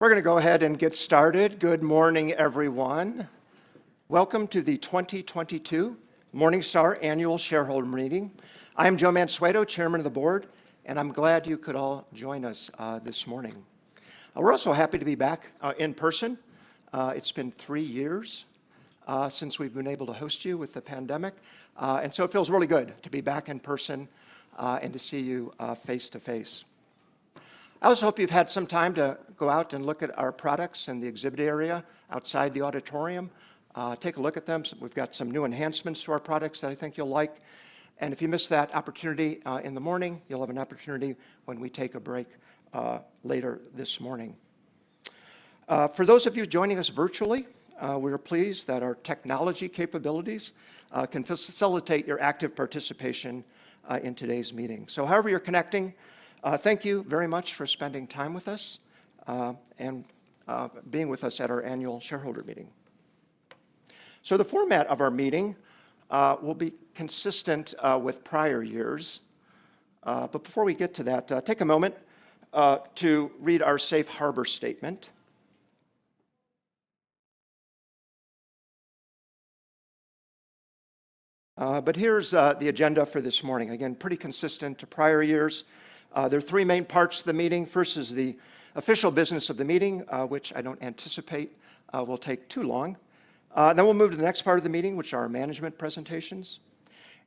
We're gonna go ahead and get started. Good morning, everyone. Welcome to the 2022 Morningstar Annual Shareholder Meeting. I'm Joe Mansueto, Chairman of the Board, and I'm glad you could all join us this morning. We're also happy to be back in person. It's been three years since we've been able to host you with the pandemic, and so it feels really good to be back in person and to see you face to face. I also hope you've had some time to go out and look at our products in the exhibit area outside the auditorium. Take a look at them. We've got some new enhancements to our products that I think you'll like. If you missed that opportunity in the morning, you'll have an opportunity when we take a break later this morning. For those of you joining us virtually, we are pleased that our technology capabilities can facilitate your active participation in today's meeting. However you're connecting, thank you very much for spending time with us and being with us at our annual shareholder meeting. The format of our meeting will be consistent with prior years. Before we get to that, take a moment to read our safe harbor statement. Here's the agenda for this morning. Again, pretty consistent to prior years. There are three main parts to the meeting. First is the official business of the meeting, which I don't anticipate will take too long. We'll move to the next part of the meeting, which are management presentations.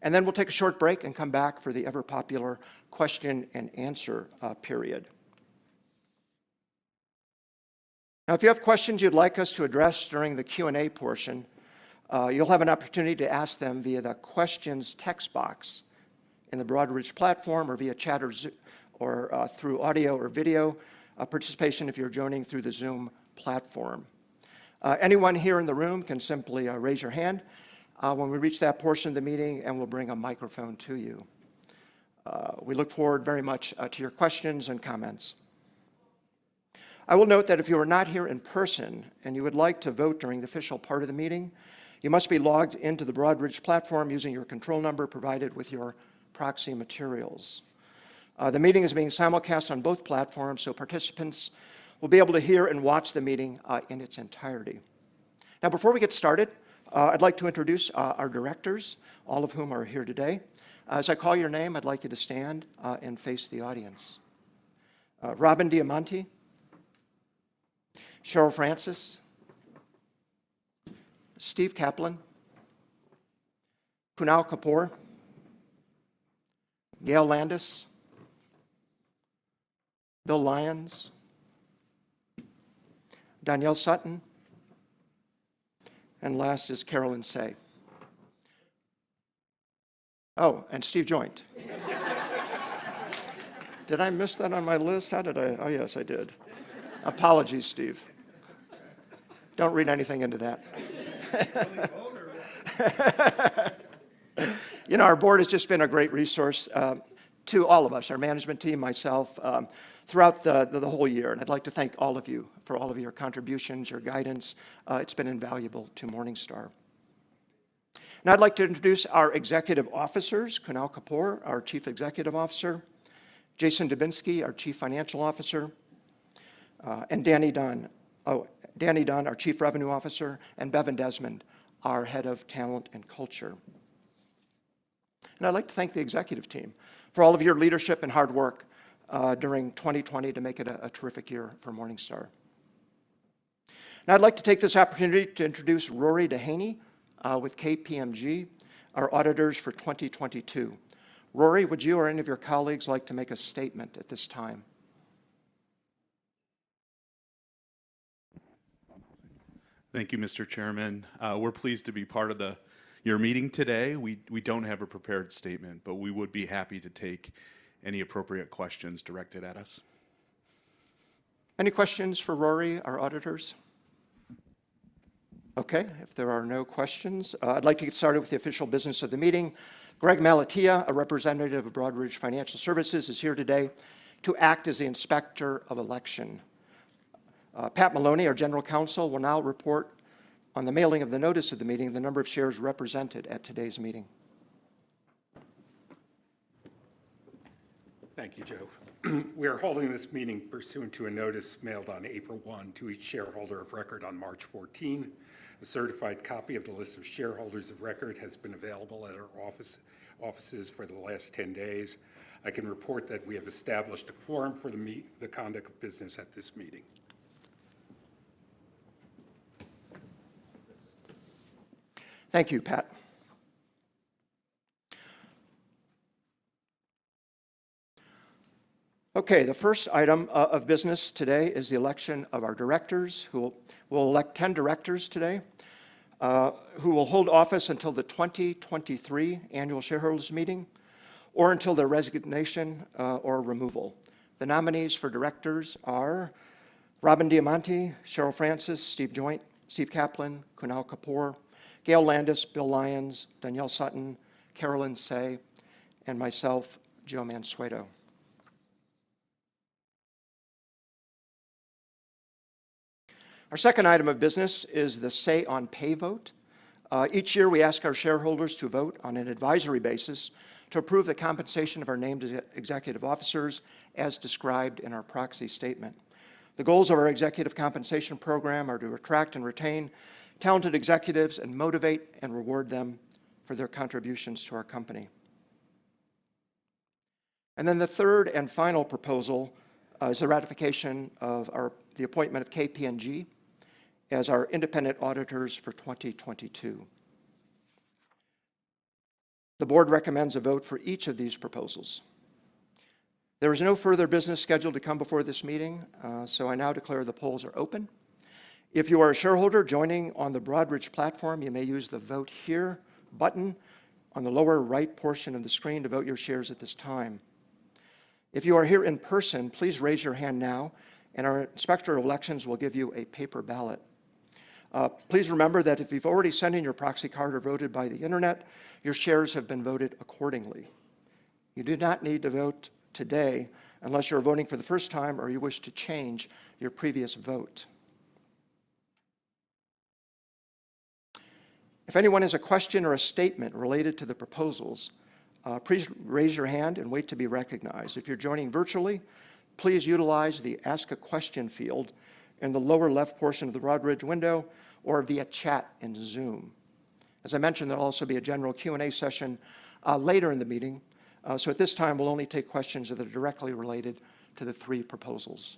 We'll take a short break and come back for the ever-popular question and answer period. Now, if you have questions you'd like us to address during the Q&A portion, you'll have an opportunity to ask them via the Questions text box in the Broadridge platform or via chat or through audio or video participation if you're joining through the Zoom platform. Anyone here in the room can simply raise your hand when we reach that portion of the meeting, and we'll bring a microphone to you. We look forward very much to your questions and comments. I will note that if you are not here in person and you would like to vote during the official part of the meeting, you must be logged into the Broadridge platform using your control number provided with your proxy materials. The meeting is being simulcast on both platforms, so participants will be able to hear and watch the meeting in its entirety. Now, before we get started, I'd like to introduce our directors, all of whom are here today. As I call your name, I'd like you to stand and face the audience. Robyn Diamante. Cheryl Francis. Steve Kaplan. Kunal Kapoor. Gail Landis. Bill Lyons. Doniel Sutton. Last is Caroline Tsay. Oh, and Steve Joynt. Did I miss that on my list? How did I? Oh, yes, I did. Apologies, Steve. Don't read anything into that. You know, our board has just been a great resource to all of us, our management team, myself, throughout the whole year, and I'd like to thank all of you for all of your contributions, your guidance. It's been invaluable to Morningstar. Now I'd like to introduce our executive officers, Kunal Kapoor, our Chief Executive Officer, Jason Dubinsky, our Chief Financial Officer, and Danny Dunn, our Chief Revenue Officer, and Bevin Desmond, our head of talent and culture. I'd like to thank the executive team for all of your leadership and hard work during 2020 to make it a terrific year for Morningstar. Now I'd like to take this opportunity to introduce Rory Duhaney with KPMG, our auditors for 2022. Rory, would you or any of your colleagues like to make a statement at this time? Thank you, Mr. Chairman. We're pleased to be part of your meeting today. We don't have a prepared statement, but we would be happy to take any appropriate questions directed at us. Any questions for Rory, our auditors? Okay, if there are no questions, I'd like to get started with the official business of the meeting. Greg Malatia, a representative of Broadridge Financial Solutions, is here today to act as the Inspector of Election. Pat Maloney, our General Counsel, will now report on the mailing of the notice of the meeting and the number of shares represented at today's meeting. Thank you, Joe. We are holding this meeting pursuant to a notice mailed on April 1 to each shareholder of record on March 14. A certified copy of the list of shareholders of record has been available at our offices for the last 10 days. I can report that we have established a quorum for the conduct of business at this meeting. Thank you, Pat. Okay, the first item of business today is the election of our directors. We'll elect 10 directors today, who will hold office until the 2023 annual shareholders meeting or until their resignation or removal. The nominees for directors are Robyn Diamante, Cheryl Francis, Steve Joynt, Steve Kaplan, Kunal Kapoor, Gail Landis, Bill Lyons, Doniel Sutton, Caroline Tsay, and myself, Joe Mansueto. Our second item of business is the say on pay vote. Each year we ask our shareholders to vote on an advisory basis to approve the compensation of our named executive officers as described in our proxy statement. The goals of our executive compensation program are to attract and retain talented executives and motivate and reward them for their contributions to our company. The third and final proposal is the ratification of the appointment of KPMG as our independent auditors for 2022. The board recommends a vote for each of these proposals. There is no further business scheduled to come before this meeting, so I now declare the polls are open. If you are a shareholder joining on the Broadridge platform, you may use the Vote Here button on the lower right portion of the screen to vote your shares at this time. If you are here in person, please raise your hand now and our inspector of elections will give you a paper ballot. Please remember that if you've already sent in your proxy card or voted by the Internet, your shares have been voted accordingly. You do not need to vote today unless you are voting for the first time or you wish to change your previous vote. If anyone has a question or a statement related to the proposals, please raise your hand and wait to be recognized. If you're joining virtually, please utilize the Ask a Question field in the lower left portion of the Broadridge window or via chat in Zoom. As I mentioned, there'll be a general Q&A session later in the meeting. At this time we'll only take questions that are directly related to the three proposals.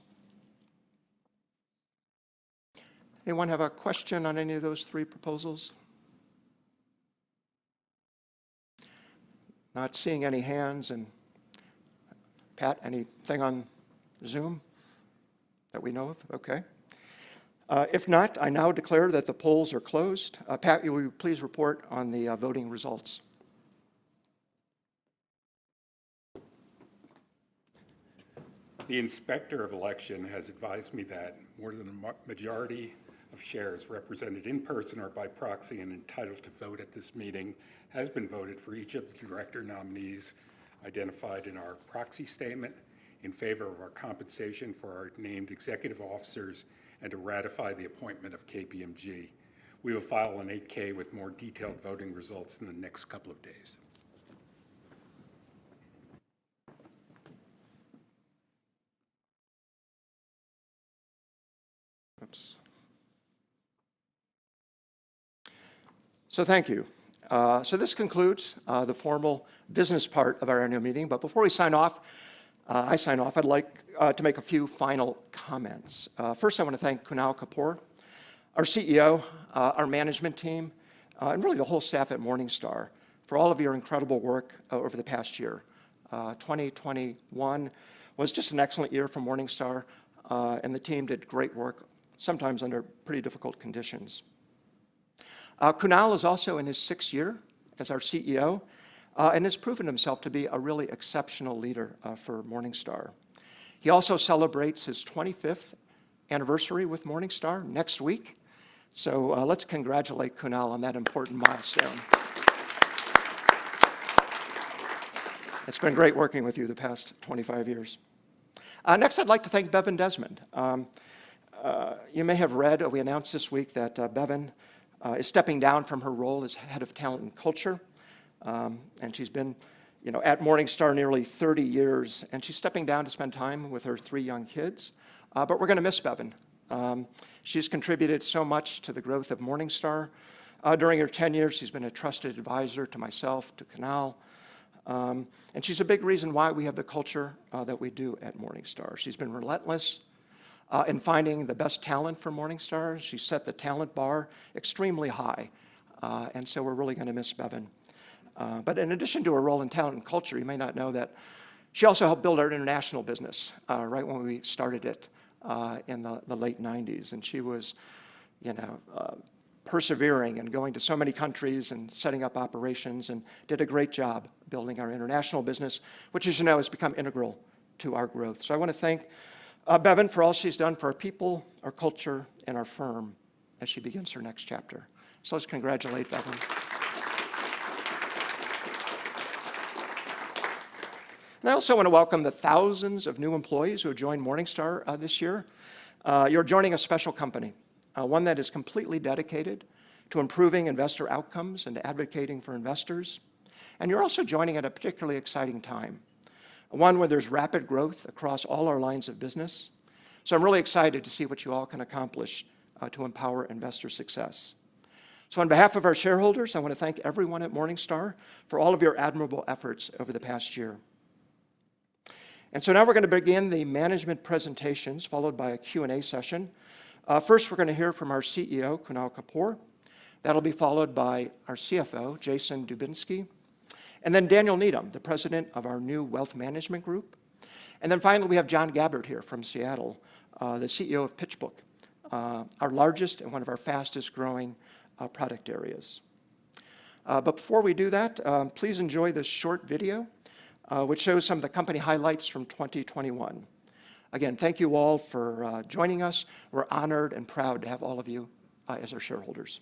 Anyone have a question on any of those three proposals? Not seeing any hands. Pat, anything on Zoom that we know of? Okay. If not, I now declare that the polls are closed. Pat, will you please report on the voting results? The Inspector of Election has advised me that more than a majority of shares represented in person or by proxy and entitled to vote at this meeting has been voted for each of the director nominees identified in our proxy statement in favor of our compensation for our named executive officers and to ratify the appointment of KPMG. We will file an 8-K with more detailed voting results in the next couple of days. Oops. Thank you. This concludes the formal business part of our annual meeting. Before we sign off, I'd like to make a few final comments. First, I want to thank Kunal Kapoor, our CEO, our management team, and really the whole staff at Morningstar for all of your incredible work over the past year. 2021 was just an excellent year for Morningstar and the team did great work, sometimes under pretty difficult conditions. Kunal is also in his 6th year as our CEO and has proven himself to be a really exceptional leader for Morningstar. He also celebrates his 25th anniversary with Morningstar next week. Let's congratulate Kunal on that important milestone. It's been great working with you the past 25 years. Next, I'd like to thank Bevin Desmond. You may have read we announced this week that Bevin is stepping down from her role as head of talent and culture, and she's been at Morningstar nearly 30 years and she's stepping down to spend time with her three young kids. We're going to miss Bevin. She's contributed so much to the growth of Morningstar during her tenure. She's been a trusted advisor to myself, to Kunal, and she's a big reason why we have the culture that we do at Morningstar. She's been relentless in finding the best talent for Morningstar. She set the talent bar extremely high. We're really going to miss Bevin. In addition to her role in talent and culture, you may not know that she also helped build our international business right when we started it in the late 1990s. She was, you know, persevering and going to so many countries and setting up operations and did a great job building our international business, which, as you know, has become integral to our growth. I want to thank Bevin for all she's done for our people, our culture and our firm as she begins her next chapter. Let's congratulate Bevin. I also want to welcome the thousands of new employees who have joined Morningstar this year. You're joining a special company, one that is completely dedicated to improving investor outcomes and advocating for investors. You're also joining at a particularly exciting time, one where there's rapid growth across all our lines of business. I'm really excited to see what you all can accomplish to empower investor success. On behalf of our shareholders, I want to thank everyone at Morningstar for all of your admirable efforts over the past year. Now we're going to begin the management presentations, followed by a Q&A session. First, we're going to hear from our CEO, Kunal Kapoor. That'll be followed by our CFO, Jason Dubinsky, and then Daniel Needham, the President of our new wealth management group. Finally, we have John Gabbert here from Seattle, the CEO of PitchBook, our largest and one of our fastest growing product areas. Before we do that, please enjoy this short video which shows some of the company highlights from 2021. Again, thank you all for joining us. We're honored and proud to have all of you as our shareholders.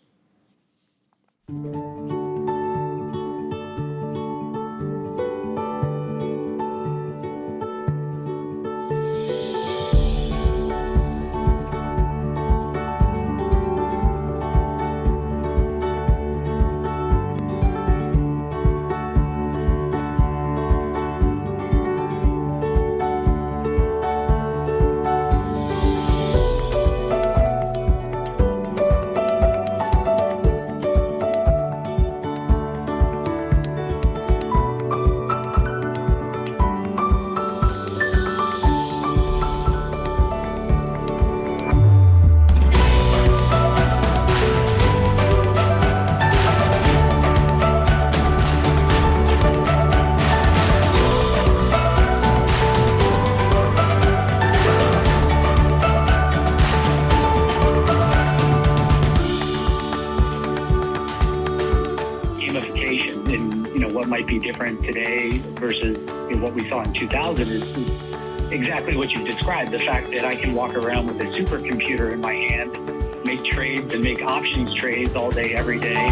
Gamification, you know, what might be different today versus, you know, what we saw in 2000 is exactly what you described. The fact that I can walk around with a supercomputer in my hand, make trades and make options trades all day, every day.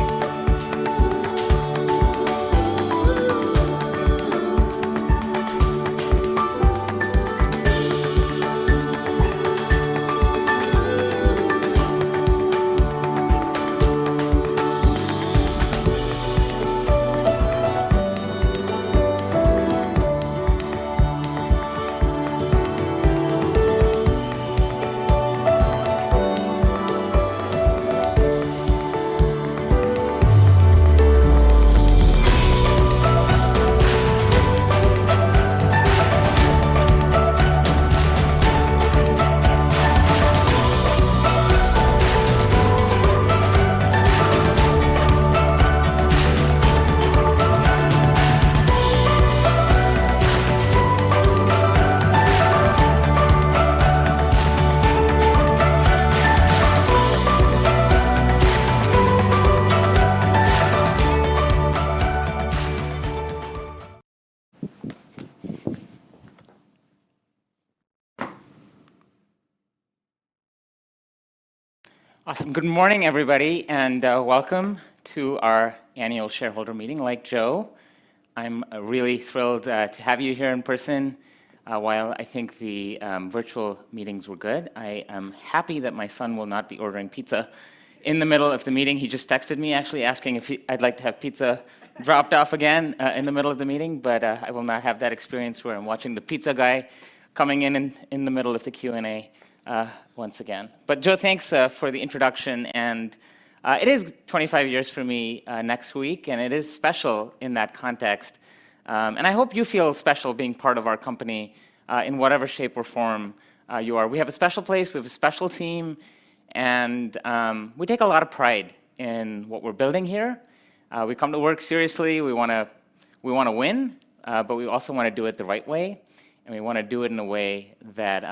Awesome. Good morning, everybody, and welcome to our annual shareholder meeting. Like Joe, I'm really thrilled to have you here in person. While I think the virtual meetings were good, I am happy that my son will not be ordering pizza in the middle of the meeting. He just texted me actually asking if I'd like to have pizza dropped off again in the middle of the meeting, but I will not have that experience where I'm watching the pizza guy coming in in the middle of the Q&A once again. Joe, thanks for the introduction and it is 25 years for me next week, and it is special in that context. I hope you feel special being part of our company in whatever shape or form you are. We have a special place, we have a special team, and we take a lot of pride in what we're building here. We come to work seriously. We wanna win, but we also wanna do it the right way, and we wanna do it in a way that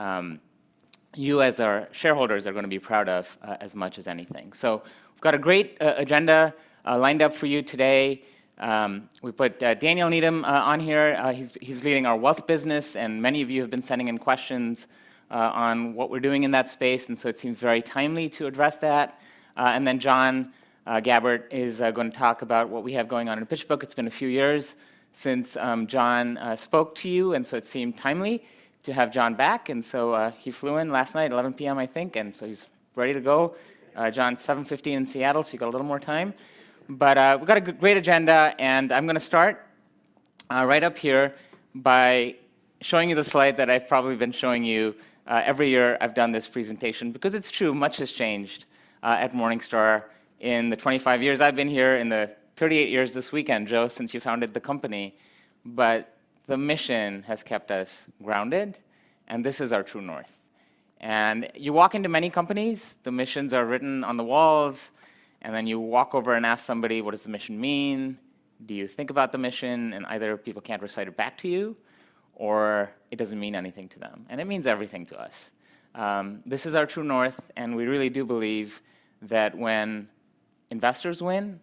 you as our shareholders are gonna be proud of, as much as anything. We've got a great agenda lined up for you today. We've put Daniel Needham on here. He's leading our wealth business, and many of you have been sending in questions on what we're doing in that space, and so it seems very timely to address that. John Gabbert is going to talk about what we have going on in PitchBook. It's been a few years since John spoke to you, and so it seemed timely to have John back. He flew in last night at 11:00 P.M., I think, and so he's ready to go. John, it's 7:50 A.M. in Seattle, so you got a little more time. We've got a great agenda, and I'm gonna start right up here by showing you the slide that I've probably been showing you every year I've done this presentation because it's true, much has changed at Morningstar in the 25 years I've been here, in the 38 years this weekend, Joe, since you founded the company. The mission has kept us grounded, and this is our true north. You walk into many companies, the missions are written on the walls, and then you walk over and ask somebody, "What does the mission mean? Do you think about the mission?" Either people can't recite it back to you, or it doesn't mean anything to them, and it means everything to us. This is our true north, and we really do believe that when investors win,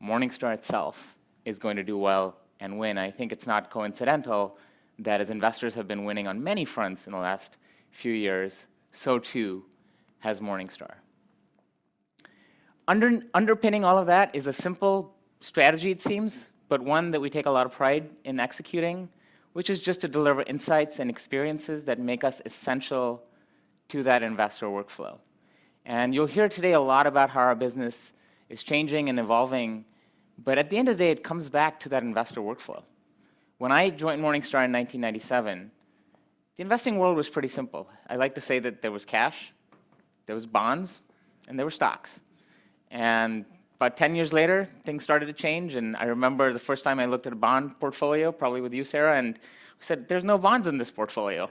Morningstar itself is going to do well and win. I think it's not coincidental that as investors have been winning on many fronts in the last few years, so too has Morningstar. Underpinning all of that is a simple strategy, it seems, but one that we take a lot of pride in executing, which is just to deliver insights and experiences that make us essential to that investor workflow. You'll hear today a lot about how our business is changing and evolving, but at the end of the day, it comes back to that investor workflow. When I joined Morningstar in 1997, the investing world was pretty simple. I like to say that there was cash, there was bonds, and there were stocks. About 10 years later, things started to change, and I remember the first time I looked at a bond portfolio, probably with you, Sarah, and said, "There's no bonds in this portfolio.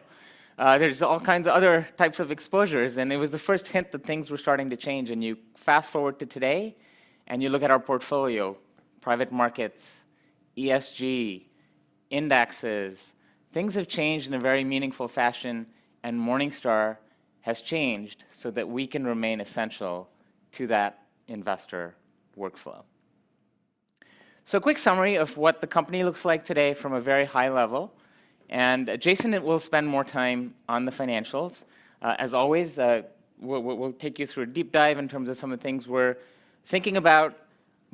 There's all kinds of other types of exposures." It was the first hint that things were starting to change. You fast-forward to today, and you look at our portfolio, private markets, ESG, indexes. Things have changed in a very meaningful fashion, and Morningstar has changed so that we can remain essential to that investor workflow. A quick summary of what the company looks like today from a very high level. Jason will spend more time on the financials. As always, we'll take you through a deep dive in terms of some of the things we're thinking about.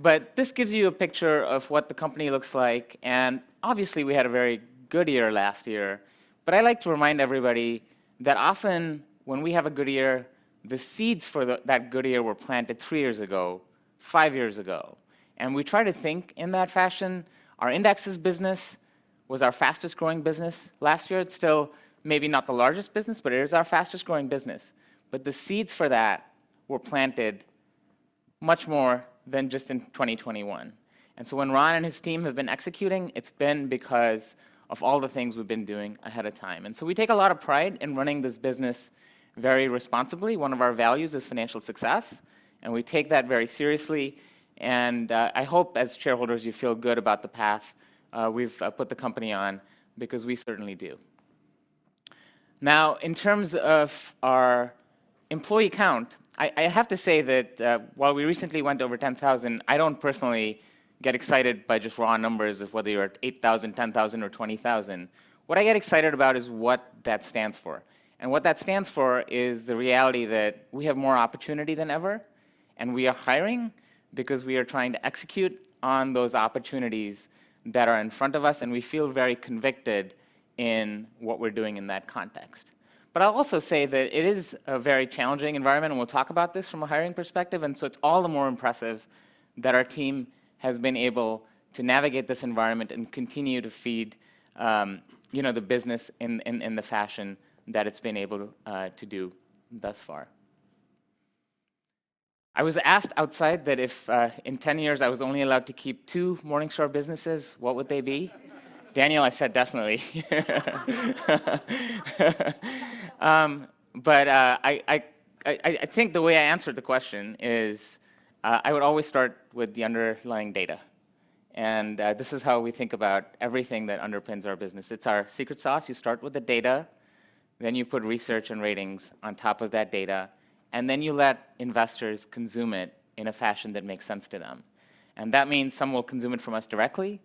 But this gives you a picture of what the company looks like, and obviously we had a very good year last year. I like to remind everybody that often when we have a good year, the seeds for that good year were planted three years ago, five years ago. We try to think in that fashion. Our indexes business was our fastest-growing business last year. It's still maybe not the largest business, but it is our fastest-growing business. The seeds for that were planted much more than just in 2021. When Ron and his team have been executing, it's been because of all the things we've been doing ahead of time. We take a lot of pride in running this business very responsibly. One of our values is financial success, and we take that very seriously, and I hope as shareholders you feel good about the path we've put the company on because we certainly do. Now, in terms of our employee count, I have to say that while we recently went over 10,000, I don't personally get excited by just raw numbers of whether you're at 8,000, 10,000 or 20,000. What I get excited about is what that stands for. What that stands for is the reality that we have more opportunity than ever, and we are hiring because we are trying to execute on those opportunities that are in front of us, and we feel very convicted in what we're doing in that context. I'll also say that it is a very challenging environment, and we'll talk about this from a hiring perspective, and so it's all the more impressive that our team has been able to navigate this environment and continue to feed you know the business in the fashion that it's been able to do thus far. I was asked outside that if in 10 years I was only allowed to keep two Morningstar businesses, what would they be? Daniel, I said, "Definitely." I think the way I answered the question is, I would always start with the underlying data. This is how we think about everything that underpins our business. It's our secret sauce. You start with the data, then you put research and ratings on top of that data, and then you let investors consume it in a fashion that makes sense to them. That means some will consume it from us directly.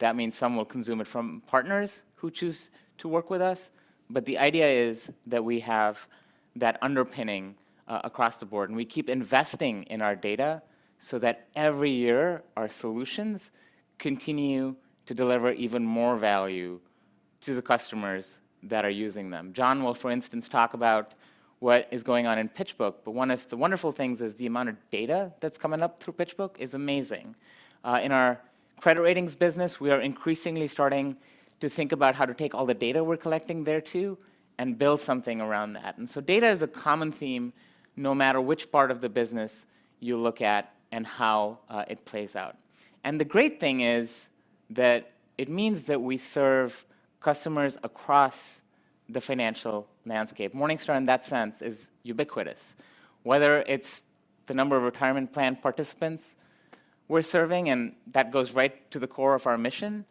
That means some will consume it from partners who choose to work with us. The idea is that we have that underpinning across the board, and we keep investing in our data so that every year our solutions continue to deliver even more value to the customers that are using them. John will, for instance, talk about what is going on in PitchBook, but one of the wonderful things is the amount of data that's coming up through PitchBook is amazing. In our credit ratings business, we are increasingly starting to think about how to take all the data we're collecting there too and build something around that. Data is a common theme no matter which part of the business you look at and how it plays out. The great thing is that it means that we serve customers across the financial landscape. Morningstar in that sense is ubiquitous, whether it's the number of retirement plan participants we're serving, and that goes right to the core of our mission,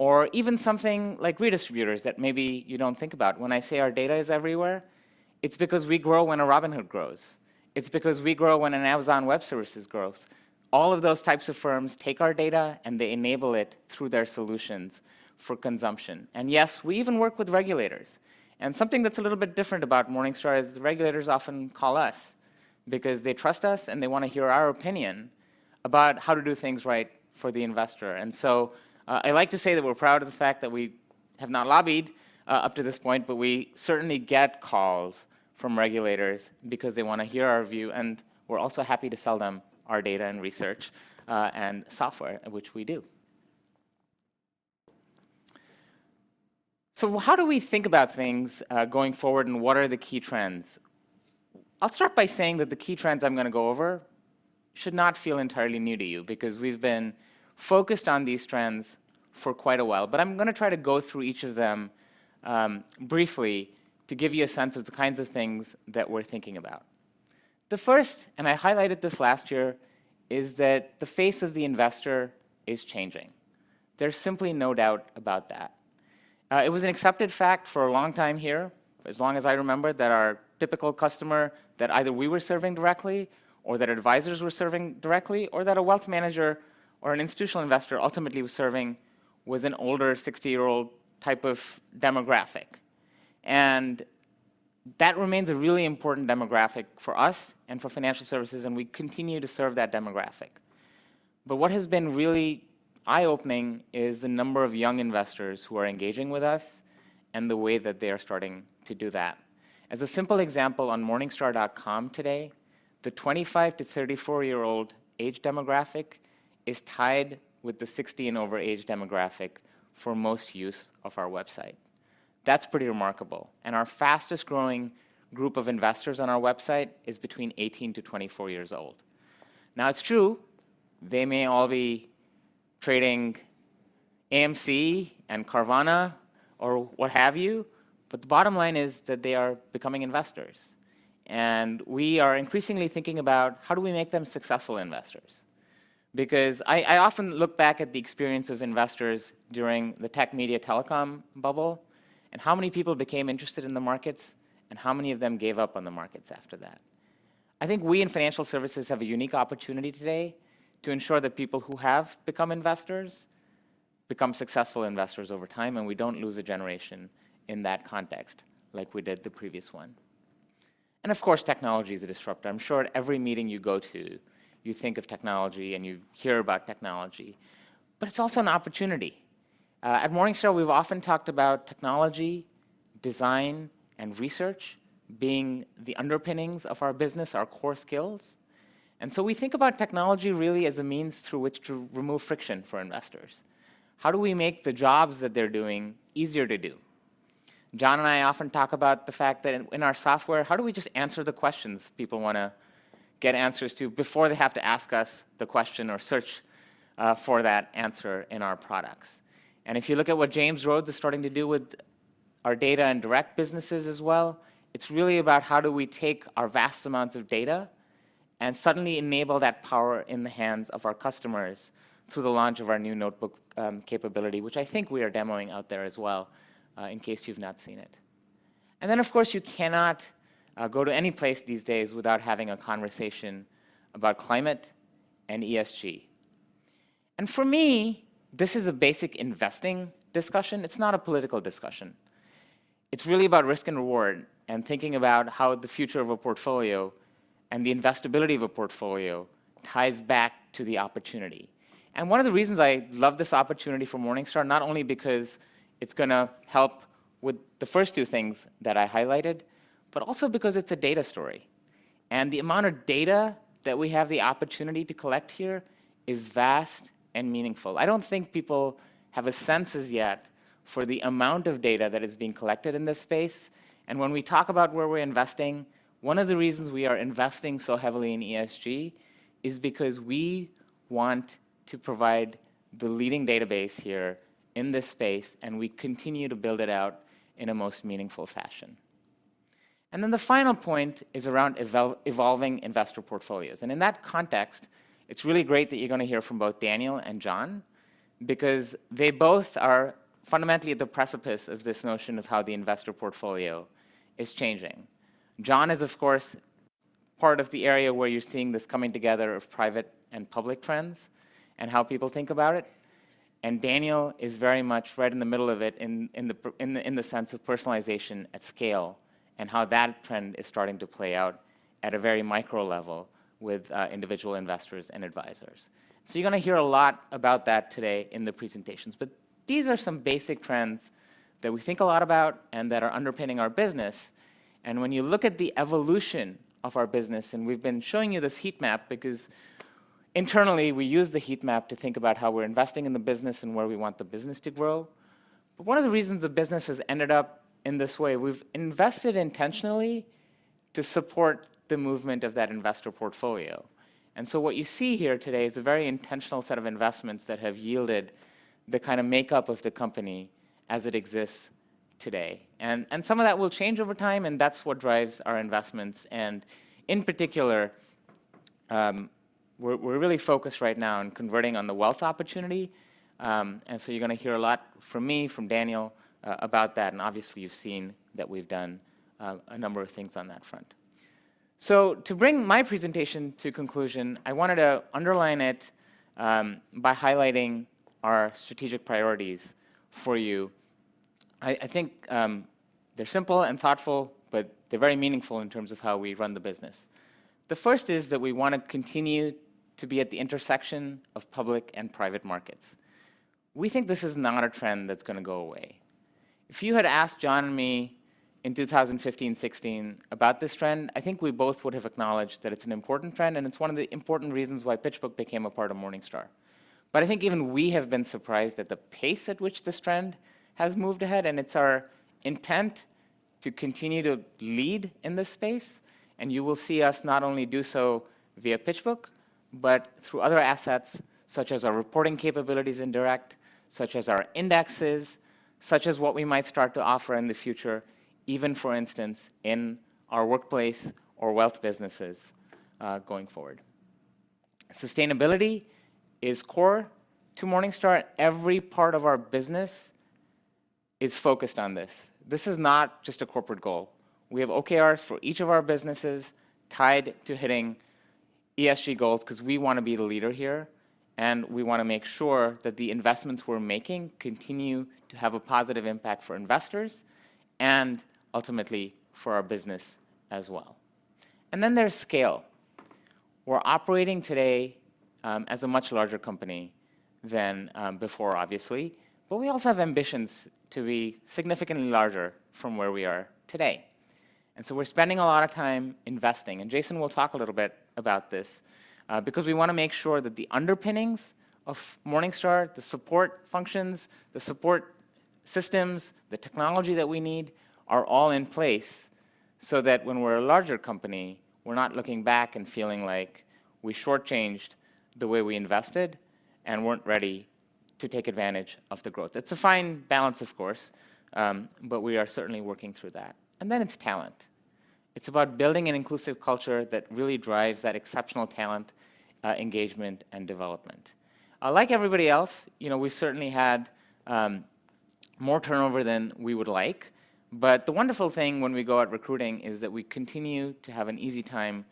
or even something like redistributors that maybe you don't think about. When I say our data is everywhere, it's because we grow when a Robinhood grows. It's because we grow when Amazon Web Services grows. All of those types of firms take our data and they enable it through their solutions for consumption. Yes, we even work with regulators. Something that's a little bit different about Morningstar is the regulators often call us because they trust us and they wanna hear our opinion about how to do things right for the investor. I like to say that we're proud of the fact that we have not lobbied up to this point, but we certainly get calls from regulators because they wanna hear our view, and we're also happy to sell them our data and research and software, which we do. How do we think about things going forward, and what are the key trends? I'll start by saying that the key trends I'm gonna go over should not feel entirely new to you because we've been focused on these trends for quite a while. But I'm gonna try to go through each of them briefly to give you a sense of the kinds of things that we're thinking about. The first, and I highlighted this last year, is that the face of the investor is changing. There's simply no doubt about that. It was an accepted fact for a long time here, as long as I remember, that our typical customer that either we were serving directly or that advisors were serving directly, or that a wealth manager or an institutional investor ultimately was serving, was an older 60-year-old type of demographic. That remains a really important demographic for us and for financial services, and we continue to serve that demographic. What has been really eye-opening is the number of young investors who are engaging with us and the way that they are starting to do that. As a simple example, on Morningstar.com today, the 25-34-year-old age demographic is tied with the 60 and over age demographic for most use of our website. That's pretty remarkable. Our fastest growing group of investors on our website is between 18-24 years old. Now, it's true they may all be trading AMC and Carvana or what have you, but the bottom line is that they are becoming investors, and we are increasingly thinking about how do we make them successful investors. Because I often look back at the experience of investors during the tech media telecom bubble and how many people became interested in the markets and how many of them gave up on the markets after that. I think we in financial services have a unique opportunity today to ensure that people who have become investors become successful investors over time, and we don't lose a generation in that context like we did the previous one. Of course, technology is a disruptor. I'm sure at every meeting you go to, you think of technology and you hear about technology, but it's also an opportunity. At Morningstar, we've often talked about technology, design, and research being the underpinnings of our business, our core skills. We think about technology really as a means through which to remove friction for investors. How do we make the jobs that they're doing easier to do? John and I often talk about the fact that in our software, how do we just answer the questions people wanna get answers to before they have to ask us the question or search for that answer in our products? If you look at what James Rhodes is starting to do with our data and direct businesses as well, it's really about how do we take our vast amounts of data and suddenly enable that power in the hands of our customers through the launch of our new Notebooks capability, which I think we are demoing out there as well, in case you've not seen it. Then, of course, you cannot go to any place these days without having a conversation about climate and ESG. For me, this is a basic investing discussion. It's not a political discussion. It's really about risk and reward and thinking about how the future of a portfolio and the investability of a portfolio ties back to the opportunity. One of the reasons I love this opportunity for Morningstar, not only because it's gonna help with the first two things that I highlighted, but also because it's a data story. The amount of data that we have the opportunity to collect here is vast and meaningful. I don't think people have a sense as yet for the amount of data that is being collected in this space. When we talk about where we're investing, one of the reasons we are investing so heavily in ESG is because we want to provide the leading database here in this space, and we continue to build it out in a most meaningful fashion. Then the final point is around evolving investor portfolios. In that context, it's really great that you're gonna hear from both Daniel and John because they both are fundamentally at the precipice of this notion of how the investor portfolio is changing. John is, of course, part of the area where you're seeing this coming together of private and public trends and how people think about it. Daniel is very much right in the middle of it in the sense of personalization at scale and how that trend is starting to play out at a very micro level with individual investors and advisors. You're gonna hear a lot about that today in the presentations. These are some basic trends that we think a lot about and that are underpinning our business. When you look at the evolution of our business, and we've been showing you this heat map because internally we use the heat map to think about how we're investing in the business and where we want the business to grow. One of the reasons the business has ended up in this way, we've invested intentionally to support the movement of that investor portfolio. What you see here today is a very intentional set of investments that have yielded the kinda makeup of the company as it exists today. Some of that will change over time, and that's what drives our investments. In particular, we're really focused right now on converting on the wealth opportunity, and so you're gonna hear a lot from me, from Daniel, about that, and obviously you've seen that we've done a number of things on that front. To bring my presentation to conclusion, I wanted to underline it by highlighting our strategic priorities for you. I think they're simple and thoughtful, but they're very meaningful in terms of how we run the business. The first is that we wanna continue to be at the intersection of public and private markets. We think this is not a trend that's gonna go away. If you had asked John and me in 2015, 2016 about this trend, I think we both would have acknowledged that it's an important trend, and it's one of the important reasons why PitchBook became a part of Morningstar. But I think even we have been surprised at the pace at which this trend has moved ahead, and it's our intent to continue to lead in this space. You will see us not only do so via PitchBook, but through other assets, such as our reporting capabilities in Direct, such as our Indexes, such as what we might start to offer in the future, even, for instance, in our workplace or wealth businesses, going forward. Sustainability is core to Morningstar. Every part of our business is focused on this. This is not just a corporate goal. We have OKRs for each of our businesses tied to hitting ESG goals because we wanna be the leader here, and we wanna make sure that the investments we're making continue to have a positive impact for investors and ultimately for our business as well. Then there's scale. We're operating today as a much larger company than before, obviously, but we also have ambitions to be significantly larger from where we are today. We're spending a lot of time investing, and Jason will talk a little bit about this, because we wanna make sure that the underpinnings of Morningstar, the support functions, the support systems, the technology that we need are all in place so that when we're a larger company, we're not looking back and feeling like we shortchanged the way we invested and weren't ready to take advantage of the growth. It's a fine balance, of course, but we are certainly working through that. Then it's talent. It's about building an inclusive culture that really drives that exceptional talent, engagement, and development. Like everybody else, you know, we've certainly had more turnover than we would like, but the wonderful thing when we go out recruiting is that we continue to have an easy time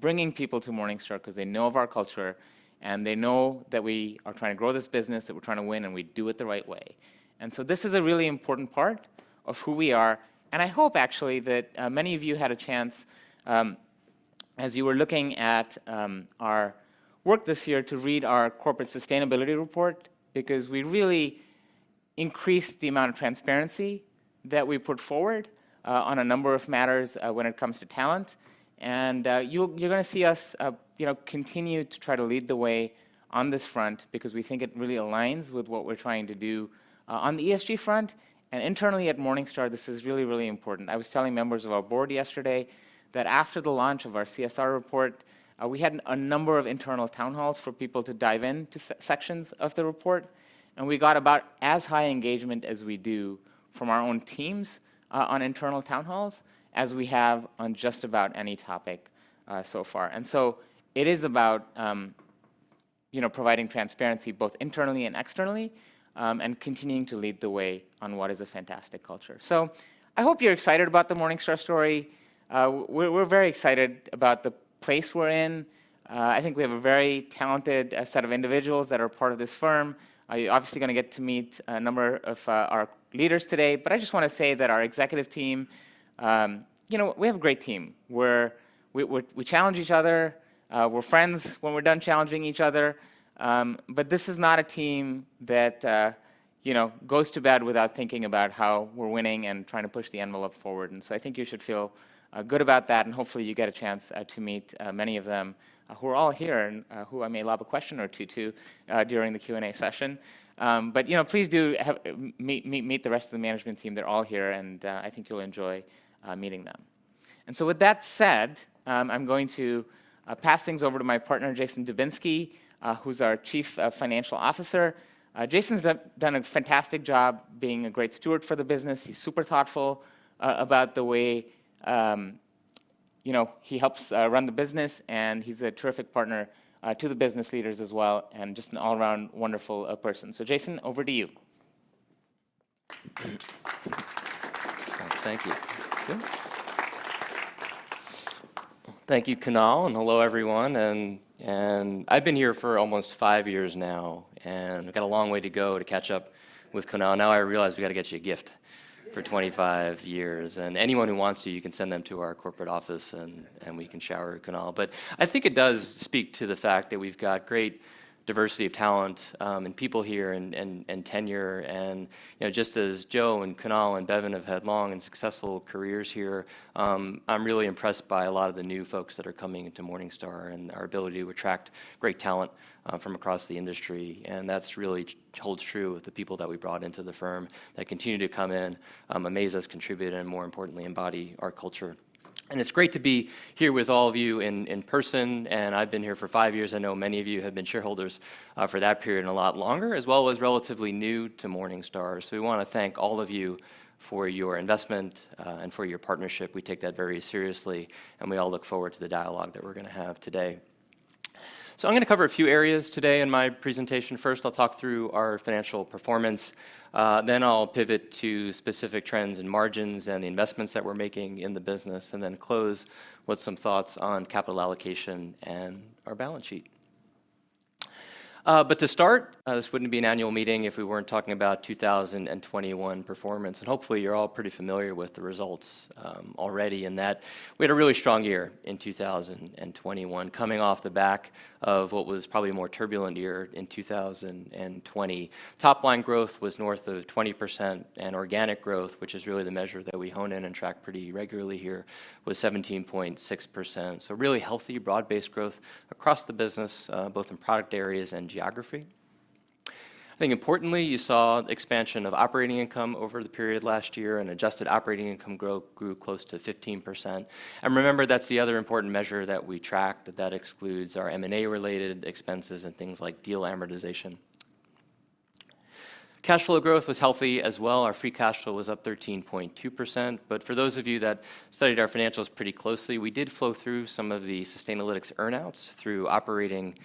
bringing people to Morningstar because they know of our culture and they know that we are trying to grow this business, that we're trying to win, and we do it the right way. This is a really important part of who we are. I hope actually that many of you had a chance, as you were looking at our work this year, to read our corporate sustainability report, because we really increased the amount of transparency that we put forward on a number of matters when it comes to talent. You're gonna see us, you know, continue to try to lead the way on this front because we think it really aligns with what we're trying to do, on the ESG front and internally at Morningstar. This is really, really important. I was telling members of our board yesterday that after the launch of our CSR report, we had a number of internal town halls for people to dive in to sections of the report, and we got about as high engagement as we do from our own teams on internal town halls as we have on just about any topic, so far. It is about, you know, providing transparency both internally and externally, and continuing to lead the way on what is a fantastic culture. I hope you're excited about the Morningstar story. We're very excited about the place we're in. I think we have a very talented set of individuals that are part of this firm. You're obviously gonna get to meet a number of our leaders today. I just wanna say that our executive team, you know, we have a great team. We challenge each other. We're friends when we're done challenging each other. This is not a team that, you know, goes to bed without thinking about how we're winning and trying to push the envelope forward. I think you should feel good about that, and hopefully you get a chance to meet many of them, who are all here and who I may lob a question or two to during the Q&A session. Please do meet the rest of the management team. They're all here, and I think you'll enjoy meeting them. With that said, I'm going to pass things over to my partner, Jason Dubinsky, who's our Chief Financial Officer. Jason's done a fantastic job being a great steward for the business. He's super thoughtful about the way, you know, he helps run the business, and he's a terrific partner to the business leaders as well, and just an all-around wonderful person. Jason, over to you. Thank you. Thank you, Kunal, and hello, everyone. I've been here for almost five years now, and I've got a long way to go to catch up with Kunal. Now I realize we gotta get you a gift for 25 years. Anyone who wants to, you can send them to our corporate office and we can shower Kunal. I think it does speak to the fact that we've got great diversity of talent, and people here and tenure. You know, just as Joe and Kunal and Bevin have had long and successful careers here, I'm really impressed by a lot of the new folks that are coming into Morningstar and our ability to attract great talent from across the industry. That's really holds true with the people that we brought into the firm that continue to come in, amaze us, contribute, and more importantly, embody our culture. It's great to be here with all of you in person, and I've been here for five years. I know many of you have been shareholders for that period and a lot longer, as well as relatively new to Morningstar. We wanna thank all of you for your investment and for your partnership. We take that very seriously, and we all look forward to the dialogue that we're gonna have today. I'm gonna cover a few areas today in my presentation. First, I'll talk through our financial performance. I'll pivot to specific trends and margins and the investments that we're making in the business, and then close with some thoughts on capital allocation and our balance sheet. To start, this wouldn't be an annual meeting if we weren't talking about 2021 performance. Hopefully you're all pretty familiar with the results, already in that we had a really strong year in 2021, coming off the back of what was probably a more turbulent year in 2020. Top line growth was north of 20%, and organic growth, which is really the measure that we hone in and track pretty regularly here, was 17.6%. Really healthy, broad-based growth across the business, both in product areas and geography. I think importantly, you saw expansion of operating income over the period last year, and adjusted operating income grew close to 15%. Remember, that's the other important measure that we track, that excludes our M&A-related expenses and things like deal amortization. Cash flow growth was healthy as well. Our free cash flow was up 13.2%. For those of you that studied our financials pretty closely, we did flow through some of the Sustainalytics earn-outs through operating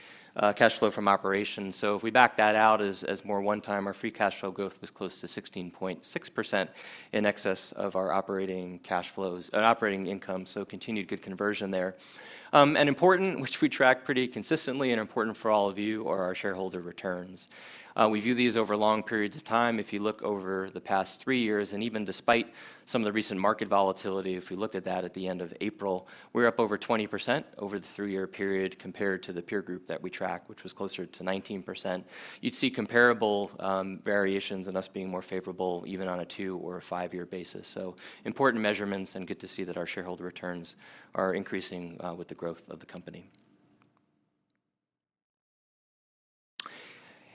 cash flow from operations. If we back that out as more one-time, our free cash flow growth was close to 16.6% in excess of our operating cash flows and operating income, so continued good conversion there. Important, which we track pretty consistently and important for all of you, are our shareholder returns. We view these over long periods of time. If you look over the past three years, and even despite some of the recent market volatility, if we look at that at the end of April, we're up over 20% over the three-year period compared to the peer group that we track, which was closer to 19%. You'd see comparable variations in us being more favorable even on a two or a five-year basis. Important measurements and good to see that our shareholder returns are increasing with the growth of the company.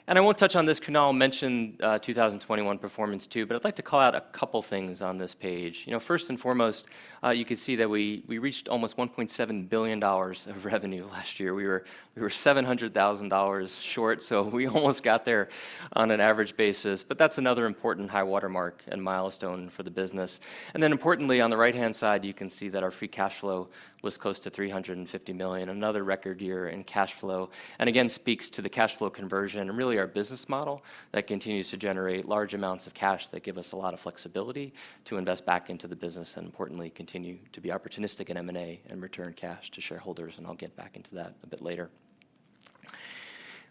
I won't touch on this. Kunal mentioned 2021 performance too, but I'd like to call out a couple things on this page. You know, first and foremost, you could see that we reached almost $1.7 billion of revenue last year. We were $700,000 short, so we almost got there on an average basis. That's another important high-water mark and milestone for the business. Importantly, on the right-hand side, you can see that our free cash flow was close to $350 million, another record year in cash flow, and again, speaks to the cash flow conversion and really our business model that continues to generate large amounts of cash that give us a lot of flexibility to invest back into the business and importantly continue to be opportunistic in M&A and return cash to shareholders, and I'll get back into that a bit later.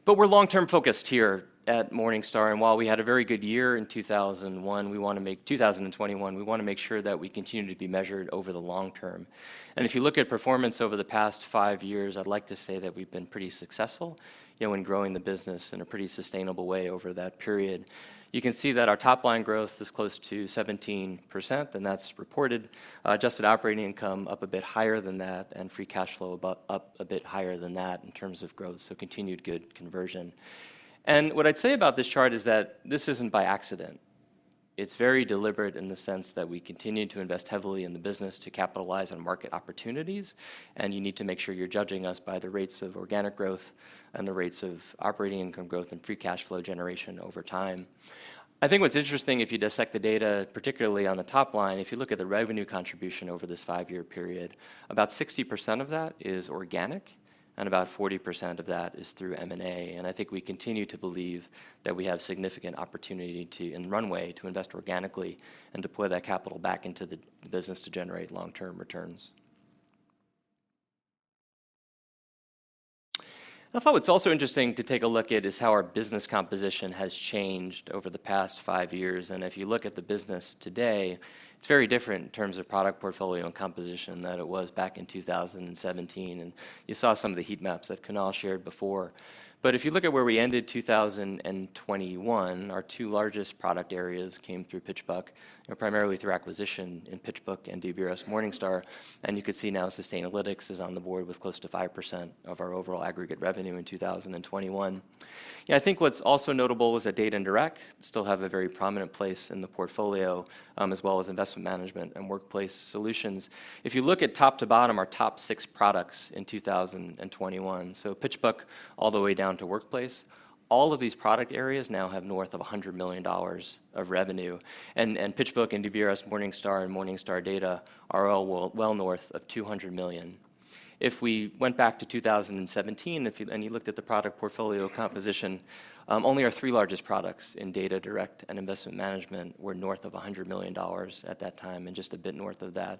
We're long-term focused here at Morningstar, and while we had a very good year in 2021, we wanna make sure that we continue to be measured over the long term. If you look at performance over the past five years, I'd like to say that we've been pretty successful, you know, in growing the business in a pretty sustainable way over that period. You can see that our top-line growth is close to 17%, and that's reported. Adjusted operating income up a bit higher than that, and free cash flow about up a bit higher than that in terms of growth, so continued good conversion. What I'd say about this chart is that this isn't by accident. It's very deliberate in the sense that we continue to invest heavily in the business to capitalize on market opportunities, and you need to make sure you're judging us by the rates of organic growth and the rates of operating income growth and free cash flow generation over time. I think what's interesting if you dissect the data, particularly on the top line, if you look at the revenue contribution over this five-year period, about 60% of that is organic, and about 40% of that is through M&A. I think we continue to believe that we have significant opportunity to, and runway, to invest organically and deploy that capital back into the business to generate long-term returns. I thought what's also interesting to take a look at is how our business composition has changed over the past 5 years. If you look at the business today, it's very different in terms of product portfolio and composition than it was back in 2017. You saw some of the heat maps that Kunal shared before. If you look at where we ended 2021, our two largest product areas came through PitchBook, you know, primarily through acquisition in PitchBook and DBRS Morningstar. You can see now Sustainalytics is on the board with close to 5% of our overall aggregate revenue in 2021. You know, I think what's also notable was that Data and Direct still have a very prominent place in the portfolio, as well as Investment Management and Workplace Solutions. If you look at top to bottom, our top six products in 2021, so PitchBook all the way down to Workplace, all of these product areas now have north of $100 million of revenue. And PitchBook and DBRS Morningstar and Morningstar Data are all well north of $200 million. If we went back to 2017, if you looked at the product portfolio composition, only our three largest products in Data, Direct, and Investment Management were north of $100 million at that time, and just a bit north of that.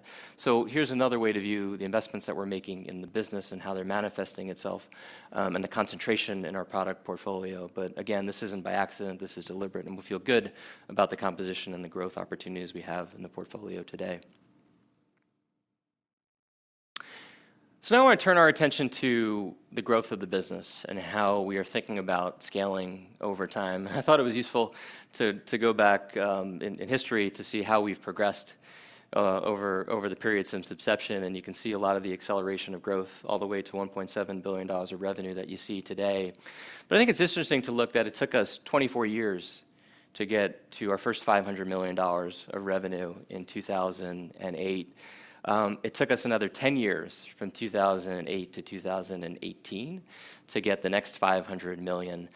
Here's another way to view the investments that we're making in the business and how they're manifesting itself, and the concentration in our product portfolio. Again, this isn't by accident, this is deliberate, and we feel good about the composition and the growth opportunities we have in the portfolio today. Now I wanna turn our attention to the growth of the business and how we are thinking about scaling over time. I thought it was useful to go back in history to see how we've progressed over the period since inception, and you can see a lot of the acceleration of growth all the way to $1.7 billion of revenue that you see today. I think it's interesting to look that it took us 24 years to get to our first $500 million of revenue in 2008. It took us another 10 years from 2008 to 2018 to get the next $500 million.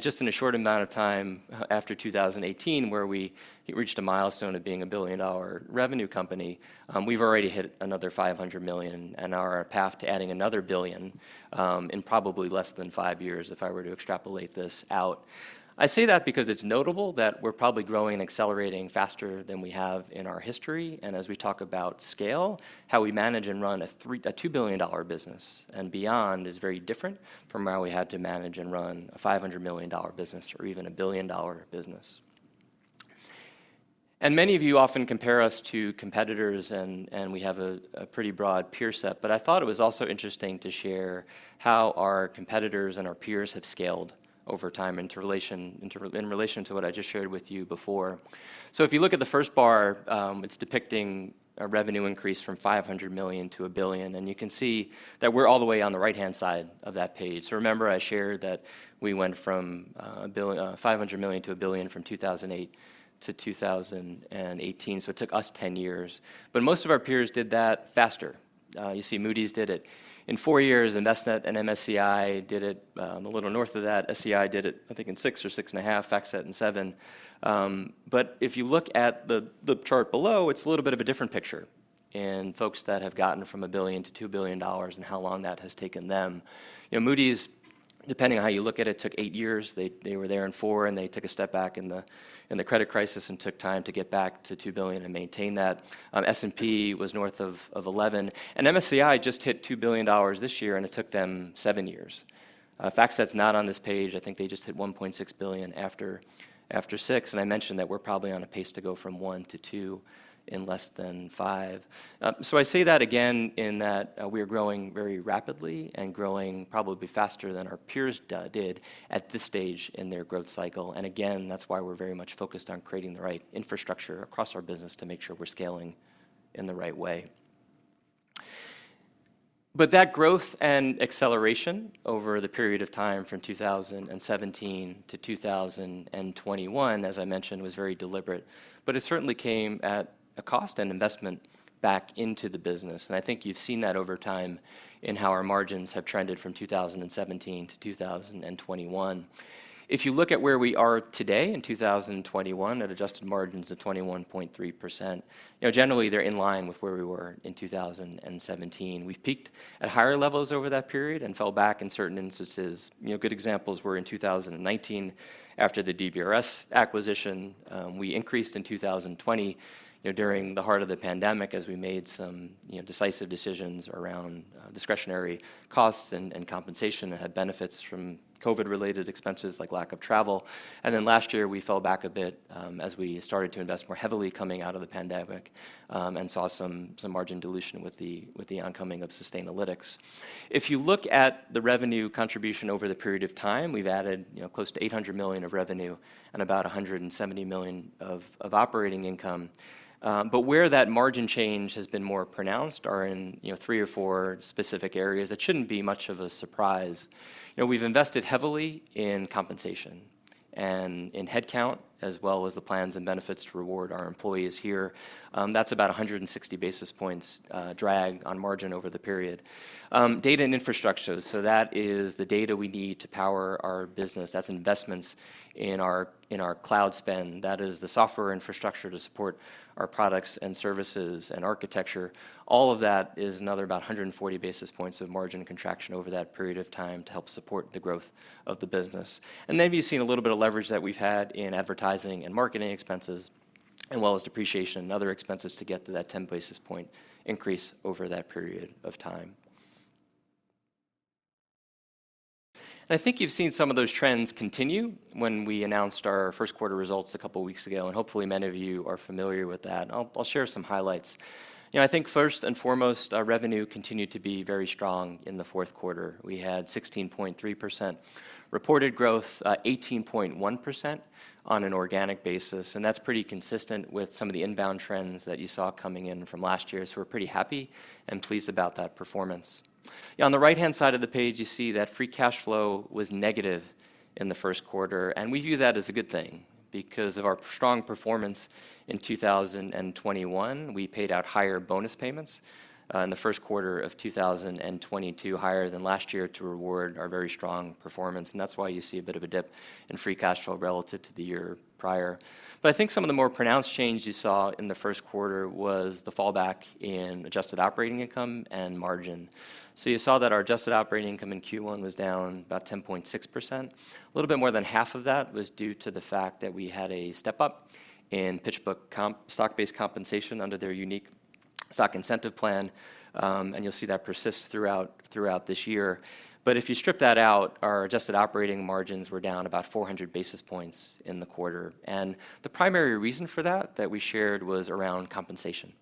Just in a short amount of time, after 2018, where we reached a milestone of being a $1 billion revenue company, we've already hit another $500 million and are on a path to adding another $1 billion in probably less than five years if I were to extrapolate this out. I say that because it's notable that we're probably growing and accelerating faster than we have in our history, and as we talk about scale, how we manage and run a $2 billion business and beyond is very different from how we had to manage and run a $500 million business or even a $1 billion business. Many of you often compare us to competitors and we have a pretty broad peer set, but I thought it was also interesting to share how our competitors and our peers have scaled over time in relation to what I just shared with you before. If you look at the first bar, it's depicting a revenue increase from $500 million to $1 billion, and you can see that we're all the way on the right-hand side of that page. Remember I shared that we went from $500 million to $1 billion from 2008 to 2018, so it took us ten years. Most of our peers did that faster. You see Moody's did it in four years. Envestnet and MSCI did it a little north of that. SEI did it, I think, in six or 6.5. FactSet in seven. If you look at the chart below, it's a little bit of a different picture for folks that have gotten from $1 billion to $2 billion and how long that has taken them. You know, Moody's, depending on how you look at it, took eight years. They were there in four, and they took a step back in the credit crisis and took time to get back to $2 billion and maintain that. S&P was north of 11. MSCI just hit $2 billion this year, and it took them seven years. FactSet's not on this page. I think they just hit $1.6 billion after six. I mentioned that we're probably on a pace to go from one to two in less than five. I say that again in that we are growing very rapidly and growing probably faster than our peers did at this stage in their growth cycle. Again, that's why we're very much focused on creating the right infrastructure across our business to make sure we're scaling in the right way. That growth and acceleration over the period of time from 2017 to 2021, as I mentioned, was very deliberate, but it certainly came at a cost and investment back into the business. I think you've seen that over time in how our margins have trended from 2017 to 2021. If you look at where we are today in 2021 at adjusted margins of 21.3%, you know, generally they're in line with where we were in 2017. We've peaked at higher levels over that period and fell back in certain instances. You know, good examples were in 2019 after the DBRS acquisition. We increased in 2020, you know, during the heart of the pandemic as we made some, you know, decisive decisions around discretionary costs and compensation and had benefits from COVID-related expenses like lack of travel. Last year, we fell back a bit as we started to invest more heavily coming out of the pandemic and saw some margin dilution with the oncoming of Sustainalytics. If you look at the revenue contribution over the period of time, we've added, you know, close to $800 million of revenue and about $170 million of operating income. Where that margin change has been more pronounced are in, you know, three or four specific areas. It shouldn't be much of a surprise. You know, we've invested heavily in compensation. In headcount, as well as the plans and benefits to reward our employees here, that's about 160 basis points drag on margin over the period. Data and infrastructure. That is the data we need to power our business. That's investments in our, in our cloud spend. That is the software infrastructure to support our products and services and architecture. All of that is another about 140 basis points of margin contraction over that period of time to help support the growth of the business. Then you've seen a little bit of leverage that we've had in advertising and marketing expenses, as well as depreciation and other expenses to get to that 10 basis point increase over that period of time. I think you've seen some of those trends continue when we announced our first quarter results a couple of weeks ago, and hopefully many of you are familiar with that. I'll share some highlights. You know, I think first and foremost, our revenue continued to be very strong in the fourth quarter. We had 16.3% reported growth, 18.1% on an organic basis, and that's pretty consistent with some of the inbound trends that you saw coming in from last year. We're pretty happy and pleased about that performance. On the right-hand side of the page, you see that free cash flow was negative in the first quarter, and we view that as a good thing. Because of our strong performance in 2021, we paid out higher bonus payments in the first quarter of 2022, higher than last year to reward our very strong performance, and that's why you see a bit of a dip in free cash flow relative to the year prior. I think some of the more pronounced change you saw in the first quarter was the fallback in adjusted operating income and margin. You saw that our adjusted operating income in Q1 was down about 10.6%. A little bit more than half of that was due to the fact that we had a step up in PitchBook stock-based compensation under their unique stock incentive plan, and you'll see that persist throughout this year. If you strip that out, our adjusted operating margins were down about 400 basis points in the quarter. The primary reason for that we shared was around compensation.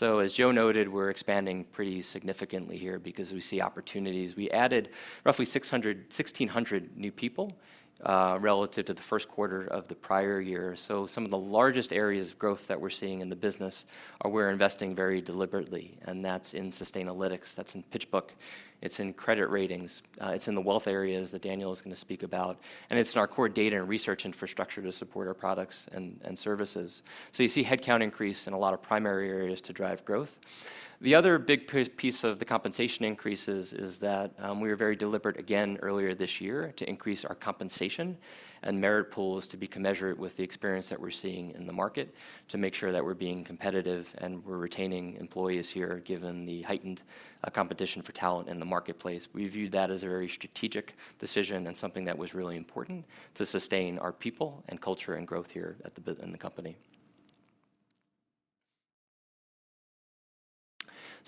As Joe noted, we're expanding pretty significantly here because we see opportunities. We added roughly 1,600 new people relative to the first quarter of the prior year. Some of the largest areas of growth that we're seeing in the business are where we're investing very deliberately, and that's in Sustainalytics, that's in PitchBook, it's in credit ratings, it's in the wealth areas that Daniel is gonna speak about, and it's in our core data and research infrastructure to support our products and services. You see headcount increase in a lot of primary areas to drive growth. The other big piece of the compensation increases is that, we were very deliberate again earlier this year to increase our compensation and merit pools to be commensurate with the experience that we're seeing in the market to make sure that we're being competitive and we're retaining employees here, given the heightened competition for talent in the marketplace. We viewed that as a very strategic decision and something that was really important to sustain our people and culture and growth here in the company.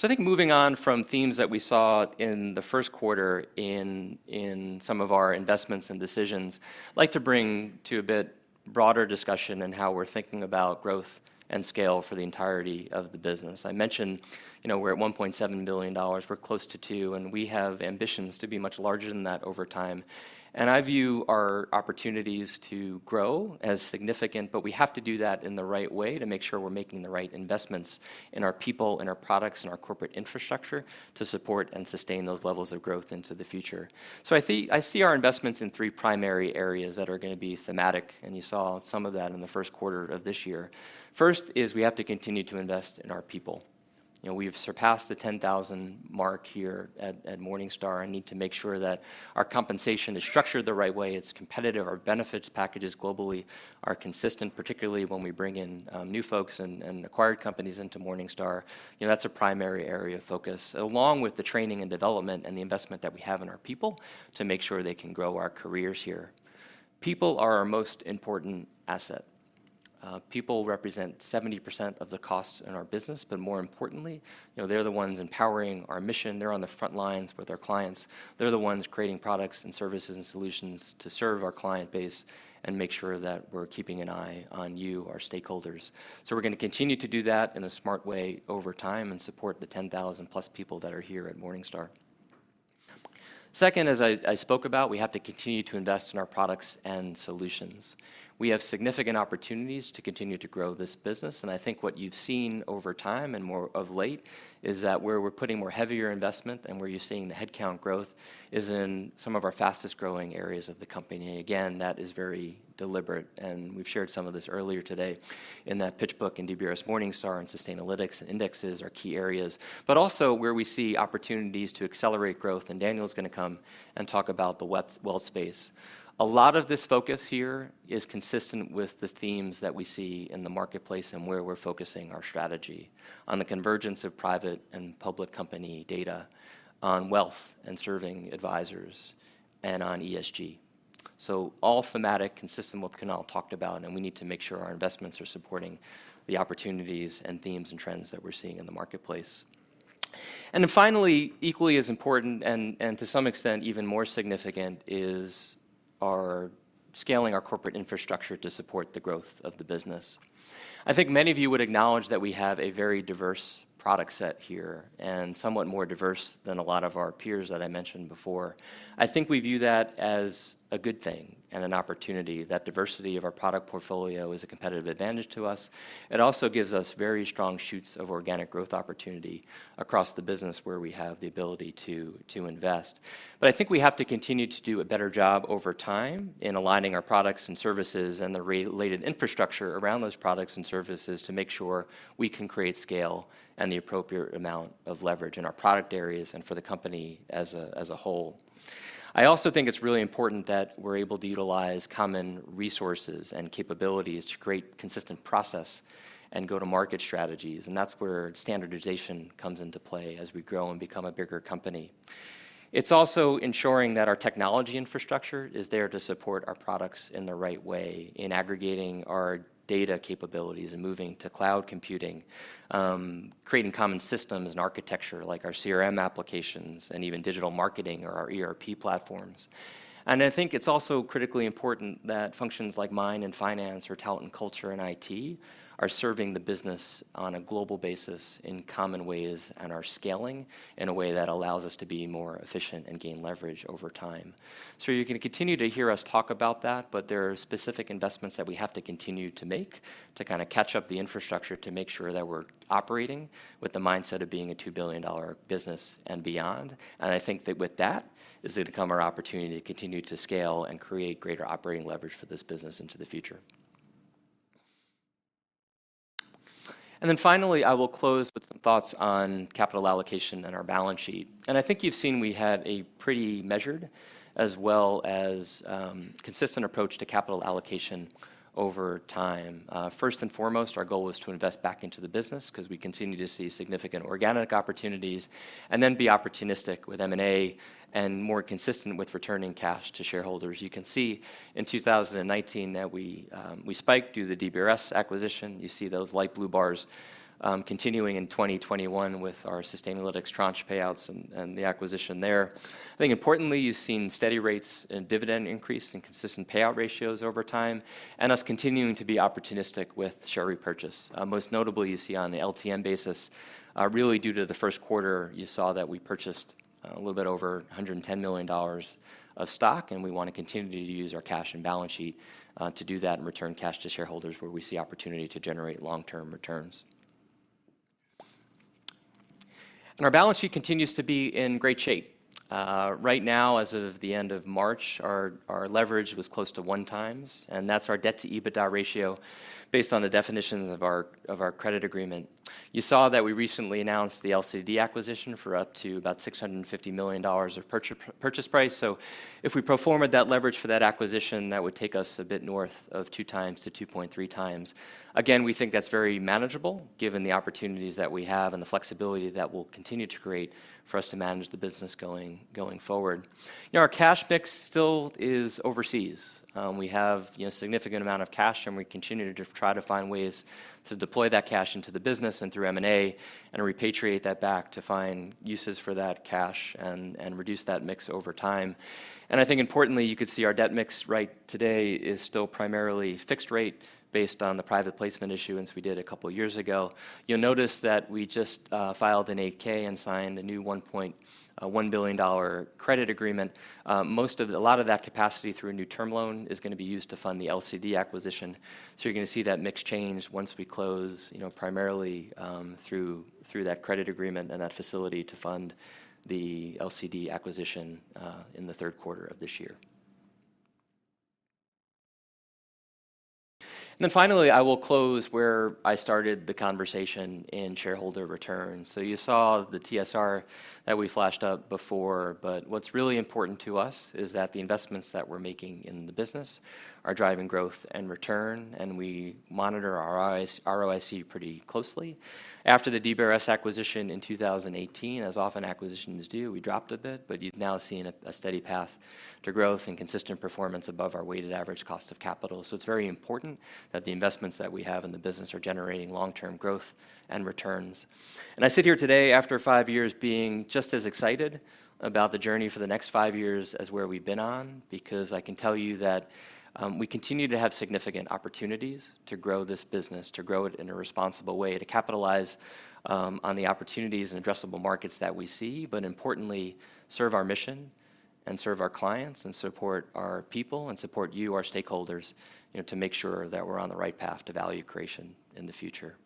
I think moving on from themes that we saw in the first quarter in some of our investments and decisions, I'd like to bring to a bit broader discussion in how we're thinking about growth and scale for the entirety of the business. I mentioned, you know, we're at $1.7 billion, we're close to $2 billion, and we have ambitions to be much larger than that over time. I view our opportunities to grow as significant, but we have to do that in the right way to make sure we're making the right investments in our people, in our products, in our corporate infrastructure to support and sustain those levels of growth into the future. I see our investments in three primary areas that are gonna be thematic, and you saw some of that in the first quarter of this year. First is we have to continue to invest in our people. You know, we've surpassed the 10,000 mark here at Morningstar and need to make sure that our compensation is structured the right way, it's competitive, our benefits packages globally are consistent, particularly when we bring in new folks and acquired companies into Morningstar. You know, that's a primary area of focus, along with the training and development and the investment that we have in our people to make sure they can grow our careers here. People are our most important asset. People represent 70% of the cost in our business, but more importantly, you know, they're the ones empowering our mission. They're on the front lines with our clients. They're the ones creating products and services and solutions to serve our client base and make sure that we're keeping an eye on you, our stakeholders. We're gonna continue to do that in a smart way over time and support the 10,000+ people that are here at Morningstar. Second, as I spoke about, we have to continue to invest in our products and solutions. We have significant opportunities to continue to grow this business, and I think what you've seen over time and more of late is that where we're putting more heavier investment and where you're seeing the headcount growth is in some of our fastest-growing areas of the company. Again, that is very deliberate, and we've shared some of this earlier today in that PitchBook and DBRS Morningstar and Sustainalytics and Indexes are key areas. Also where we see opportunities to accelerate growth, and Daniel's gonna come and talk about the wealth space. A lot of this focus here is consistent with the themes that we see in the marketplace and where we're focusing our strategy on the convergence of private and public company data on wealth and serving advisors and on ESG. All thematic, consistent with what Kunal talked about, and we need to make sure our investments are supporting the opportunities and themes and trends that we're seeing in the marketplace. Then finally, equally as important and to some extent even more significant is scaling our corporate infrastructure to support the growth of the business. I think many of you would acknowledge that we have a very diverse product set here, and somewhat more diverse than a lot of our peers that I mentioned before. I think we view that as a good thing and an opportunity. That diversity of our product portfolio is a competitive advantage to us. It also gives us very strong shoots of organic growth opportunity across the business where we have the ability to invest. I think we have to continue to do a better job over time in aligning our products and services and the related infrastructure around those products and services to make sure we can create scale and the appropriate amount of leverage in our product areas and for the company as a whole. I also think it's really important that we're able to utilize common resources and capabilities to create consistent process and go-to-market strategies, and that's where standardization comes into play as we grow and become a bigger company. It's also ensuring that our technology infrastructure is there to support our products in the right way in aggregating our data capabilities and moving to cloud computing, creating common systems and architecture like our CRM applications and even digital marketing or our ERP platforms. I think it's also critically important that functions like mine in finance or talent and culture and IT are serving the business on a global basis in common ways and are scaling in a way that allows us to be more efficient and gain leverage over time. You're gonna continue to hear us talk about that, but there are specific investments that we have to continue to make to kinda catch up the infrastructure to make sure that we're operating with the mindset of being a $2 billion business and beyond. I think that with that is gonna come our opportunity to continue to scale and create greater operating leverage for this business into the future. Finally, I will close with some thoughts on capital allocation and our balance sheet. I think you've seen we had a pretty measured as well as consistent approach to capital allocation over time. First and foremost, our goal was to invest back into the business because we continue to see significant organic opportunities, and then be opportunistic with M&A and more consistent with returning cash to shareholders. You can see in 2019 that we spiked due to DBRS acquisition. You see those light blue bars continuing in 2021 with our Sustainalytics tranche payouts and the acquisition there. I think importantly, you've seen steady rates in dividend increase and consistent payout ratios over time and us continuing to be opportunistic with share repurchase. Most notably, you see on the LTM basis, really due to the first quarter, you saw that we purchased a little bit over $110 million of stock, and we wanna continue to use our cash and balance sheet to do that and return cash to shareholders where we see opportunity to generate long-term returns. Our balance sheet continues to be in great shape. Right now, as of the end of March, our leverage was close to 1x, and that's our debt-to-EBITDA ratio based on the definitions of our credit agreement. You saw that we recently announced the LCD acquisition for up to about $650 million purchase price. If we pro forma'd that leverage for that acquisition, that would take us a bit north of 2x-2.3x. Again, we think that's very manageable given the opportunities that we have and the flexibility that we'll continue to create for us to manage the business going forward. You know, our cash mix still is overseas. We have, you know, a significant amount of cash, and we continue to try to find ways to deploy that cash into the business and through M&A and repatriate that back to find uses for that cash and reduce that mix over time. I think importantly, you could see our debt mix right today is still primarily fixed rate based on the private placement issuance we did a couple years ago. You'll notice that we just filed an 8-K and signed a new $1.1 billion credit agreement. A lot of that capacity through a new term loan is gonna be used to fund the LCD acquisition. You're gonna see that mix change once we close, you know, primarily through that credit agreement and that facility to fund the LCD acquisition in the third quarter of this year. Then finally, I will close where I started the conversation in shareholder returns. You saw the TSR that we flashed up before, but what's really important to us is that the investments that we're making in the business are driving growth and return, and we monitor our ROIC pretty closely. After the DBRS acquisition in 2018, as often acquisitions do, we dropped a bit, but you've now seen a steady path to growth and consistent performance above our weighted average cost of capital. It's very important that the investments that we have in the business are generating long-term growth and returns. I sit here today after five years being just as excited about the journey for the next five years as where we've been on, because I can tell you that, we continue to have significant opportunities to grow this business, to grow it in a responsible way, to capitalize, on the opportunities and addressable markets that we see, but importantly, serve our mission and serve our clients and support our people and support you, our stakeholders, you know, to make sure that we're on the right path to value creation in the future.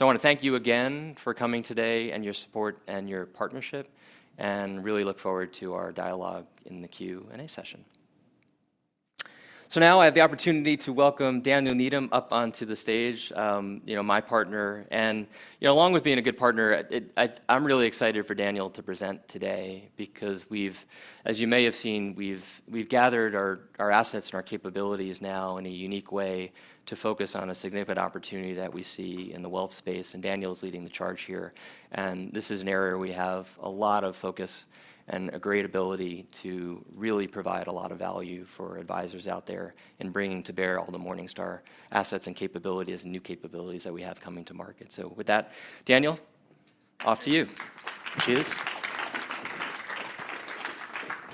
I wanna thank you again for coming today and your support and your partnership, and really look forward to our dialogue in the Q&A session. Now I have the opportunity to welcome Daniel Needham up onto the stage, you know, my partner. You know, along with being a good partner, I'm really excited for Daniel to present today because we've, as you may have seen, gathered our assets and our capabilities now in a unique way to focus on a significant opportunity that we see in the wealth space, and Daniel's leading the charge here. This is an area we have a lot of focus and a great ability to really provide a lot of value for advisors out there in bringing to bear all the Morningstar assets and capabilities and new capabilities that we have coming to market. With that, Daniel. Off to you. Cheers.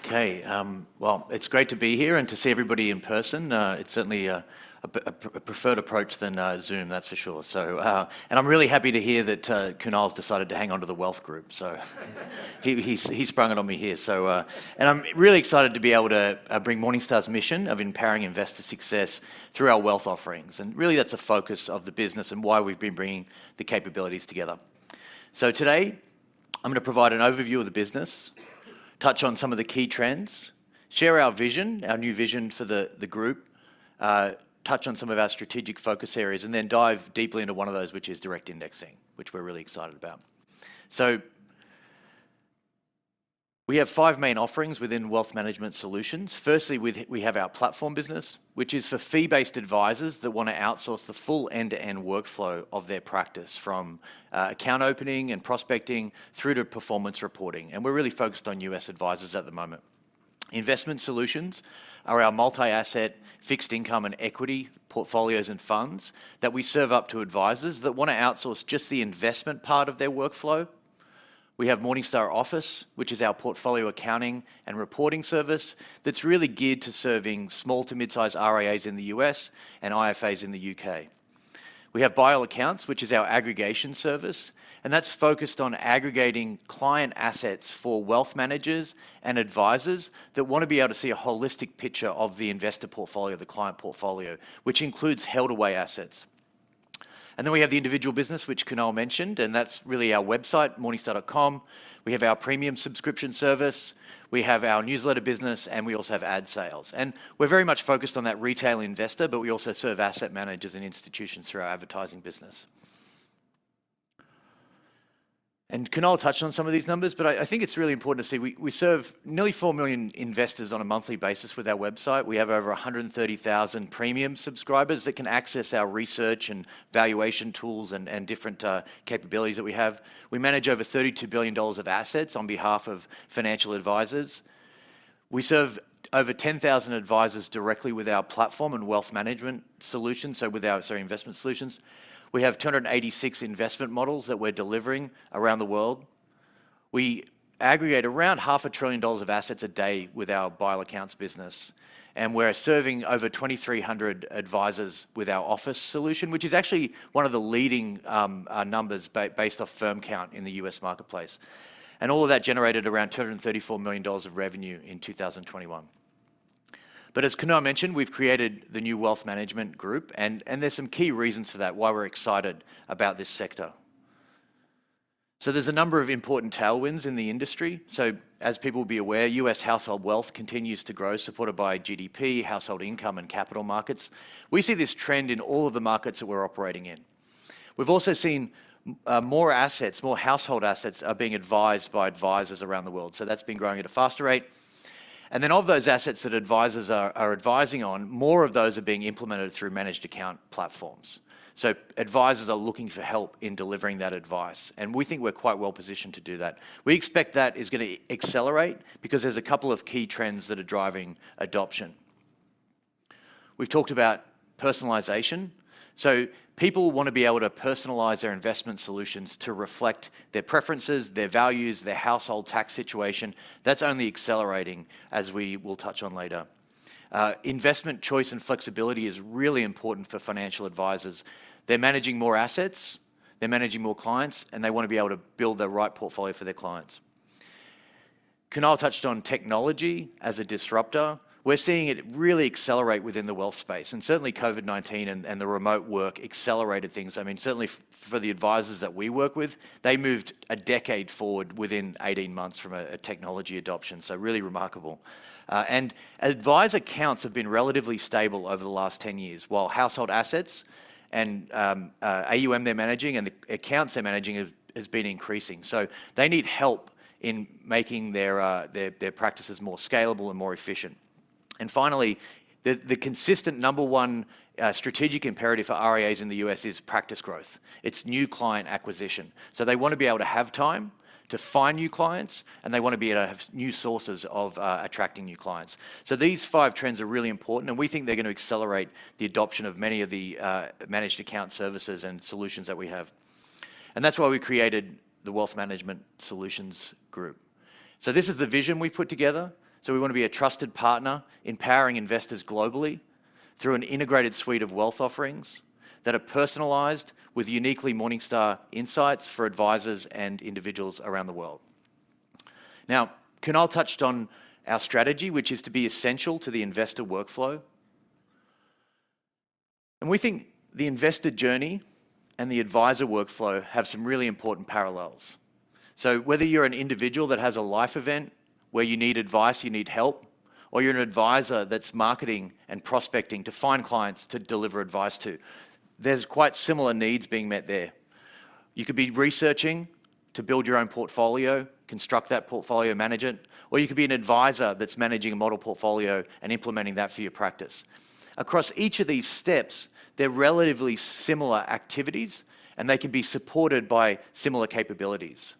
Okay. Well, it's great to be here and to see everybody in person. It's certainly a preferred approach than Zoom, that's for sure. I'm really happy to hear that Kunal's decided to hang on to the wealth group. He sprung it on me here. I'm really excited to be able to bring Morningstar's mission of empowering investor success through our wealth offerings, and really that's the focus of the business and why we've been bringing the capabilities together. Today, I'm gonna provide an overview of the business, touch on some of the key trends, share our vision, our new vision for the group, touch on some of our strategic focus areas, and then dive deeply into one of those, which is direct indexing, which we're really excited about. We have five main offerings within Wealth Management Solutions. Firstly, we have our platform business, which is for fee-based advisors that wanna outsource the full end-to-end workflow of their practice, from account opening and prospecting through to performance reporting, and we're really focused on U.S. advisors at the moment. Investment solutions are our multi-asset fixed income and equity portfolios and funds that we serve up to advisors that wanna outsource just the investment part of their workflow. We have Morningstar Office, which is our portfolio accounting and reporting service that's really geared to serving small to midsize RIAs in the U.S. and IFAs in the U.K. We have ByAllAccounts, which is our aggregation service, and that's focused on aggregating client assets for wealth managers and advisors that wanna be able to see a holistic picture of the investor portfolio, the client portfolio, which includes held away assets. We have the individual business, which Kunal mentioned, and that's really our website, Morningstar.com. We have our premium subscription service, we have our newsletter business, and we also have ad sales. We're very much focused on that retail investor, but we also serve asset managers and institutions through our advertising business. Kunal touched on some of these numbers, but I think it's really important to see we serve nearly 4 million investors on a monthly basis with our website. We have over 130,000 premium subscribers that can access our research, and valuation tools, and different capabilities that we have. We manage over $32 billion of assets on behalf of financial advisors. We serve over 10,000 advisors directly with our platform and investment solutions. We have 286 investment models that we're delivering around the world. We aggregate around half a trillion dollars of assets a day with our ByAllAccounts business, and we're serving over 2,300 advisors with our office solution, which is actually one of the leading numbers based off firm count in the U.S. marketplace. All of that generated around $234 million of revenue in 2021. As Kunal mentioned, we've created the new wealth management group and there's some key reasons for that, why we're excited about this sector. There's a number of important tailwinds in the industry. As people will be aware, U.S. household wealth continues to grow, supported by GDP, household income, and capital markets. We see this trend in all of the markets that we're operating in. We've also seen more assets, more household assets are being advised by advisors around the world, so that's been growing at a faster rate. Of those assets that advisors are advising on, more of those are being implemented through managed account platforms. Advisors are looking for help in delivering that advice, and we think we're quite well positioned to do that. We expect that is gonna accelerate because there's a couple of key trends that are driving adoption. We've talked about personalization. People wanna be able to personalize their investment solutions to reflect their preferences, their values, their household tax situation. That's only accelerating, as we will touch on later. Investment choice and flexibility is really important for financial advisors. They're managing more assets, they're managing more clients, and they wanna be able to build the right portfolio for their clients. Kunal touched on technology as a disruptor. We're seeing it really accelerate within the wealth space, and certainly COVID-19 and the remote work accelerated things. I mean, certainly for the advisors that we work with, they moved a decade forward within 18 months from a technology adoption, so really remarkable. Advisor counts have been relatively stable over the last 10 years, while household assets and AUM they're managing and the accounts they're managing has been increasing, so they need help in making their practices more scalable and more efficient. Finally, the consistent number one strategic imperative for RIAs in the U.S. is practice growth. It's new client acquisition. They wanna be able to have time to find new clients, and they wanna be able to have new sources of attracting new clients. These five trends are really important, and we think they're gonna accelerate the adoption of many of the managed account services and solutions that we have. That's why we created the Wealth Management Solutions group. This is the vision we've put together. We wanna be a trusted partner, empowering investors globally through an integrated suite of wealth offerings that are personalized with uniquely Morningstar insights for advisors and individuals around the world. Now, Kunal touched on our strategy, which is to be essential to the investor workflow. We think the investor journey and the advisor workflow have some really important parallels. Whether you're an individual that has a life event where you need advice, you need help, or you're an advisor that's marketing and prospecting to find clients to deliver advice to, there's quite similar needs being met there. You could be researching to build your own portfolio, construct that portfolio, manage it, or you could be an advisor that's managing a model portfolio and implementing that for your practice. Across each of these steps, they're relatively similar activities, and they can be supported by similar capabilities.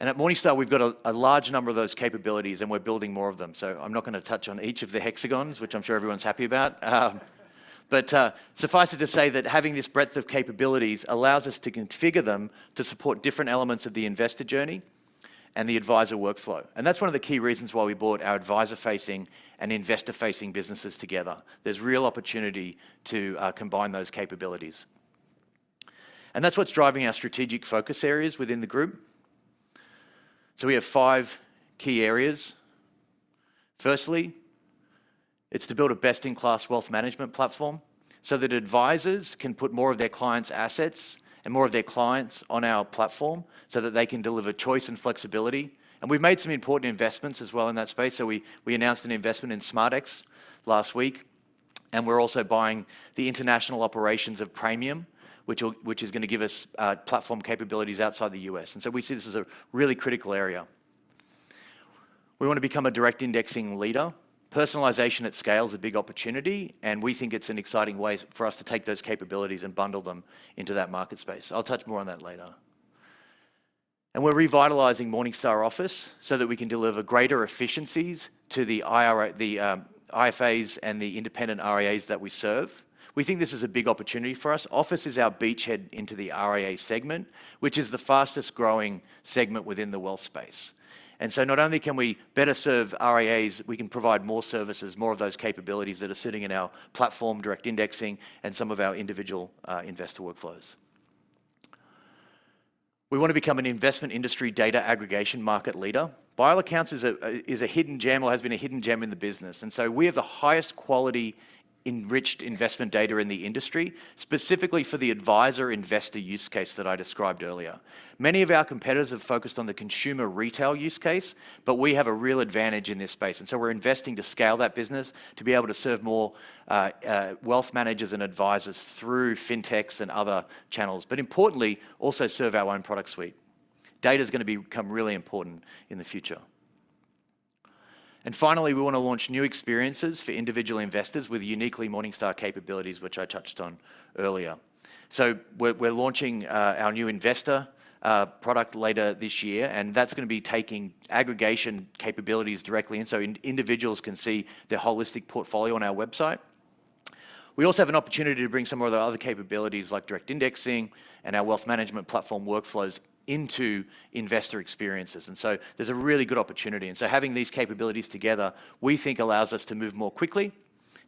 At Morningstar, we've got a large number of those capabilities, and we're building more of them. I'm not gonna touch on each of the hexagons, which I'm sure everyone's happy about. Suffice it to say that having this breadth of capabilities allows us to configure them to support different elements of the investor journey and the advisor workflow. That's one of the key reasons why we bought our advisor-facing and investor-facing businesses together. There's real opportunity to combine those capabilities. That's what's driving our strategic focus areas within the group. We have five key areas. Firstly, it's to build a best-in-class wealth management platform so that advisors can put more of their clients' assets and more of their clients on our platform so that they can deliver choice and flexibility. We've made some important investments as well in that space. We announced an investment in Smardex last week, and we're also buying the international operations of Praemium, which is gonna give us platform capabilities outside the U.S. We see this as a really critical area. We wanna become a direct indexing leader. Personalization at scale is a big opportunity, and we think it's an exciting way for us to take those capabilities and bundle them into that market space. I'll touch more on that later. We're revitalizing Morningstar Office so that we can deliver greater efficiencies to the IFAs and the independent RIAs that we serve. We think this is a big opportunity for us. Office is our beachhead into the RIA segment, which is the fastest-growing segment within the wealth space. Not only can we better serve RIAs, we can provide more services, more of those capabilities that are sitting in our platform, direct indexing, and some of our individual investor workflows. We wanna become an investment industry data aggregation market leader. ByAllAccounts is a hidden gem or has been a hidden gem in the business. We have the highest quality enriched investment data in the industry, specifically for the advisor-investor use case that I described earlier. Many of our competitors have focused on the consumer retail use case, but we have a real advantage in this space, and so we're investing to scale that business to be able to serve more wealth managers and advisors through fintechs and other channels, but importantly, also serve our own product suite. Data's gonna become really important in the future. Finally, we wanna launch new experiences for individual investors with uniquely Morningstar capabilities, which I touched on earlier. We're launching our new investor product later this year, and that's gonna be taking aggregation capabilities directly, and so individuals can see their holistic portfolio on our website. We also have an opportunity to bring some of our other capabilities, like direct indexing and our wealth management platform workflows, into investor experiences. There's a really good opportunity. Having these capabilities together, we think allows us to move more quickly,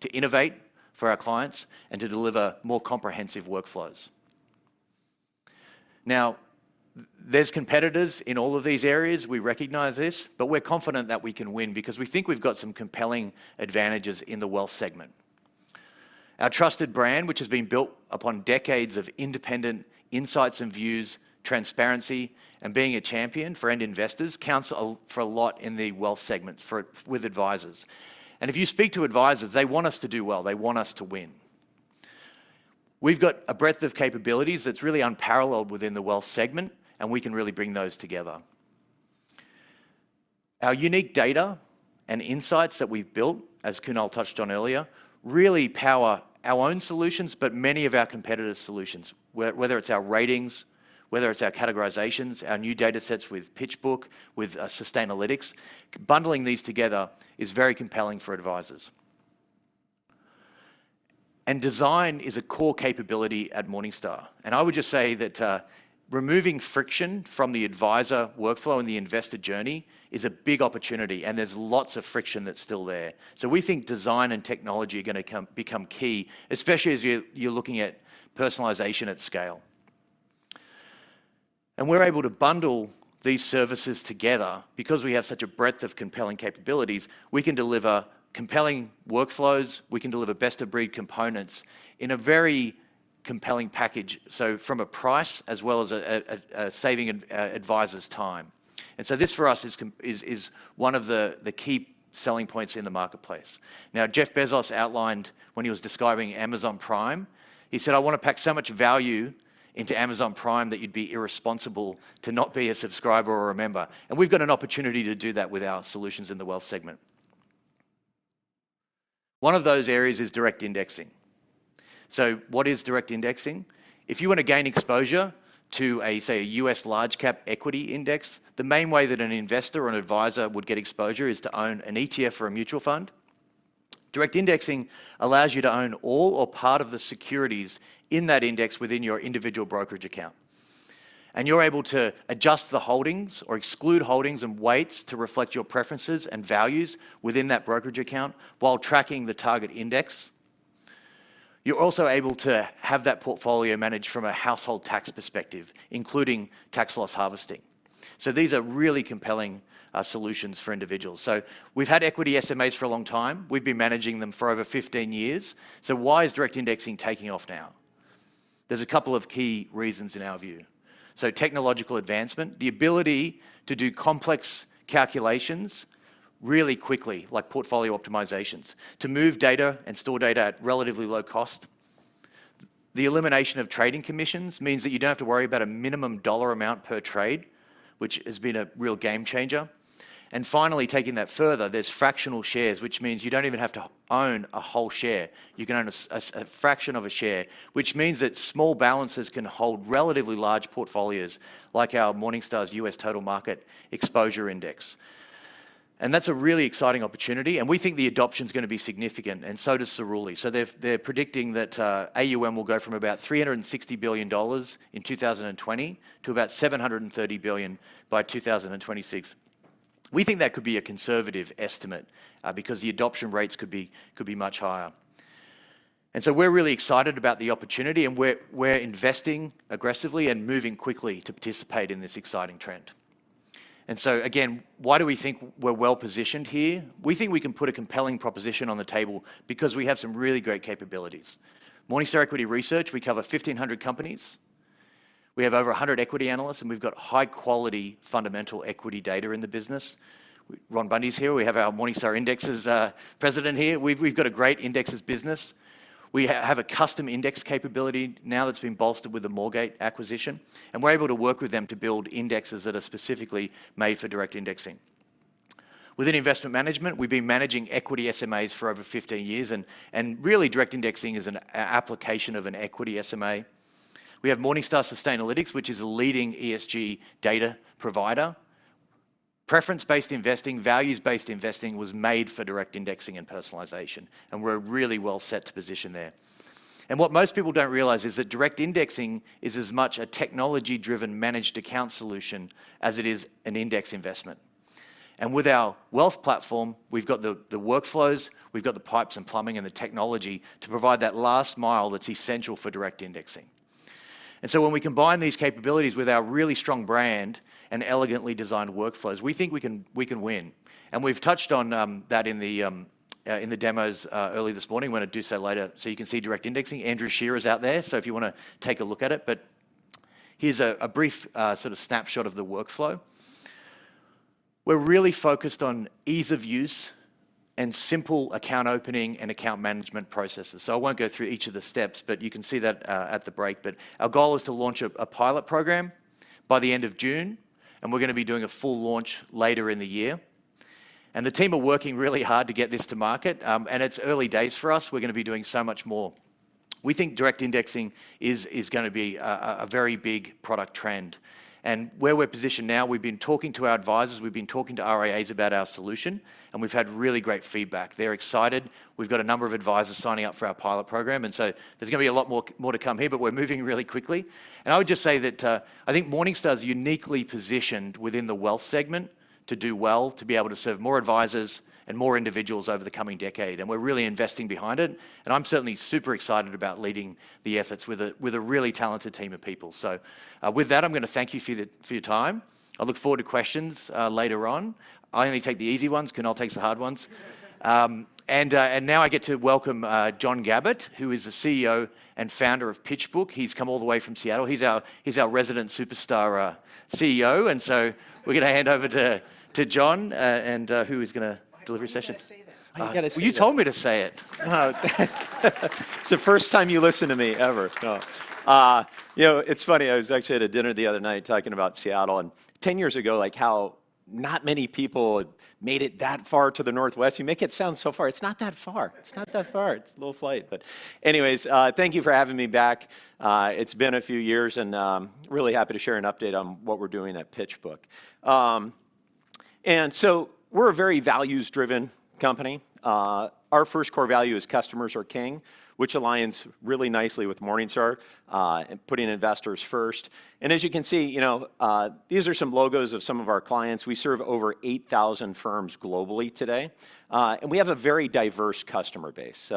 to innovate for our clients, and to deliver more comprehensive workflows. Now, there's competitors in all of these areas. We recognize this, but we're confident that we can win because we think we've got some compelling advantages in the wealth segment. Our trusted brand, which has been built upon decades of independent insights and views, transparency, and being a champion for end investors, counts for a lot in the wealth segment with advisors. If you speak to advisors, they want us to do well. They want us to win. We've got a breadth of capabilities that's really unparalleled within the wealth segment, and we can really bring those together. Our unique data and insights that we've built, as Kunal touched on earlier, really power our own solutions, but many of our competitors' solutions, whether it's our ratings, whether it's our categorizations, our new data sets with PitchBook, with Sustainalytics, bundling these together is very compelling for advisors. Design is a core capability at Morningstar. I would just say that, removing friction from the advisor workflow and the investor journey is a big opportunity, and there's lots of friction that's still there. We think design and technology are gonna become key, especially as you're looking at personalization at scale. We're able to bundle these services together. Because we have such a breadth of compelling capabilities, we can deliver compelling workflows, we can deliver best-of-breed components in a very compelling package, so from a price as well as a saving advisors' time. This, for us, is one of the key selling points in the marketplace. Now, Jeff Bezos outlined when he was describing Amazon Prime, he said, "I wanna pack so much value into Amazon Prime that you'd be irresponsible to not be a subscriber or a member." We've got an opportunity to do that with our solutions in the wealth segment. One of those areas is direct indexing. What is direct indexing? If you wanna gain exposure to, say, a U.S. Large-cap equity index, the main way that an investor or an advisor would get exposure is to own an ETF or a mutual fund. Direct indexing allows you to own all or part of the securities in that index within your individual brokerage account, and you're able to adjust the holdings or exclude holdings and weights to reflect your preferences and values within that brokerage account while tracking the target index. You're also able to have that portfolio managed from a household tax perspective, including tax-loss harvesting. These are really compelling solutions for individuals. We've had equity SMAs for a long time. We've been managing them for over 15 years. Why is direct indexing taking off now? There's a couple of key reasons in our view. Technological advancement, the ability to do complex calculations really quickly, like portfolio optimizations, to move data and store data at relatively low cost. The elimination of trading commissions means that you don't have to worry about a minimum dollar amount per trade, which has been a real game changer. Finally, taking that further, there's fractional shares, which means you don't even have to own a whole share. You can own a fraction of a share, which means that small balances can hold relatively large portfolios like our Morningstar's U.S. Total Market Exposure Index. That's a really exciting opportunity, and we think the adoption's gonna be significant, and so does Cerulli. They're predicting that AUM will go from about $360 billion in 2020 to about $730 billion by 2026. We think that could be a conservative estimate because the adoption rates could be much higher. We're really excited about the opportunity, and we're investing aggressively and moving quickly to participate in this exciting trend. Again, why do we think we're well-positioned here? We think we can put a compelling proposition on the table because we have some really great capabilities. Morningstar Equity Research, we cover 1,500 companies. We have over 100 equity analysts, and we've got high-quality fundamental equity data in the business. Ron Bundy's here. We have our Morningstar Indexes president here. We've got a great indexes business. We have a custom index capability now that's been bolstered with the Moorgate acquisition, and we're able to work with them to build indexes that are specifically made for direct indexing. Within investment management, we've been managing equity SMAs for over 15 years and really direct indexing is an application of an equity SMA. We have Morningstar Sustainalytics, which is a leading ESG data provider. Preference-based investing, values-based investing was made for direct indexing and personalization, and we're really well set to position there. What most people don't realize is that direct indexing is as much a technology-driven managed account solution as it is an index investment. With our wealth platform, we've got the workflows, we've got the pipes and plumbing and the technology to provide that last mile that's essential for direct indexing. When we combine these capabilities with our really strong brand and elegantly designed workflows, we think we can win. We've touched on that in the demos early this morning. We're gonna do so later so you can see direct indexing. Andrew Scherer's out there, so if you wanna take a look at it. Here's a brief sort of snapshot of the workflow. We're really focused on ease of use and simple account opening and account management processes. I won't go through each of the steps, but you can see that at the break. Our goal is to launch a pilot program by the end of June, and we're gonna be doing a full launch later in the year. The team are working really hard to get this to market, and it's early days for us. We're gonna be doing so much more. We think direct indexing is gonna be a very big product trend. Where we're positioned now, we've been talking to our advisors, we've been talking to RIAs about our solution, and we've had really great feedback. They're excited. We've got a number of advisors signing up for our pilot program, and so there's gonna be a lot more to come here, but we're moving really quickly. I would just say that I think Morningstar is uniquely positioned within the wealth segment to do well, to be able to serve more advisors and more individuals over the coming decade, and we're really investing behind it. I'm certainly super excited about leading the efforts with a really talented team of people. With that, I'm gonna thank you for your time. I look forward to questions later on. I only take the easy ones. Kunal takes the hard ones. Now I get to welcome John Gabbert, who is the CEO and Founder of PitchBook. He's come all the way from Seattle. He's our resident superstar CEO, and we're gonna hand over to John, who is gonna deliver your session. Why'd you gotta say that? Why'd you gotta say that? Well, you told me to say it. It's the first time you listened to me ever. No. You know, it's funny, I was actually at a dinner the other night talking about Seattle, and 10 years ago, like how not many people made it that far to the Northwest. You make it sound so far. It's not that far. It's a little flight. Anyways, thank you for having me back. It's been a few years, and I'm really happy to share an update on what we're doing at PitchBook. We're a very values-driven company. Our first core value is customers are king, which aligns really nicely with Morningstar putting investors first. As you can see, you know, these are some logos of some of our clients. We serve over 8,000 firms globally today. We have a very diverse customer base.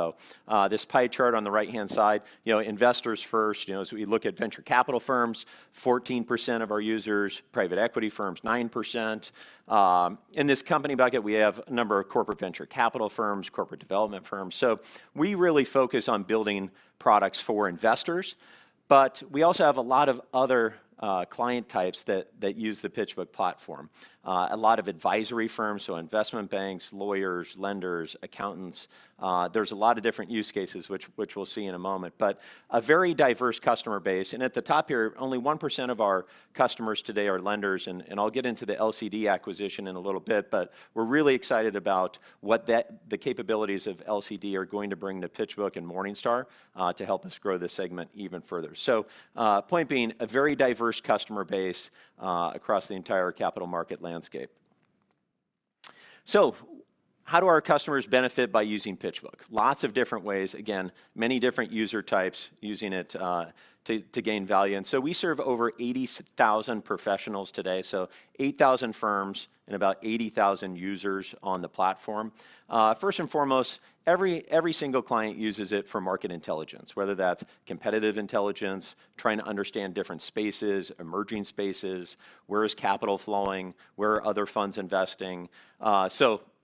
This pie chart on the right-hand side, you know, investors first, you know, so we look at venture capital firms, 14% of our users, private equity firms, 9%. In this company bucket, we have a number of corporate venture capital firms, corporate development firms. We really focus on building products for investors, but we also have a lot of other client types that use the PitchBook platform. A lot of advisory firms, so investment banks, lawyers, lenders, accountants. There's a lot of different use cases which we'll see in a moment, but a very diverse customer base. At the top here, only 1% of our customers today are lenders, and I'll get into the LCD acquisition in a little bit, but we're really excited about what that, the capabilities of LCD are going to bring to PitchBook and Morningstar, to help us grow this segment even further. Point being, a very diverse customer base, across the entire capital market landscape. How do our customers benefit by using PitchBook? Lots of different ways. Again, many different user types using it, to gain value. We serve over 80,000 professionals today, so 8,000 firms and about 80,000 users on the platform. First and foremost, every single client uses it for market intelligence, whether that's competitive intelligence, trying to understand different spaces, emerging spaces, where is capital flowing, where are other funds investing.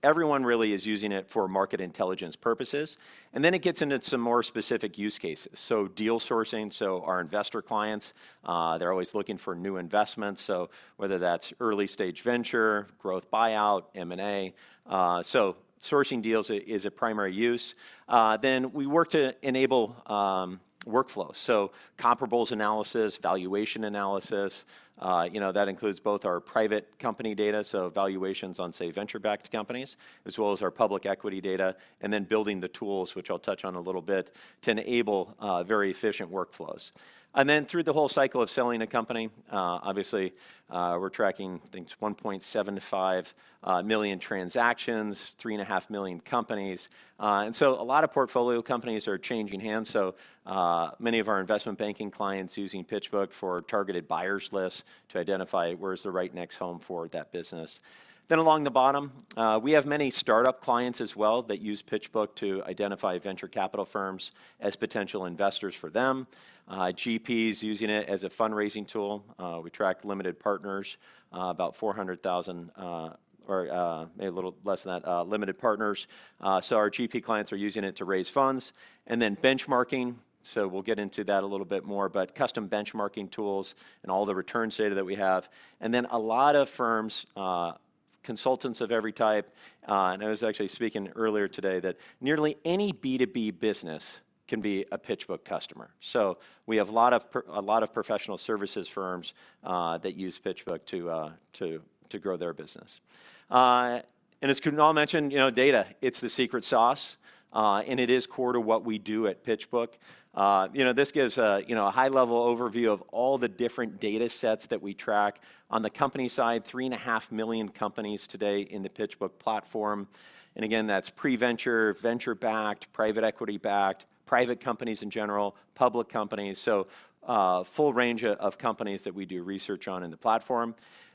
Everyone really is using it for market intelligence purposes. It gets into some more specific use cases. Deal sourcing, so our investor clients, they're always looking for new investments, so whether that's early-stage venture, growth buyout, M&A. Sourcing deals is a primary use. We work to enable, workflows, so comparables analysis, valuation analysis. You know, that includes both our private company data, so valuations on, say, venture-backed companies, as well as our public equity data, and then building the tools, which I'll touch on in a little bit, to enable, very efficient workflows. Through the whole cycle of selling a company, obviously, we're tracking, I think it's 1.75 million transactions, 3.5 million companies. A lot of portfolio companies are changing hands, so many of our investment banking clients using PitchBook for targeted buyers lists to identify where's the right next home for that business. Along the bottom, we have many startup clients as well that use PitchBook to identify venture capital firms as potential investors for them. GPs using it as a fundraising tool. We track limited partners, about 400,000, or maybe a little less than that, limited partners. Our GP clients are using it to raise funds. Benchmarking, so we'll get into that a little bit more, but custom benchmarking tools and all the returns data that we have. A lot of firms. Consultants of every type. I was actually speaking earlier today that nearly any B2B business can be a PitchBook customer. We have a lot of professional services firms that use PitchBook to grow their business. As Kunal mentioned, you know, data, it's the secret sauce, and it is core to what we do at PitchBook. You know, this gives you know, a high-level overview of all the different datasets that we track. On the company side, 3.5 million companies today in the PitchBook platform, and again, that's pre-venture, venture-backed, private equity-backed, private companies in general, public companies. Full range of companies that we do research on in the platform.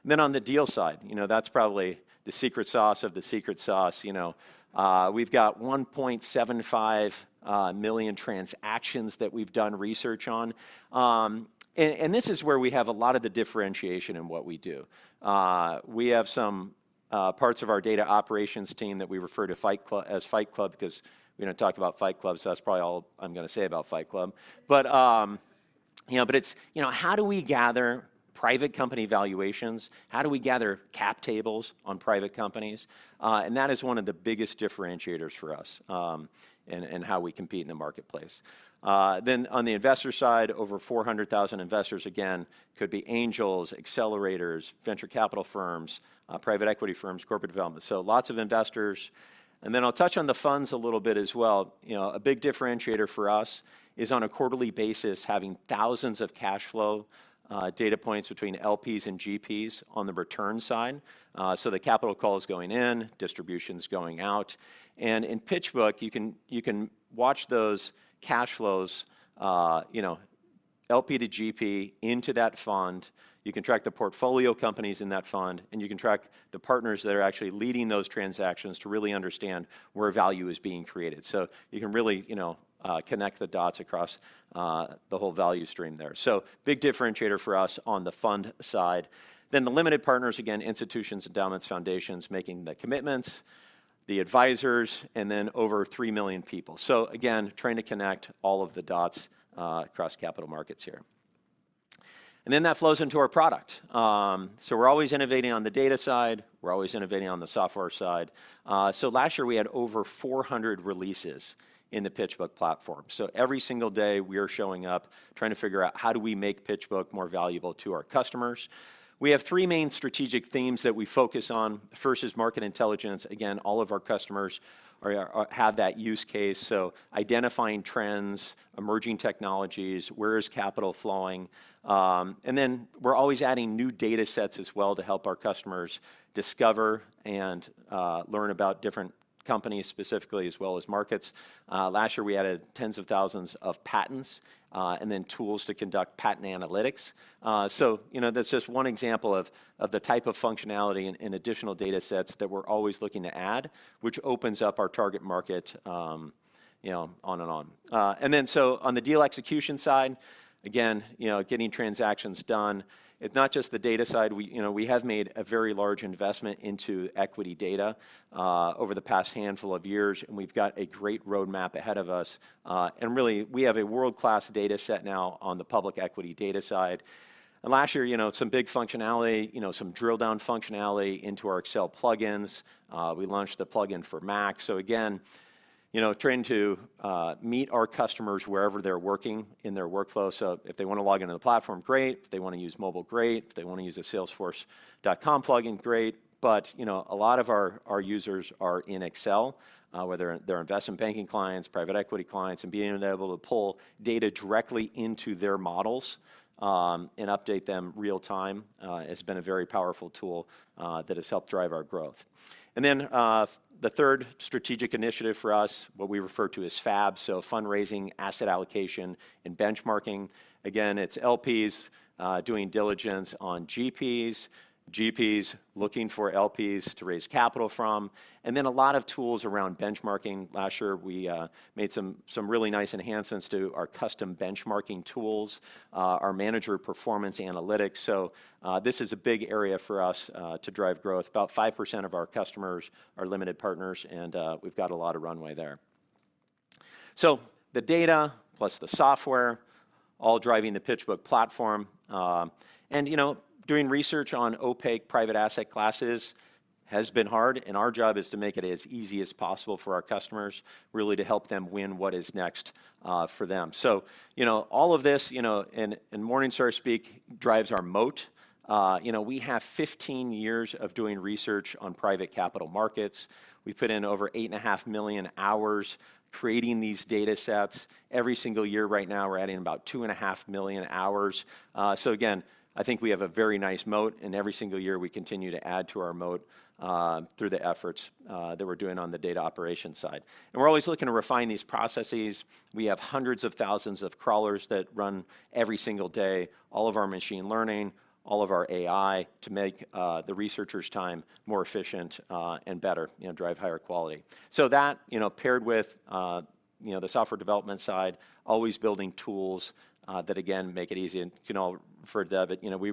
On the deal side, you know, that's probably the secret sauce of the secret sauce, you know. We've got 1.75 million transactions that we've done research on, and this is where we have a lot of the differentiation in what we do. We have some parts of our data operations team that we refer to as Fight Club because we don't talk about Fight Club, so that's probably all I'm gonna say about Fight Club. You know, it's how do we gather private company valuations? How do we gather cap tables on private companies? That is one of the biggest differentiators for us in how we compete in the marketplace. On the investor side, over 400,000 investors, again, could be angels, accelerators, venture capital firms, private equity firms, corporate development, so lots of investors. I'll touch on the funds a little bit as well. You know, a big differentiator for us is on a quarterly basis having thousands of cash flow data points between LPs and GPs on the return side. So the capital call is going in, distribution's going out, and in PitchBook, you can watch those cash flows, you know, LP to GP into that fund. You can track the portfolio companies in that fund, and you can track the partners that are actually leading those transactions to really understand where value is being created. So you can really, you know, connect the dots across the whole value stream there. So big differentiator for us on the fund side. The limited partners, again, institutions, endowments, foundations making the commitments, the advisors, and then over 3 million people. Again, trying to connect all of the dots across capital markets here. That flows into our product. We're always innovating on the data side. We're always innovating on the software side. Last year we had over 400 releases in the PitchBook platform. Every single day we are showing up trying to figure out how do we make PitchBook more valuable to our customers. We have three main strategic themes that we focus on. The first is market intelligence. Again, all of our customers have that use case, so identifying trends, emerging technologies, where is capital flowing, and then we're always adding new datasets as well to help our customers discover and learn about different companies specifically as well as markets. Last year we added tens of thousands of patents, and then tools to conduct patent analytics. So, you know, that's just one example of the type of functionality and additional datasets that we're always looking to add, which opens up our target market, you know, on and on. Then so on the deal execution side, again, you know, getting transactions done. It's not just the data side. We, you know, we have made a very large investment into equity data, over the past handful of years, and we've got a great roadmap ahead of us. And really, we have a world-class dataset now on the public equity data side. Last year, you know, some big functionality, you know, some drill-down functionality into our Excel plugins. We launched the plugin for Mac. Again, you know, trying to meet our customers wherever they're working in their workflow. If they wanna log into the platform, great. If they wanna use mobile, great. If they wanna use a salesforce.com plugin, great. But, you know, a lot of our users are in Excel, whether they're investment banking clients, private equity clients, and being able to pull data directly into their models and update them real-time has been a very powerful tool that has helped drive our growth. The third strategic initiative for us, what we refer to as FAB, so fundraising, asset allocation, and benchmarking. Again, it's LPs doing diligence on GPs looking for LPs to raise capital from, and then a lot of tools around benchmarking. Last year we made some really nice enhancements to our custom benchmarking tools, our manager performance analytics. This is a big area for us to drive growth. About 5% of our customers are limited partners, and we've got a lot of runway there. The data plus the software all driving the PitchBook platform, and, you know, doing research on opaque private asset classes has been hard, and our job is to make it as easy as possible for our customers, really to help them win what is next for them. You know, all of this, you know, Morningstar speak drives our moat. You know, we have 15 years of doing research on private capital markets. We've put in over 8.5 million hours creating these datasets. Every single year right now, we're adding about 2.5 million hours. Again, I think we have a very nice moat, and every single year we continue to add to our moat through the efforts that we're doing on the data operations side. We're always looking to refine these processes. We have hundreds of thousands of crawlers that run every single day, all of our machine learning, all of our AI to make the researchers' time more efficient and better, you know, drive higher quality. That, you know, paired with, you know, the software development side, always building tools that again make it easy. Kunal referred to that, but, you know, we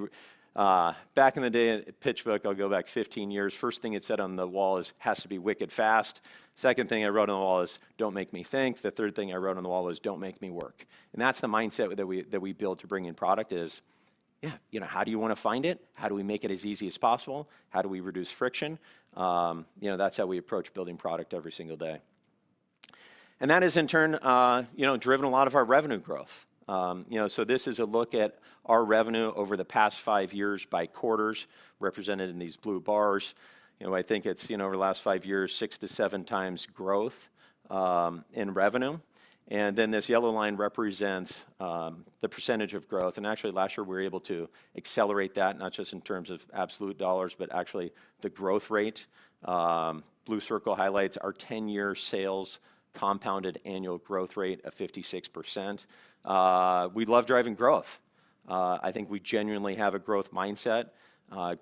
back in the day at PitchBook, I'll go back 15 years, first thing it said on the wall is, "Has to be wicked fast." Second thing I wrote on the wall is, "Don't make me think." The third thing I wrote on the wall is, "Don't make me work." That's the mindset that we build to bring in product is, yeah, you know, how do you wanna find it? How do we make it as easy as possible? How do we reduce friction? You know, that's how we approach building product every single day. That has in turn, you know, driven a lot of our revenue growth. You know, this is a look at our revenue over the past 5 years by quarters represented in these blue bars. You know, I think it's you know, over the last five years, 6x-7xgrowth in revenue. This yellow line represents the percentage of growth. Actually last year, we were able to accelerate that, not just in terms of absolute dollars, but actually the growth rate. Blue circle highlights our 10-year sales compounded annual growth rate of 56%. We love driving growth. I think we genuinely have a growth mindset.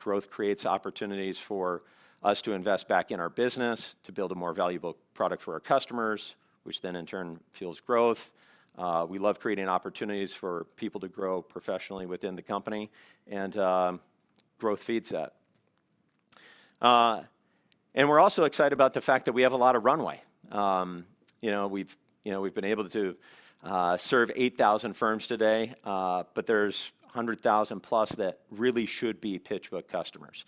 Growth creates opportunities for us to invest back in our business, to build a more valuable product for our customers, which then in turn fuels growth. We love creating opportunities for people to grow professionally within the company, and growth feeds that. We're also excited about the fact that we have a lot of runway. You know, we've been able to serve 8,000 firms today, but there's 100,000+ that really should be PitchBook customers.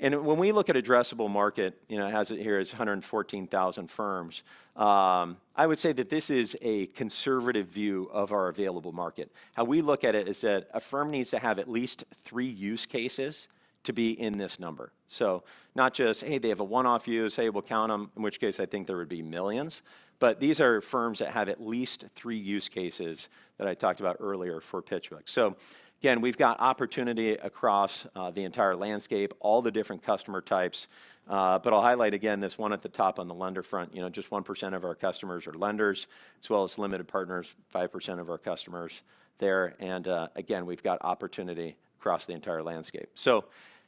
When we look at addressable market, you know, it has it here as 114,000 firms. I would say that this is a conservative view of our available market. How we look at it is that a firm needs to have at least three use cases to be in this number. Not just, hey, they have a one-off use, hey, we'll count them, in which case I think there would be millions, but these are firms that have at least three use cases that I talked about earlier for PitchBook. Again, we've got opportunity across the entire landscape, all the different customer types, but I'll highlight again this one at the top on the lender front. You know, just 1% of our customers are lenders, as well as limited partners, 5% of our customers there. Again, we've got opportunity across the entire landscape.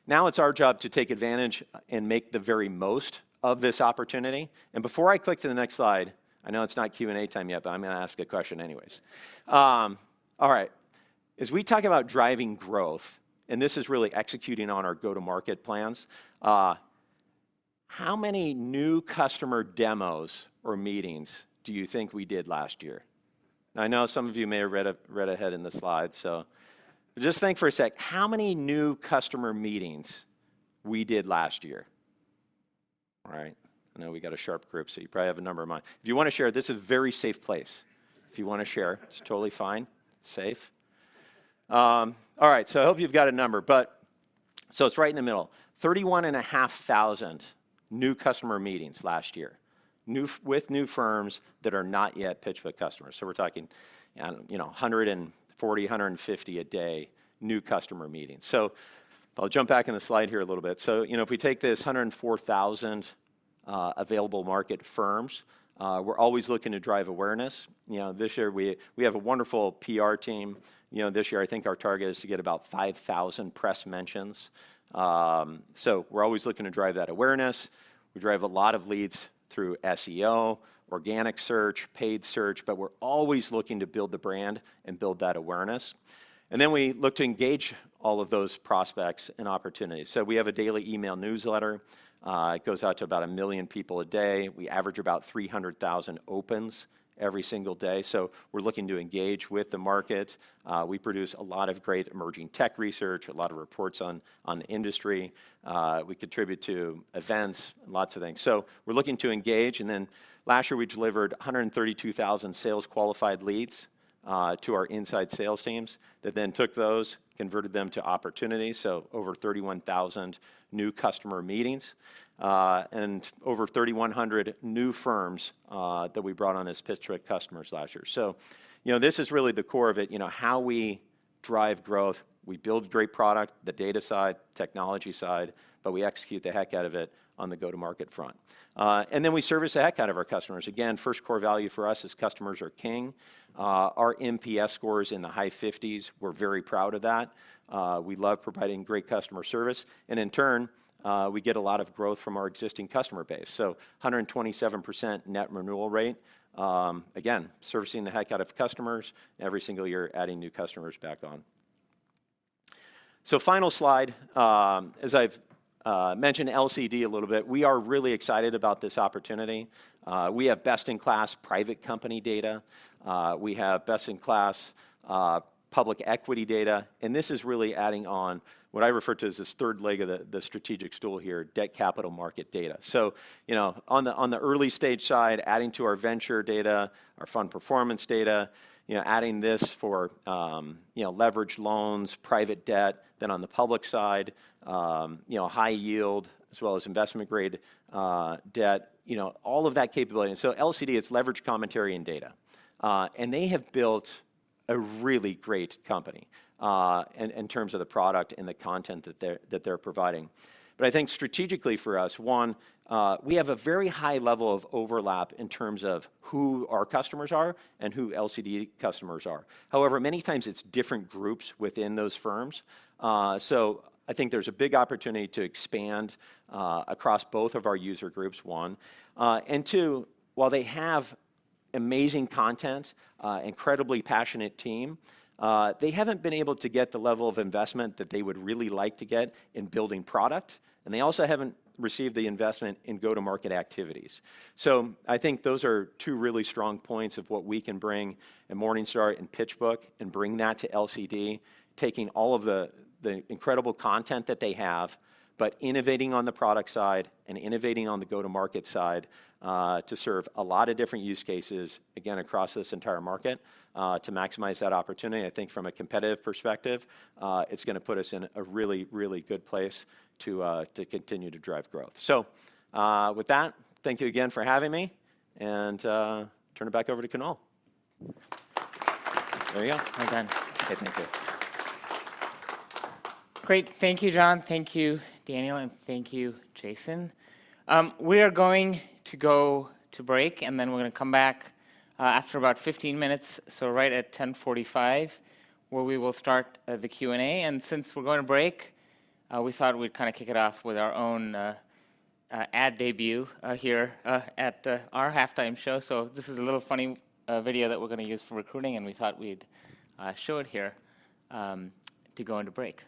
Now it's our job to take advantage and make the very most of this opportunity. Before I click to the next slide, I know it's not Q&A time yet, but I'm gonna ask a question anyways. All right. As we talk about driving growth, and this is really executing on our go-to-market plans, how many new customer demos or meetings do you think we did last year? Now I know some of you may have read ahead in the slides, so just think for a sec. How many new customer meetings we did last year? All right. I know we got a sharp group, so you probably have a number in mind. If you wanna share, this is a very safe place. If you wanna share, it's totally fine, safe. All right, so I hope you've got a number. It's right in the middle, 31.5 thousand new customer meetings last year, with new firms that are not yet PitchBook customers. We're talking, you know, 140, 150 a day new customer meetings. I'll jump back in the slide here a little bit. You know, if we take this 104,000 available market firms, we're always looking to drive awareness. You know, this year we have a wonderful PR team. You know, this year I think our target is to get about 5,000 press mentions. We're always looking to drive that awareness. We drive a lot of leads through SEO, organic search, paid search, but we're always looking to build the brand and build that awareness. Then we look to engage all of those prospects and opportunities. We have a daily email newsletter, it goes out to about 1 million people a day. We average about 300,000 opens every single day. We're looking to engage with the market. We produce a lot of great emerging tech research, a lot of reports on the industry. We contribute to events and lots of things. We're looking to engage. Last year, we delivered 132,000 sales qualified leads to our inside sales teams that then took those, converted them to opportunities, so over 31,000 new customer meetings, and over 3,100 new firms that we brought on as PitchBook customers last year. You know, this is really the core of it, you know, how we drive growth. We build great product, the data side, technology side, but we execute the heck out of it on the go-to-market front. We service the heck out of our customers. Again, first core value for us is customers are king. Our NPS score is in the high 50s. We're very proud of that. We love providing great customer service, and in turn, we get a lot of growth from our existing customer base. 127% net renewal rate. Again, servicing the heck out of customers, every single year adding new customers back on. Final slide. As I've mentioned LCD a little bit, we are really excited about this opportunity. We have best-in-class private company data. We have best-in-class public equity data, and this is really adding on what I refer to as this third leg of the strategic stool here, debt capital market data. You know, on the early stage side, adding to our venture data, our fund performance data, you know, adding this for leverage loans, private debt. On the public side, you know, high yield as well as investment grade, debt, you know, all of that capability. LCD, it's Leveraged Commentary & Data. They have built a really great company, in terms of the product and the content that they're providing. I think strategically for us, one, we have a very high level of overlap in terms of who our customers are and who LCD customers are. However, many times it's different groups within those firms. I think there's a big opportunity to expand, across both of our user groups, one. Two, while they have amazing content, incredibly passionate team. They haven't been able to get the level of investment that they would really like to get in building product, and they also haven't received the investment in go-to-market activities. I think those are two really strong points of what we can bring in Morningstar and PitchBook and bring that to LCD, taking all of the incredible content that they have, but innovating on the product side and innovating on the go-to-market side, to serve a lot of different use cases, again, across this entire market, to maximize that opportunity. I think from a competitive perspective, it's gonna put us in a really, really good place to continue to drive growth. With that, thank you again for having me, and turn it back over to Kunal. There you go. Thanks, Dan. Okay. Thank you. Great. Thank you, John. Thank you, Daniel. Thank you, Jason. We are going to go to break, and then we're gonna come back after about 15 minutes, so right at 10:45 A.M., where we will start the Q&A. Since we're going to break, we thought we'd kinda kick it off with our own ad debut here at our halftime show. This is a little funny video that we're gonna use for recruiting, and we thought we'd show it here to go into break.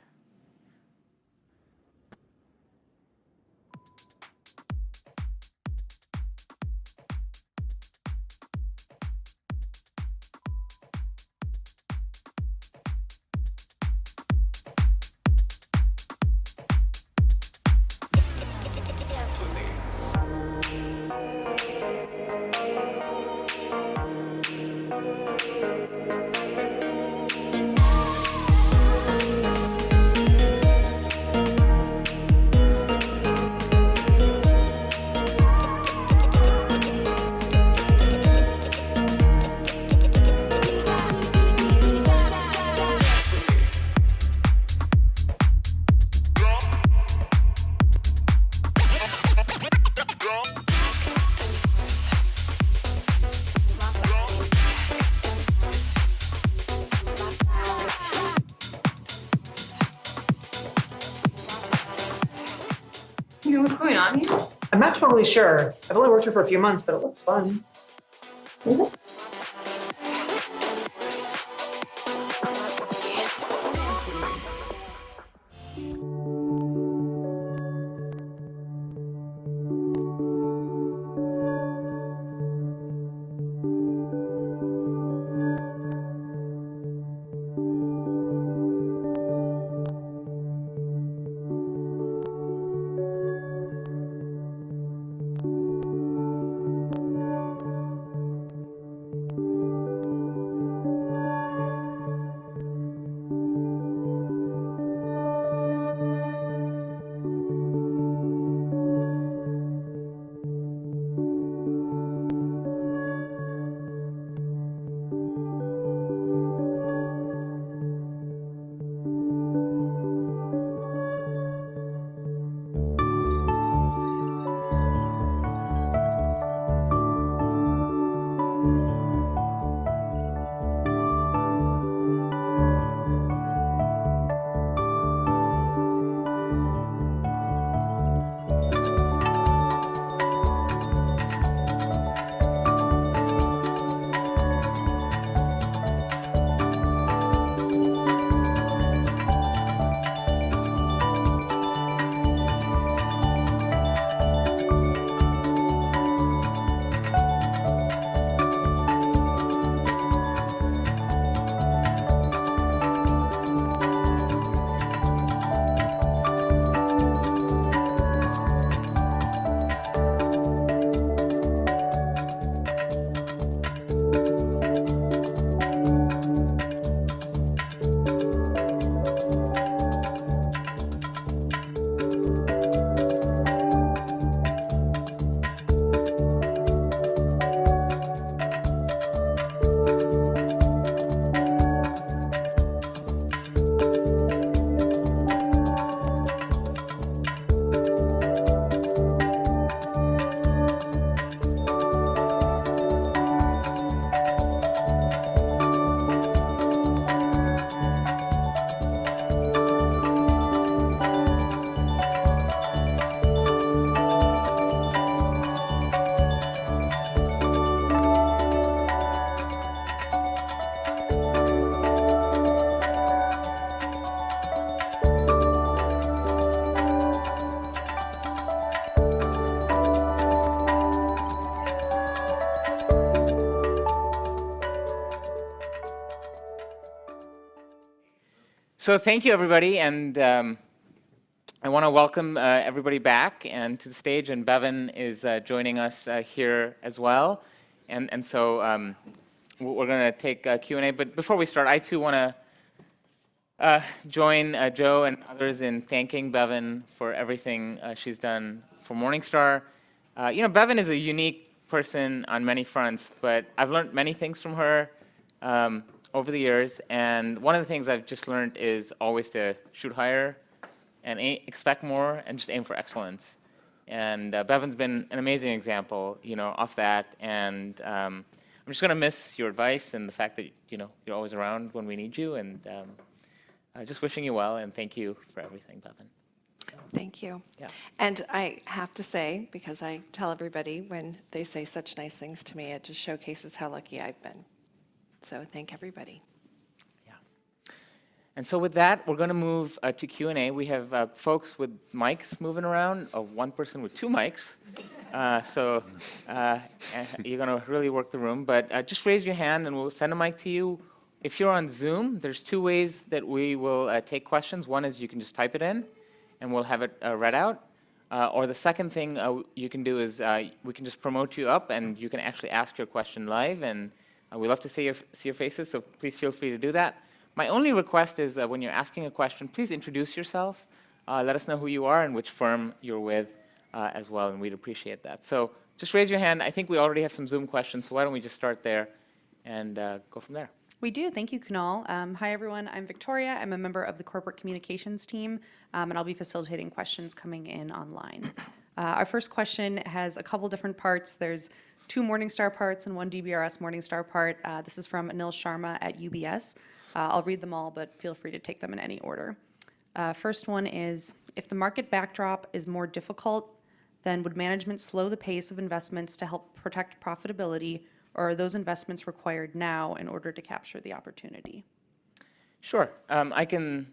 Do you know what's going on here? I'm not totally sure. I've only worked here for a few months, but it looks fun. Mm-hmm. Thank you, everybody, and I wanna welcome everybody back and to the stage. Bevin is joining us here as well. We're gonna take a Q&A. Before we start, I too wanna join Joe and others in thanking Bevin for everything she's done for Morningstar. You know, Bevin is a unique person on many fronts, but I've learned many things from her over the years, and one of the things I've just learned is always to shoot higher and expect more and just aim for excellence. Bevin's been an amazing example, you know, of that. I'm just gonna miss your advice and the fact that, you know, you're always around when we need you. Just wishing you well, and thank you for everything, Bevin. Thank you. Yeah. I have to say, because I tell everybody when they say such nice things to me, it just showcases how lucky I've been. Thank everybody. Yeah. With that, we're gonna move to Q&A. We have folks with mics moving around. One person with two mics. You're gonna really work the room. Just raise your hand and we'll send a mic to you. If you're on Zoom, there's two ways that we will take questions. One is you can just type it in and we'll have it read out. Or the second thing you can do is we can just promote you up and you can actually ask your question live, and we love to see your faces, so please feel free to do that. My only request is that when you're asking a question, please introduce yourself. Let us know who you are and which firm you're with, as well, and we'd appreciate that. Just raise your hand. I think we already have some Zoom questions, so why don't we just start there and go from there. We do. Thank you, Kunal. Hi, everyone. I'm Victoria. I'm a member of the corporate communications team, and I'll be facilitating questions coming in online. Our first question has a couple different parts. There's two Morningstar parts and one DBRS Morningstar part. This is from Anil Sharma at UBS. I'll read them all, but feel free to take them in any order. First one is, if the market backdrop is more difficult, then would management slow the pace of investments to help protect profitability, or are those investments required now in order to capture the opportunity? Sure. I can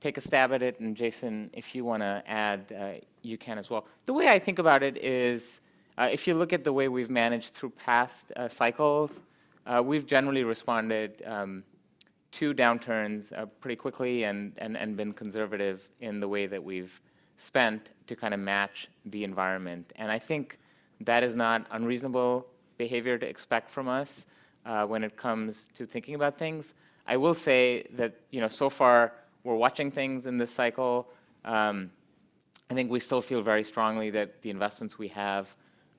take a stab at it, and Jason, if you wanna add, you can as well. The way I think about it is, if you look at the way we've managed through past cycles, we've generally responded to downturns pretty quickly and been conservative in the way that we've spent to kinda match the environment. I think that is not unreasonable behavior to expect from us when it comes to thinking about things. I will say that, you know, so far we're watching things in this cycle. I think we still feel very strongly that the investments we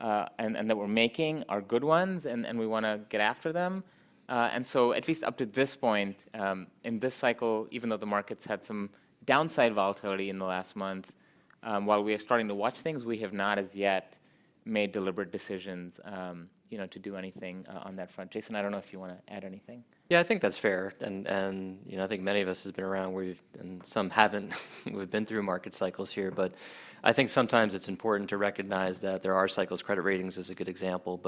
have and that we're making are good ones and we wanna get after them. At least up to this point in this cycle, even though the market's had some downside volatility in the last month, while we are starting to watch things, we have not as yet made deliberate decisions, you know, to do anything on that front. Jason, I don't know if you wanna add anything. Yeah, I think that's fair. You know, I think many of us has been around, and some haven't. We've been through market cycles here. I think sometimes it's important to recognize that there are cycles. Credit ratings is a good example.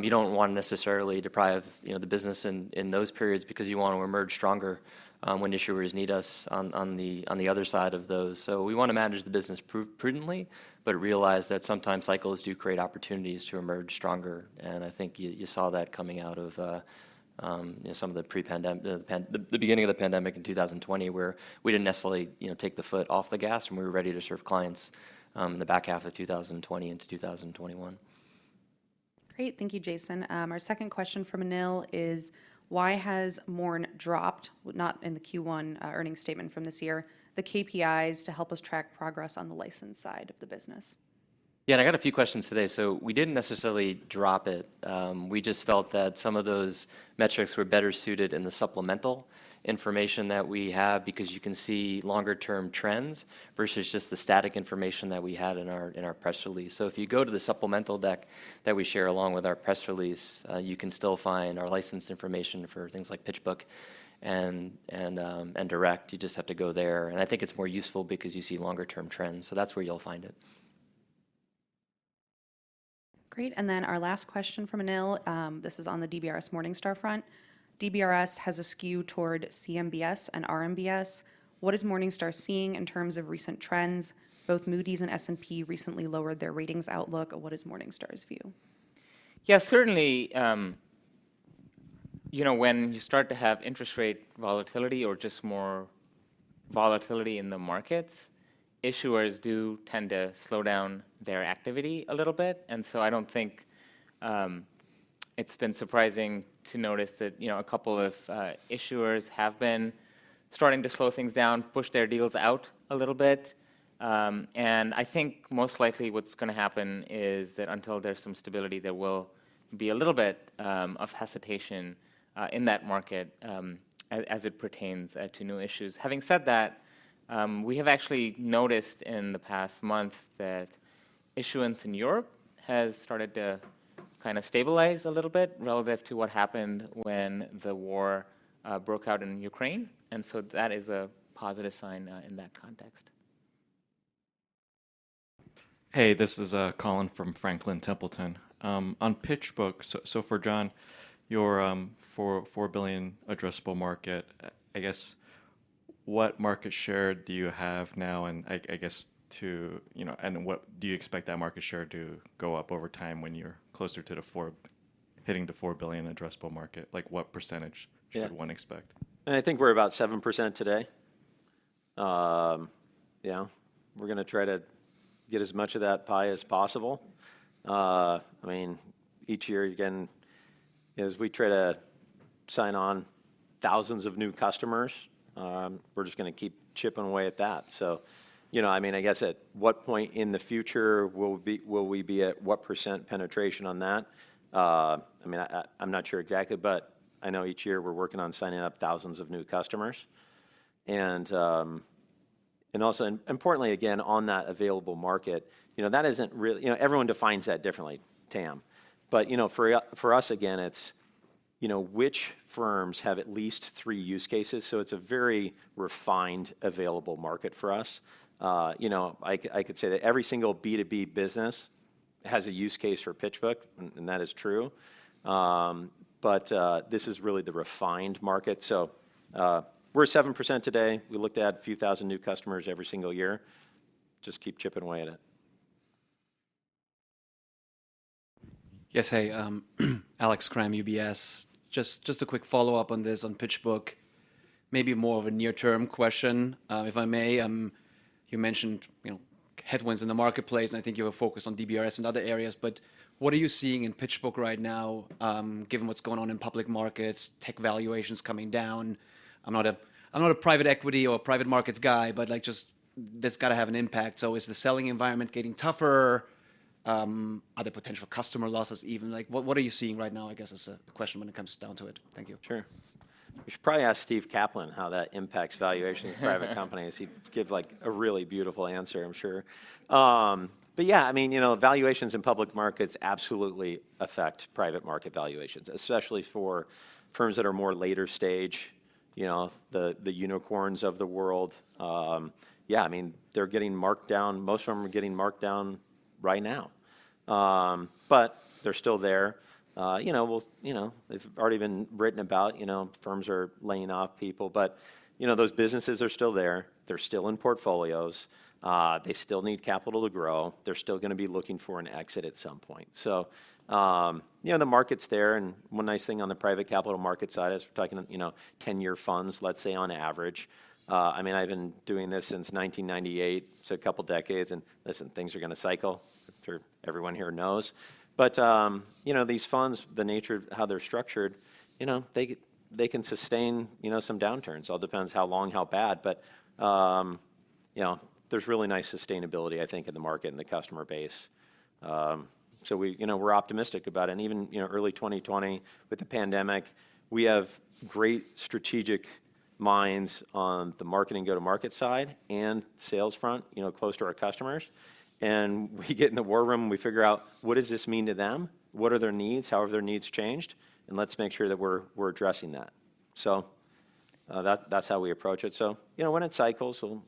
You don't want to necessarily deprive, you know, the business in those periods because you want to emerge stronger when issuers need us on the other side of those. We want to manage the business prudently, but realize that sometimes cycles do create opportunities to emerge stronger. I think you saw that coming out of you know some of the beginning of the pandemic in 2020 where we didn't necessarily you know take the foot off the gas and we were ready to serve clients in the back half of 2020 into 2021. Great. Thank you, Jason. Our second question from Anil is, why has MORN dropped, not in the Q1 earnings statement from this year, the KPIs to help us track progress on the license side of the business? Yeah, I got a few questions today. We didn't necessarily drop it. We just felt that some of those metrics were better suited in the supplemental information that we have because you can see longer term trends versus just the static information that we had in our press release. If you go to the supplemental deck that we share along with our press release, you can still find our license information for things like PitchBook and Direct. You just have to go there. I think it's more useful because you see longer term trends. That's where you'll find it. Great. Our last question from Anil, this is on the DBRS Morningstar front. DBRS has a skew toward CMBS and RMBS. What is Morningstar seeing in terms of recent trends? Both Moody's and S&P recently lowered their ratings outlook. What is Morningstar's view? Yeah, certainly, you know, when you start to have interest rate volatility or just more volatility in the markets, issuers do tend to slow down their activity a little bit. I don't think it's been surprising to notice that, you know, a couple of issuers have been starting to slow things down, push their deals out a little bit. I think most likely what's gonna happen is that until there's some stability, there will be a little bit of hesitation in that market, as it pertains to new issues. Having said that, we have actually noticed in the past month that issuance in Europe has started to kind of stabilize a little bit relative to what happened when the war broke out in Ukraine. That is a positive sign in that context. Hey, this is Colin from Franklin Templeton. On PitchBook, so for John, your $4 billion addressable market, I guess, what market share do you have now? I guess to, you know, and what do you expect that market share to go up over time when you're closer to hitting the $4 billion addressable market? Like, what percentage? Yeah Should one expect? I think we're about 7% today. Yeah. We're gonna try to get as much of that pie as possible. I mean, each year, you know, as we try to sign on thousands of new customers, we're just gonna keep chipping away at that. You know, I mean, I guess at what point in the future will we be at what % penetration on that? I mean, I'm not sure exactly, but I know each year we're working on signing up thousands of new customers. And also importantly again, on that available market, you know, that isn't real. You know, everyone defines that differently, TAM. You know, for us again, it's. You know, which firms have at least three use cases. It's a very refined available market for us. You know, I could say that every single B2B business has a use case for PitchBook, and that is true. This is really the refined market. We're at 7% today. We look to add a few thousand new customers every single year. Just keep chipping away at it. Yes. Hey, Alex Kramm, UBS. Just a quick follow-up on this, on PitchBook. Maybe more of a near-term question, if I may. You mentioned, you know, headwinds in the marketplace, and I think you have a focus on DBRS and other areas, but what are you seeing in PitchBook right now, given what's going on in public markets, tech valuations coming down? I'm not a private equity or a private markets guy, but, like, just that's gotta have an impact. So is the selling environment getting tougher? Are there potential customer losses even? Like, what are you seeing right now, I guess is the question when it comes down to it. Thank you. Sure. We should probably ask Steve Kaplan how that impacts valuation of private companies. He'd give, like, a really beautiful answer, I'm sure. Yeah. I mean, you know, valuations in public markets absolutely affect private market valuations, especially for firms that are more later stage, you know, the unicorns of the world. Yeah. I mean, they're getting marked down. Most of them are getting marked down right now. They're still there. You know, they've already been written about. You know, firms are laying off people, but, you know, those businesses are still there. They're still in portfolios. They still need capital to grow. They're still gonna be looking for an exit at some point. You know, the market's there, and one nice thing on the private capital market side is we're talking, you know, 10-year funds, let's say, on average. I mean, I've been doing this since 1998, so a couple decades, and listen, things are gonna cycle. I'm sure everyone here knows. You know, these funds, the nature of how they're structured, you know, they can sustain, you know, some downturns. It all depends how long, how bad. You know, there's really nice sustainability, I think, in the market and the customer base. We, you know, we're optimistic about it. Even, you know, early 2020, with the pandemic, we have great strategic minds on the marketing go-to-market side and sales front, you know, close to our customers. We get in the war room, and we figure out what does this mean to them? What are their needs? How have their needs changed? Let's make sure that we're addressing that. That's how we approach it. You know, when it cycles, we'll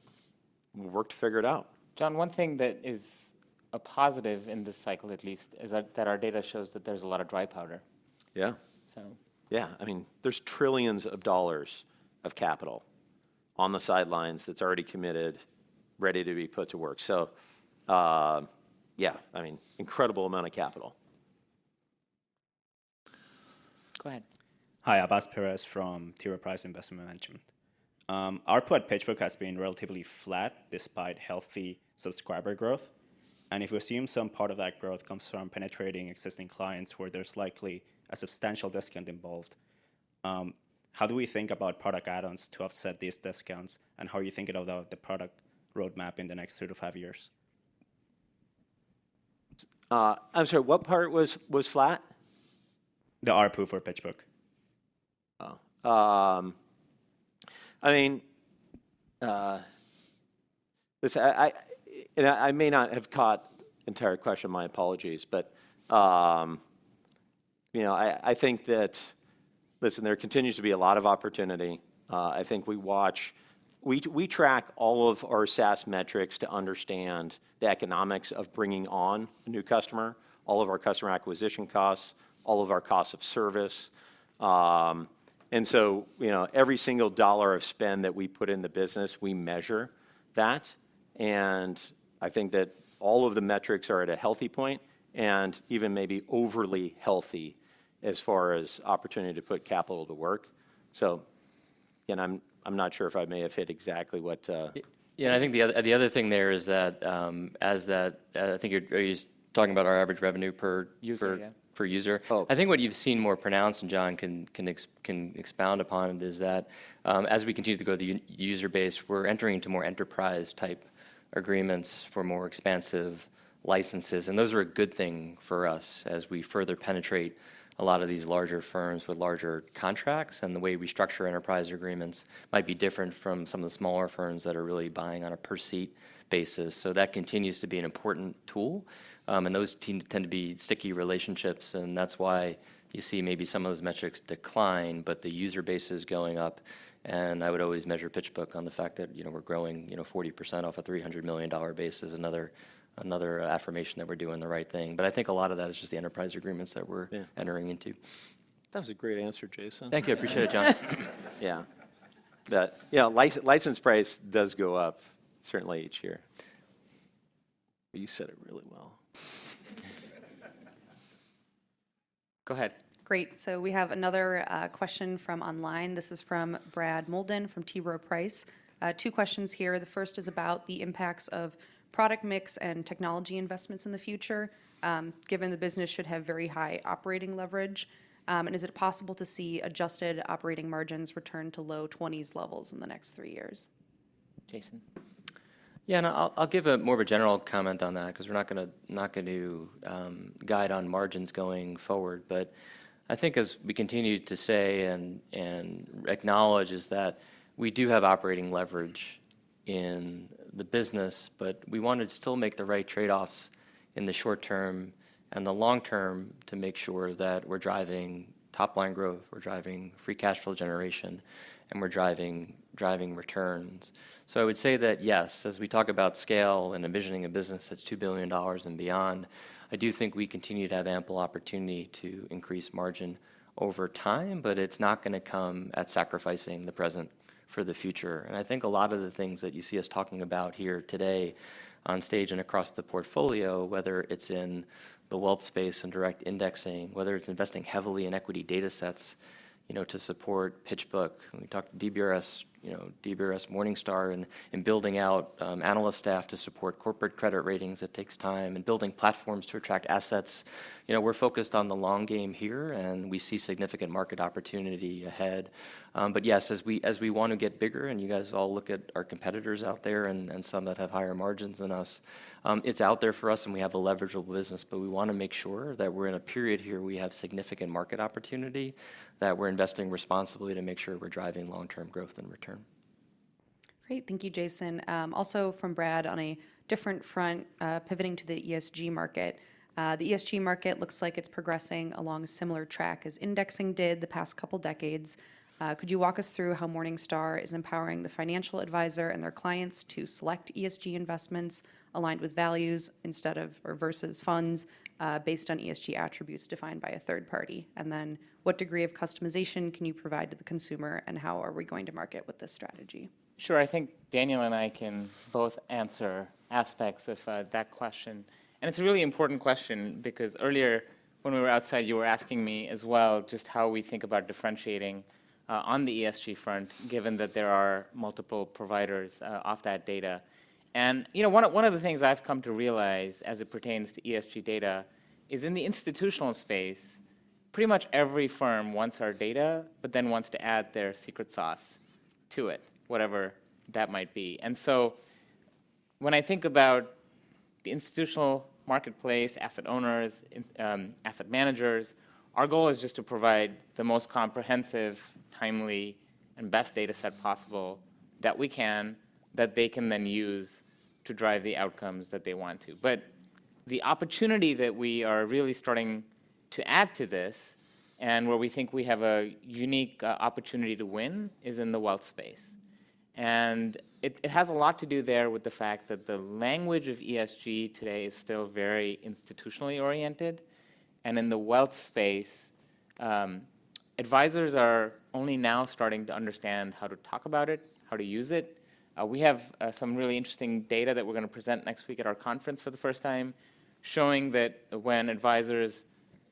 work to figure it out. John, one thing that is a positive in this cycle at least is that our data shows that there's a lot of dry powder. Yeah. So. Yeah. I mean, there's trillions of dollars of capital on the sidelines that's already committed, ready to be put to work. Yeah. I mean, incredible amount of capital. Go ahead. Hi. Abbas Perez from T. Rowe Price Investment Management. ARPU at PitchBook has been relatively flat despite healthy subscriber growth, and if we assume some part of that growth comes from penetrating existing clients where there's likely a substantial discount involved, how do we think about product add-ons to offset these discounts? How are you thinking about the product roadmap in the next three to five years? I'm sorry. What part was flat? The ARPU for PitchBook. I mean, listen, I may not have caught the entire question. My apologies. You know, I think that. Listen, there continues to be a lot of opportunity. I think we track all of our SaaS metrics to understand the economics of bringing on a new customer, all of our customer acquisition costs, all of our costs of service. You know, every single dollar of spend that we put in the business, we measure that. I think that all of the metrics are at a healthy point and even maybe overly healthy as far as opportunity to put capital to work. You know, I'm not sure if I may have hit exactly what. Yeah. I think the other thing there is that I think you're—are you talking about our average revenue per- User, yeah. per user? Oh. I think what you've seen more pronounced, and John can expound upon, is that, as we continue to grow the user base, we're entering into more enterprise-type agreements for more expansive licenses, and those are a good thing for us as we further penetrate a lot of these larger firms with larger contracts. The way we structure enterprise agreements might be different from some of the smaller firms that are really buying on a per-seat basis. That continues to be an important tool. Those team tend to be sticky relationships, and that's why you see maybe some of those metrics decline, but the user base is going up. I would always measure PitchBook on the fact that, you know, we're growing, you know, 40% off a $300 million base is another affirmation that we're doing the right thing. I think a lot of that is just the enterprise agreements that we're- Yeah entering into. That was a great answer, Jason. Thank you. I appreciate it, John. Yeah. The, you know, license price does go up certainly each year. You said it really well. Go ahead. Great. We have another question from online. This is from Brad Moldin from T. Rowe Price. Two questions here. The first is about the impacts of product mix and technology investments in the future, given the business should have very high operating leverage. Is it possible to see adjusted operating margins return to low-20s% levels in the next 3 years? Jason? Yeah, no, I'll give a more of a general comment on that 'cause we're not gonna guide on margins going forward. I think as we continue to say and acknowledge is that we do have operating leverage. In the business, but we wanna still make the right trade-offs in the short term and the long term to make sure that we're driving top-line growth, we're driving free cash flow generation, and we're driving returns. I would say that yes, as we talk about scale and envisioning a business that's $2 billion and beyond, I do think we continue to have ample opportunity to increase margin over time, but it's not gonna come at sacrificing the present for the future. I think a lot of the things that you see us talking about here today on stage and across the portfolio, whether it's in the wealth space and direct indexing, whether it's investing heavily in equity datasets, you know, to support PitchBook. When we talk to DBRS, you know, DBRS Morningstar and building out analyst staff to support corporate credit ratings, it takes time, and building platforms to attract assets. You know, we're focused on the long game here, and we see significant market opportunity ahead. Yes, as we wanna get bigger, and you guys all look at our competitors out there and some that have higher margins than us, it's out there for us, and we have a leverageable business. We wanna make sure that we're in a period here we have significant market opportunity, that we're investing responsibly to make sure we're driving long-term growth and return. Great. Thank you, Jason. Also from Brad on a different front, pivoting to the ESG market. The ESG market looks like it's progressing along a similar track as indexing did the past couple decades. Could you walk us through how Morningstar is empowering the financial advisor and their clients to select ESG investments aligned with values instead of or versus funds, based on ESG attributes defined by a third party? Then what degree of customization can you provide to the consumer, and how are we going to market with this strategy? Sure. I think Daniel and I can both answer aspects of that question. It's a really important question because earlier when we were outside, you were asking me as well just how we think about differentiating on the ESG front given that there are multiple providers of that data. You know, one of the things I've come to realize as it pertains to ESG data is in the institutional space, pretty much every firm wants our data, but then wants to add their secret sauce to it, whatever that might be. When I think about the institutional marketplace, asset owners, asset managers, our goal is just to provide the most comprehensive, timely, and best dataset possible that we can, that they can then use to drive the outcomes that they want to. The opportunity that we are really starting to add to this and where we think we have a unique opportunity to win is in the wealth space. It has a lot to do there with the fact that the language of ESG today is still very institutionally oriented, and in the wealth space, advisors are only now starting to understand how to talk about it, how to use it. We have some really interesting data that we're gonna present next week at our conference for the first time showing that when advisors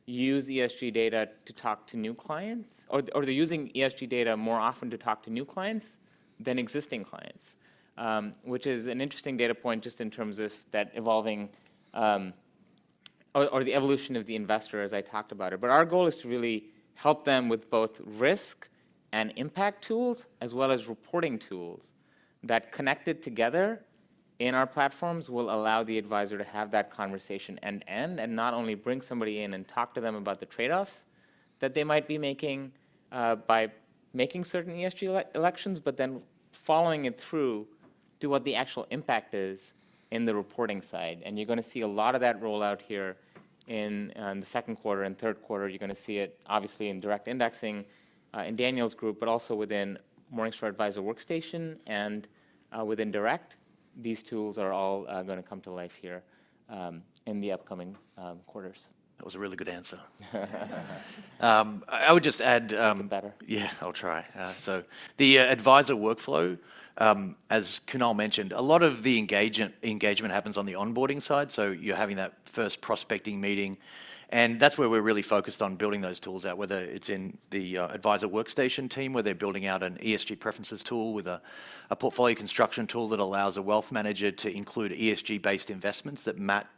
use ESG data to talk to new clients, or they're using ESG data more often to talk to new clients than existing clients, which is an interesting data point just in terms of that evolving, or the evolution of the investor as I talked about it. Our goal is to really help them with both risk and impact tools as well as reporting tools that connected together in our platforms will allow the advisor to have that conversation end-to-end and not only bring somebody in and talk to them about the trade-offs that they might be making by making certain ESG elections, but then following it through to what the actual impact is in the reporting side. You're gonna see a lot of that roll out here in the second quarter and third quarter. You're gonna see it obviously in direct indexing in Daniel's group, but also within Morningstar Advisor Workstation and within Morningstar Direct. These tools are all gonna come to life here in the upcoming quarters. That was a really good answer. I would just add. Even better. Yeah, I'll try. So the advisor workflow, as Kunal mentioned, a lot of the engagement happens on the onboarding side, so you're having that first prospecting meeting, and that's where we're really focused on building those tools out, whether it's in the Advisor Workstation team, where they're building out an ESG preferences tool with a portfolio construction tool that allows a wealth manager to include ESG-based investments that map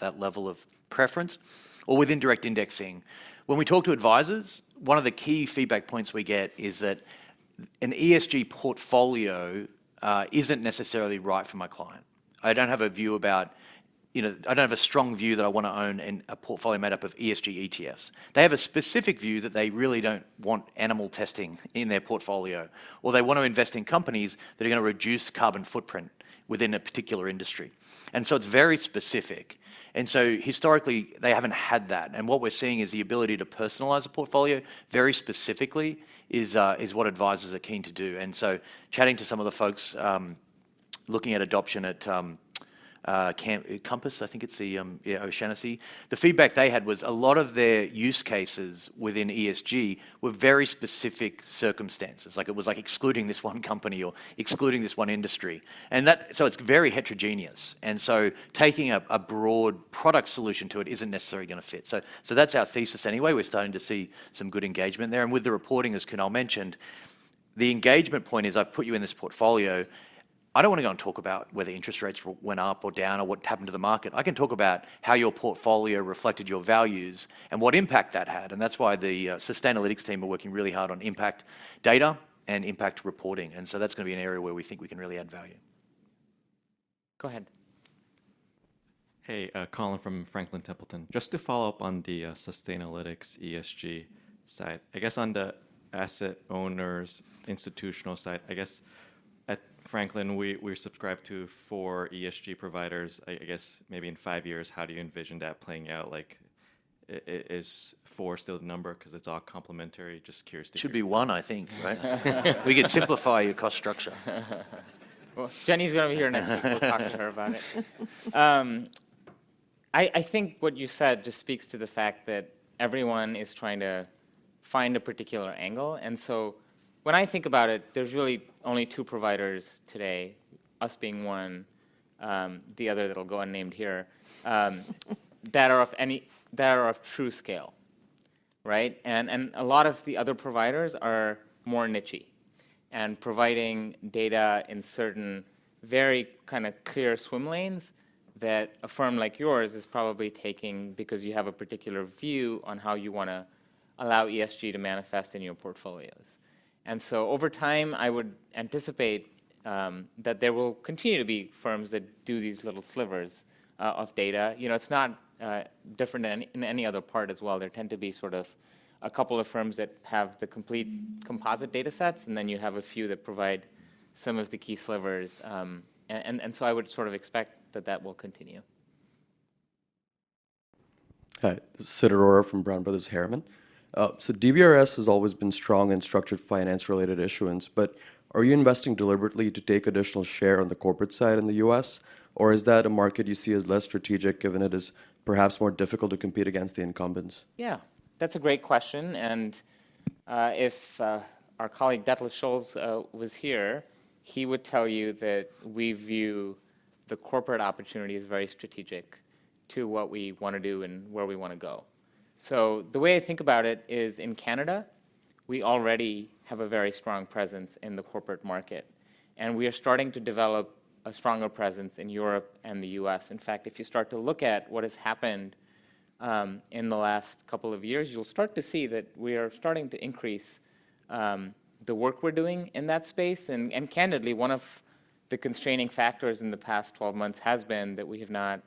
that level of preference, or within direct indexing. When we talk to advisors, one of the key feedback points we get is that an ESG portfolio isn't necessarily right for my client. I don't have a view about, you know, I don't have a strong view that I wanna own in a portfolio made up of ESG ETFs. They have a specific view that they really don't want animal testing in their portfolio, or they wanna invest in companies that are gonna reduce carbon footprint within a particular industry. It's very specific. Historically, they haven't had that. What we're seeing is the ability to personalize a portfolio very specifically is what advisors are keen to do. Chatting to some of the folks, looking at adoption at Canvas, I think it's the O'Shaughnessy. The feedback they had was a lot of their use cases within ESG were very specific circumstances. Like, it was like excluding this one company or excluding this one industry. It's very heterogeneous. Taking a broad product solution to it isn't necessarily gonna fit. That's our thesis anyway. We're starting to see some good engagement there. With the reporting, as Kunal mentioned, the engagement point is I've put you in this portfolio. I don't wanna go and talk about whether interest rates went up or down or what happened to the market. I can talk about how your portfolio reflected your values and what impact that had, and that's why the Sustainalytics team are working really hard on impact data and impact reporting. That's gonna be an area where we think we can really add value. Go ahead. Hey, Colin from Franklin Templeton. Just to follow up on the Sustainalytics ESG side. I guess on the asset owners institutional side, I guess at Franklin, we're subscribed to 4 ESG providers. I guess maybe in 5 years, how do you envision that playing out? Like, is 4 still the number 'cause it's all complementary? Just curious to hear. It should be one, I think, right? We could simplify your cost structure. Well, Jenny's gonna be here next week. We'll talk to her about it. I think what you said just speaks to the fact that everyone is trying to find a particular angle. When I think about it, there's really only two providers today, us being one, the other that'll go unnamed here that are of true scale, right? A lot of the other providers are more niche-y and providing data in certain very kinda clear swim lanes that a firm like yours is probably taking because you have a particular view on how you wanna allow ESG to manifest in your portfolios. Over time, I would anticipate that there will continue to be firms that do these little slivers of data. You know, it's not different than in any other part as well. There tend to be sort of a couple of firms that have the complete composite datasets, and then you have a few that provide some of the key slivers, and so I would sort of expect that that will continue. Hi. Sid Arora from Brown Brothers Harriman. DBRS has always been strong in structured finance-related issuance, but are you investing deliberately to take additional share on the corporate side in the U.S., or is that a market you see as less strategic given it is perhaps more difficult to compete against the incumbents? Yeah. That's a great question. If our colleague Detlef Scholz was here, he would tell you that we view the corporate opportunity as very strategic to what we wanna do and where we wanna go. The way I think about it is in Canada, we already have a very strong presence in the corporate market, and we are starting to develop a stronger presence in Europe and the US. In fact, if you start to look at what has happened in the last couple of years, you'll start to see that we are starting to increase the work we're doing in that space. Candidly, one of the constraining factors in the past 12 months has been that we have not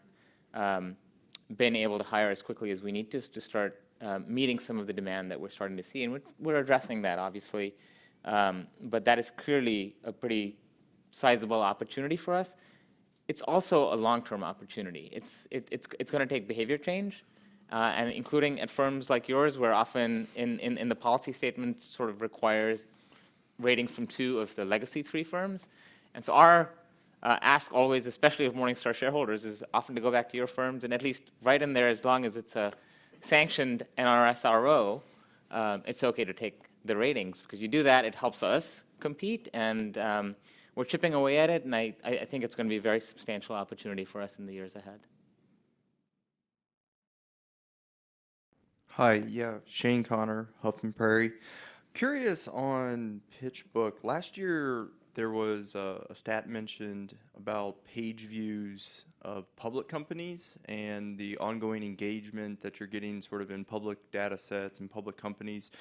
been able to hire as quickly as we need to to start meeting some of the demand that we're starting to see. We're addressing that obviously. But that is clearly a pretty sizable opportunity for us. It's also a long-term opportunity. It's gonna take behavior change and including at firms like yours, where often in the policy statement sort of requires rating from two of the legacy three firms. Our ask always, especially of Morningstar shareholders, is often to go back to your firms and at least write in there as long as it's a sanctioned NRSRO, it's okay to take the ratings. Because you do that, it helps us compete and we're chipping away at it, and I think it's gonna be a very substantial opportunity for us in the years ahead. Hi. Yeah. Shane Connor, Huffman Prairie. Curious on PitchBook. Last year, there was a stat mentioned about page views of public companies and the ongoing engagement that you're getting sort of in public datasets and public companies.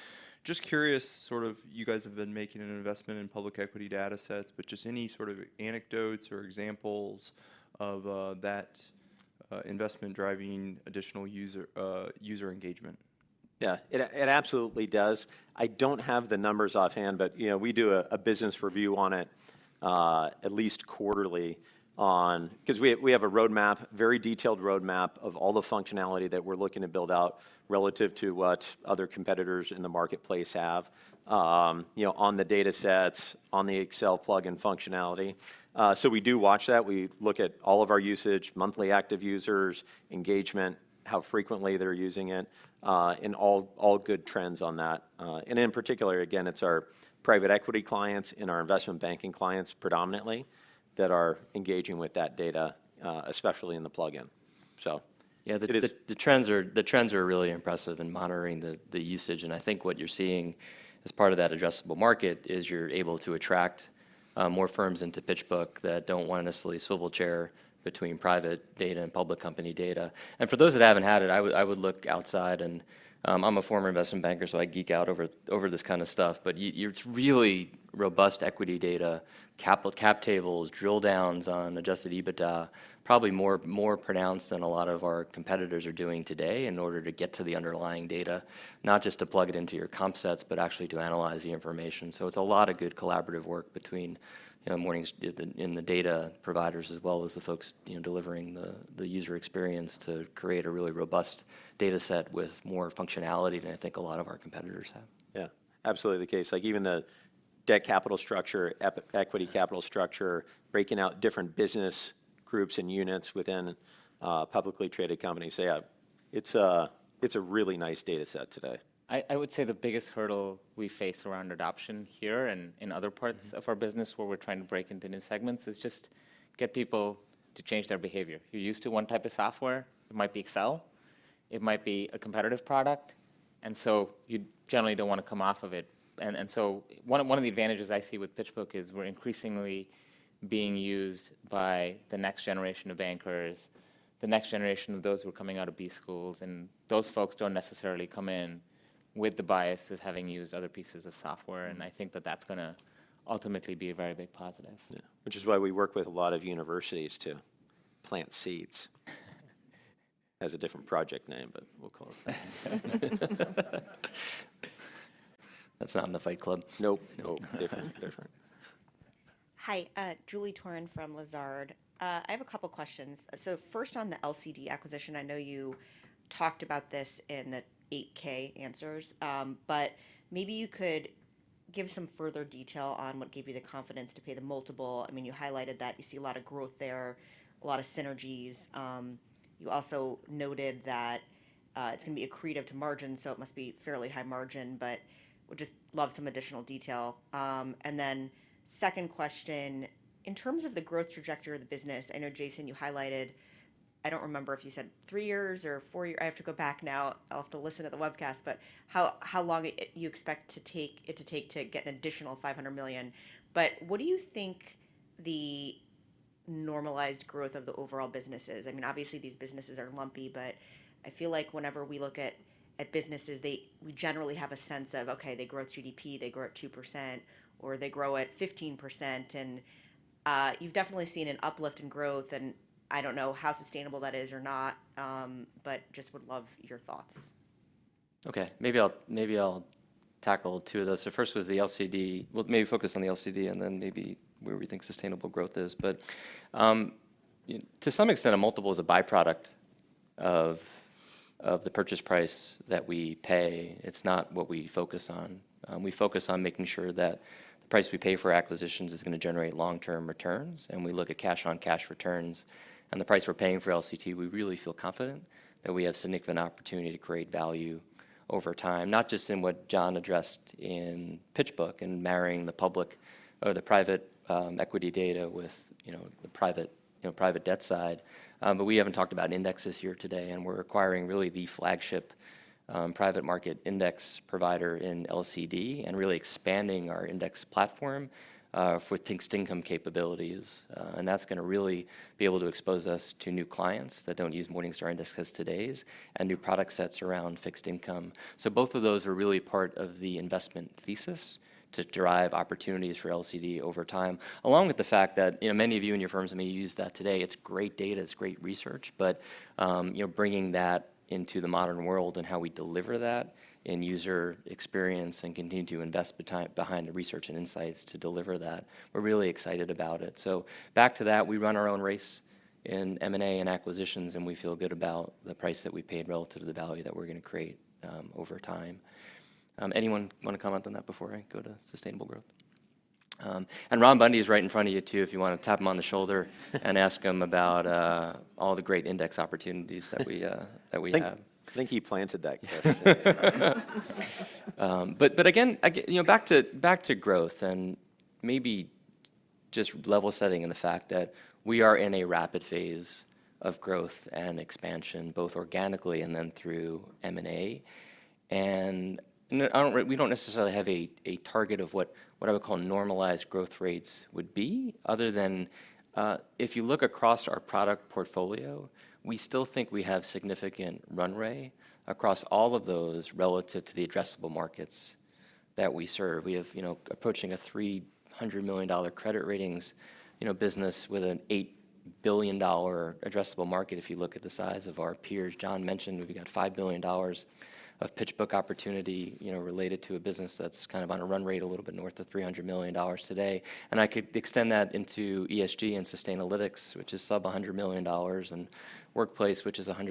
Just curious sort of you guys have been making an investment in public equity datasets, but just any sort of anecdotes or examples of that investment driving additional user engagement? Yeah. It absolutely does. I don't have the numbers offhand, but, you know, we do a business review on it at least quarterly on 'cause we have a roadmap, very detailed roadmap of all the functionality that we're looking to build out relative to what other competitors in the marketplace have, you know, on the datasets, on the Excel plugin functionality. So we do watch that. We look at all of our usage, monthly active users, engagement, how frequently they're using it, and all good trends on that. In particular, again, it's our private equity clients and our investment banking clients predominantly that are engaging with that data, especially in the plugin. So it is. Yeah. The trends are really impressive in monitoring the usage. I think what you're seeing as part of that addressable market is you're able to attract more firms into PitchBook that don't wanna necessarily swivel chair between private data and public company data. For those that haven't had it, I would look outside and I'm a former investment banker, so I geek out over this kinda stuff. But yours really robust equity data, cap tables, drill downs on adjusted EBITDA, probably more pronounced than a lot of our competitors are doing today in order to get to the underlying data, not just to plug it into your comp sets, but actually to analyze the information. It's a lot of good collaborative work between, you know, the data providers as well as the folks, you know, delivering the user experience to create a really robust dataset with more functionality than I think a lot of our competitors have. Yeah. Absolutely the case. Like, even the debt capital structure, equity capital structure, breaking out different business groups and units within publicly traded companies. It's a really nice dataset today. I would say the biggest hurdle we face around adoption here and in other parts of our business where we're trying to break into new segments is just get people to change their behavior. You're used to one type of software. It might be Excel. It might be a competitive product. You generally don't wanna come off of it. One of the advantages I see with PitchBook is we're increasingly being used by the next generation of bankers, the next generation of those who are coming out of B schools, and those folks don't necessarily come in with the bias of having used other pieces of software. I think that’s gonna ultimately be a very big positive. Yeah. Which is why we work with a lot of universities to plant seeds. Has a different project name, but we'll call it. That's not in the Fight Club. Nope. Different. Hi. Julie Toran from Lazard. I have a couple questions. First on the LCD acquisition, I know you talked about this in the 8-K answers, but maybe you could give some further detail on what gave you the confidence to pay the multiple. I mean, you highlighted that you see a lot of growth there, a lot of synergies. You also noted that it's gonna be accretive to margin, so it must be fairly high margin, but would just love some additional detail. Then second question, in terms of the growth trajectory of the business, I know Jason, you highlighted. I don't remember if you said three years or four year. I have to go back now. I'll have to listen to the webcast, but how long do you expect it to take to get an additional $500 million? What do you think the normalized growth of the overall business is? I mean, obviously these businesses are lumpy, but I feel like whenever we look at businesses, they generally have a sense of, okay, they grow with GDP, they grow at 2%, or they grow at 15%. You've definitely seen an uplift in growth, and I don't know how sustainable that is or not, but just would love your thoughts. Okay. Maybe I'll tackle two of those. First was the LCD. We'll maybe focus on the LCD and then maybe where we think sustainable growth is. To some extent, a multiple is a byproduct of the purchase price that we pay. It's not what we focus on. We focus on making sure that the price we pay for acquisitions is gonna generate long-term returns, and we look at cash-on-cash returns. The price we're paying for LCD, we really feel confident that we have significant opportunity to create value over time, not just in what Jon addressed in PitchBook and marrying the public or the private equity data with, you know, the private, you know, private debt side. We haven't talked about indexes here today, and we're acquiring really the flagship private market index provider in LCD and really expanding our index platform for fixed income capabilities. That's gonna really be able to expose us to new clients that don't use Morningstar Indexes today and new product sets around fixed income. Both of those are really part of the investment thesis to drive opportunities for LCD over time, along with the fact that, you know, many of you in your firms may use that today. It's great data, it's great research, but you know, bringing that into the modern world and how we deliver that in user experience and continue to invest behind the research and insights to deliver that, we're really excited about it. Back to that, we run our own race in M&A and acquisitions, and we feel good about the price that we paid relative to the value that we're gonna create over time. Anyone wanna comment on that before I go to sustainable growth? Ron Bundy is right in front of you too, if you wanna tap him on the shoulder and ask him about all the great index opportunities that we have. I think he planted that question. Again, you know, back to growth and maybe just level setting in the fact that we are in a rapid phase of growth and expansion, both organically and then through M&A. We don't necessarily have a target of what I would call normalized growth rates would be other than, if you look across our product portfolio, we still think we have significant runway across all of those relative to the addressable markets that we serve. We have, you know, approaching a $300 million credit ratings business with an $8 billion addressable market, if you look at the size of our peers. John Gabbert mentioned we've got $5 billion of PitchBook opportunity, you know, related to a business that's kind of on a run rate a little bit north of $300 million today. I could extend that into ESG and Sustainalytics, which is sub $100 million, and Workplace, which is $100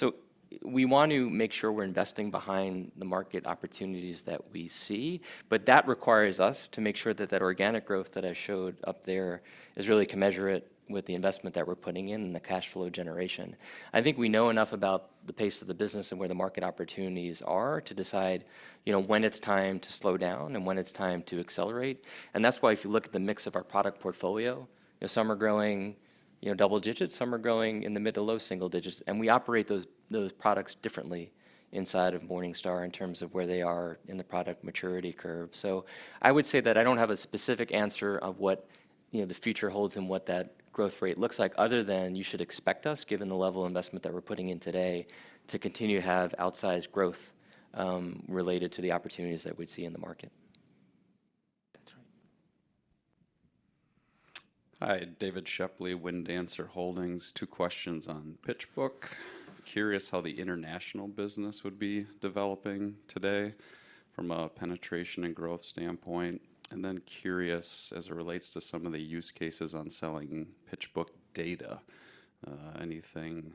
million. We want to make sure we're investing behind the market opportunities that we see, but that requires us to make sure that that organic growth that I showed up there is really commensurate with the investment that we're putting in and the cash flow generation. I think we know enough about the pace of the business and where the market opportunities are to decide, you know, when it's time to slow down and when it's time to accelerate. That's why if you look at the mix of our product portfolio, you know, some are growing, you know, double digits, some are growing in the mid to low single digits, and we operate those products differently inside of Morningstar in terms of where they are in the product maturity curve. I would say that I don't have a specific answer of what, you know, the future holds and what that growth rate looks like other than you should expect us, given the level of investment that we're putting in today, to continue to have outsized growth related to the opportunities that we'd see in the market. That's right. Hi, David Shepley, Windancer Holdings. Two questions on PitchBook. Curious how the international business would be developing today from a penetration and growth standpoint. Curious as it relates to some of the use cases on selling PitchBook data, anything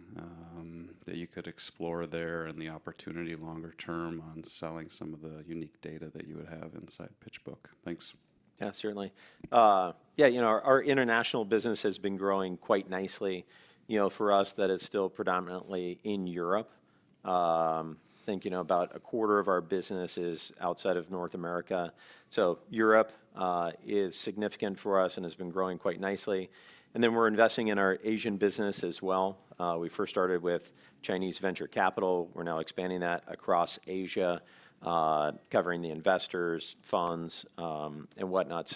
that you could explore there and the opportunity longer term on selling some of the unique data that you would have inside PitchBook. Thanks. Yeah, certainly. Yeah, you know, our international business has been growing quite nicely. You know, for us, that is still predominantly in Europe. I think, you know, about a quarter of our business is outside of North America. Europe is significant for us and has been growing quite nicely. We're investing in our Asian business as well. We first started with Chinese venture capital. We're now expanding that across Asia, covering the investors, funds, and whatnot.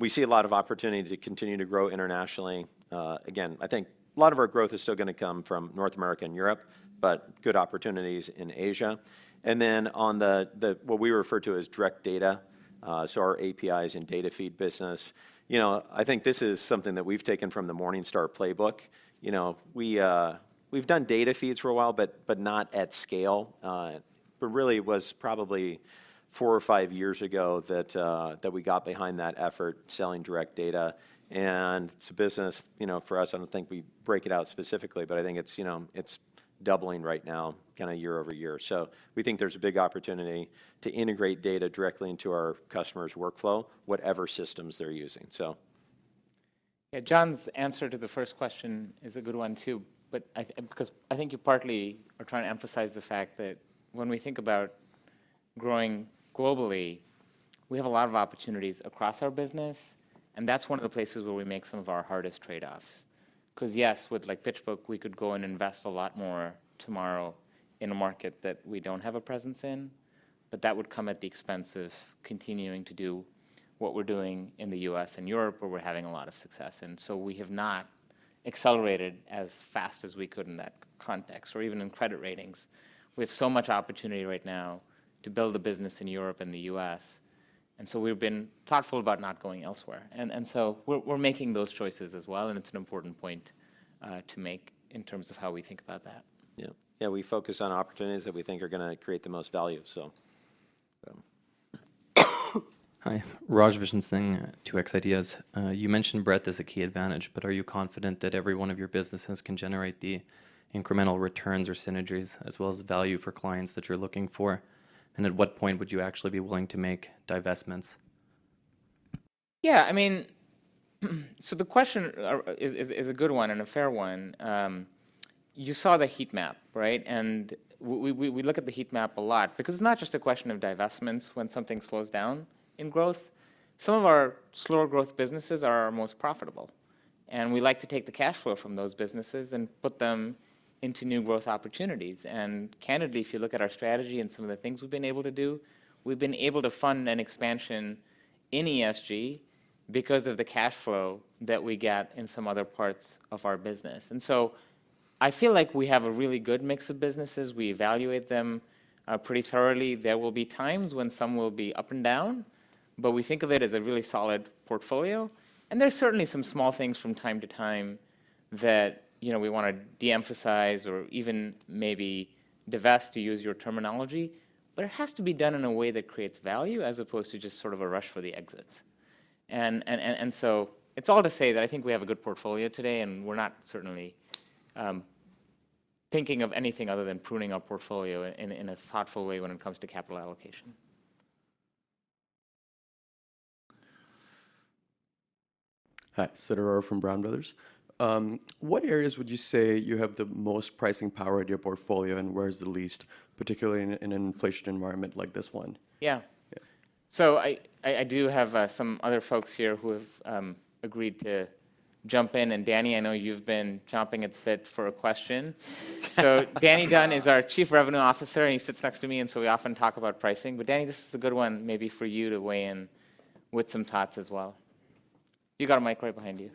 We see a lot of opportunity to continue to grow internationally. Again, I think a lot of our growth is still gonna come from North America and Europe, but good opportunities in Asia. On the what we refer to as direct data Our APIs and data feed business. You know, I think this is something that we've taken from the Morningstar playbook. You know, we've done data feeds for a while, but not at scale. Really it was probably four or five years ago that we got behind that effort selling direct data. It's a business, you know, for us, I don't think we break it out specifically, but I think it's, you know, it's doubling right now kinda year over year. We think there's a big opportunity to integrate data directly into our customers' workflow, whatever systems they're using. Yeah, John's answer to the first question is a good one too, but because I think you partly are trying to emphasize the fact that when we think about growing globally, we have a lot of opportunities across our business, and that's one of the places where we make some of our hardest trade-offs. 'Cause yes, with, like, PitchBook, we could go and invest a lot more tomorrow in a market that we don't have a presence in, but that would come at the expense of continuing to do what we're doing in the U.S. and Europe, where we're having a lot of success. We have not accelerated as fast as we could in that context, or even in credit ratings. We have so much opportunity right now to build a business in Europe and the U.S., and so we've been thoughtful about not going elsewhere. We're making those choices as well, and it's an important point to make in terms of how we think about that. Yeah. Yeah, we focus on opportunities that we think are gonna create the most value, so. Yeah. Hi. Raj Visen Singh, 2X Ideas. You mentioned breadth as a key advantage, but are you confident that every one of your businesses can generate the incremental returns or synergies as well as value for clients that you're looking for? At what point would you actually be willing to make divestments? Yeah, I mean, the question is a good one and a fair one. You saw the heat map, right? We look at the heat map a lot because it's not just a question of divestments when something slows down in growth. Some of our slower growth businesses are our most profitable, and we like to take the cash flow from those businesses and put them into new growth opportunities. Candidly, if you look at our strategy and some of the things we've been able to do, we've been able to fund an expansion in ESG because of the cash flow that we get in some other parts of our business. I feel like we have a really good mix of businesses. We evaluate them pretty thoroughly. There will be times when some will be up and down, but we think of it as a really solid portfolio. There's certainly some small things from time to time that, you know, we wanna de-emphasize or even maybe divest, to use your terminology, but it has to be done in a way that creates value as opposed to just sort of a rush for the exits. It's all to say that I think we have a good portfolio today, and we're not certainly thinking of anything other than pruning our portfolio in a thoughtful way when it comes to capital allocation. Hi. Sid Arora from Brown Brothers. What areas would you say you have the most pricing power in your portfolio, and where's the least, particularly in an inflation environment like this one? Yeah. Yeah. I do have some other folks here who have agreed to jump in. Danny, I know you've been chomping at the bit for a question. Danny Dunn is our Chief Revenue Officer, and he sits next to me, and so we often talk about pricing. Danny, this is a good one maybe for you to weigh in with some thoughts as well. You got a mic right behind you.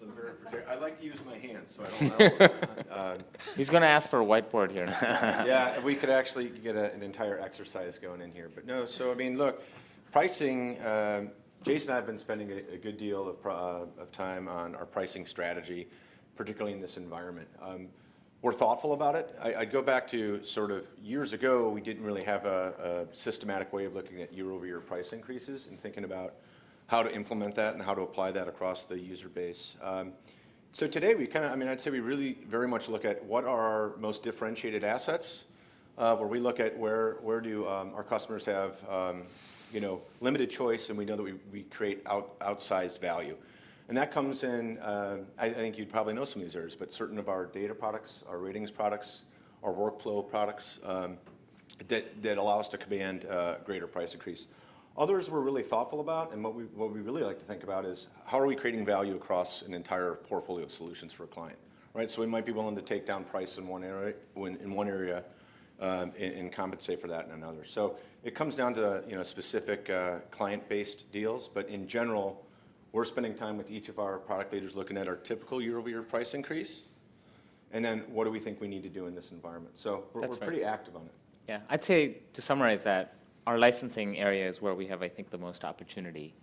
You know, I don't like holding microphones. I like to use my hands, so I don't know. He's gonna ask for a whiteboard here. Yeah. We could actually get an entire exercise going in here. No, I mean, look, pricing, Jason and I have been spending a good deal of time on our pricing strategy, particularly in this environment. We're thoughtful about it. I go back to sort of years ago, we didn't really have a systematic way of looking at year-over-year price increases and thinking about how to implement that and how to apply that across the user base. Today we kinda, I mean, I'd say we really very much look at what are our most differentiated assets, where we look at where our customers have, you know, limited choice and we know that we create outsized value. That comes in. I think you'd probably know some of these areas, but certain of our data products, our ratings products, our workflow products, that allow us to command greater price increase. Others we're really thoughtful about, and what we really like to think about is how are we creating value across an entire portfolio of solutions for a client, right? We might be willing to take down price in one area, and compensate for that in another. It comes down to, you know, specific client-based deals. But in general, we're spending time with each of our product leaders looking at our typical year-over-year price increase, and then what do we think we need to do in this environment. That's right. We're pretty active on it. Yeah. I'd say to summarize that, our licensing area is where we have, I think, the most opportunity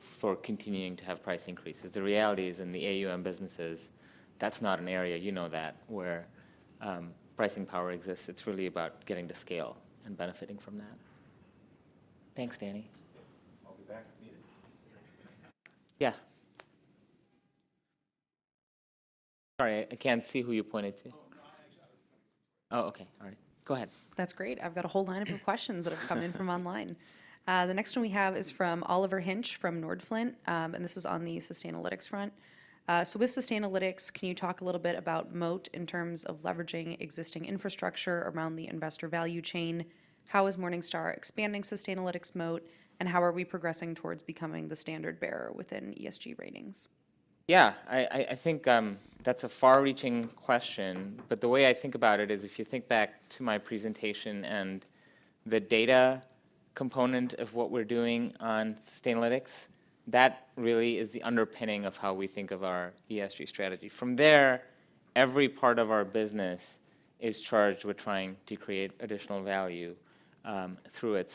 for continuing to have price increases. The reality is in the AUM businesses, that's not an area, you know that, where pricing power exists. It's really about getting to scale and benefiting from that. Thanks, Danny. I'll be back if you need it. Yeah. Sorry, I can't see who you pointed to. Oh, no, I actually was pointing to. Oh, okay. All right. Go ahead. That's great. I've got a whole lineup of questions that have come in from online. The next one we have is from Oliver Hinsch from Nordflint, and this is on the Sustainalytics front. With Sustainalytics, can you talk a little bit about moat in terms of leveraging existing infrastructure around the investor value chain? How is Morningstar expanding Sustainalytics' moat, and how are we progressing towards becoming the standard-bearer within ESG ratings? Yeah. I think that's a far-reaching question, but the way I think about it is if you think back to my presentation and the data component of what we're doing on Sustainalytics, that really is the underpinning of how we think of our ESG strategy. From there, every part of our business is charged with trying to create additional value through it.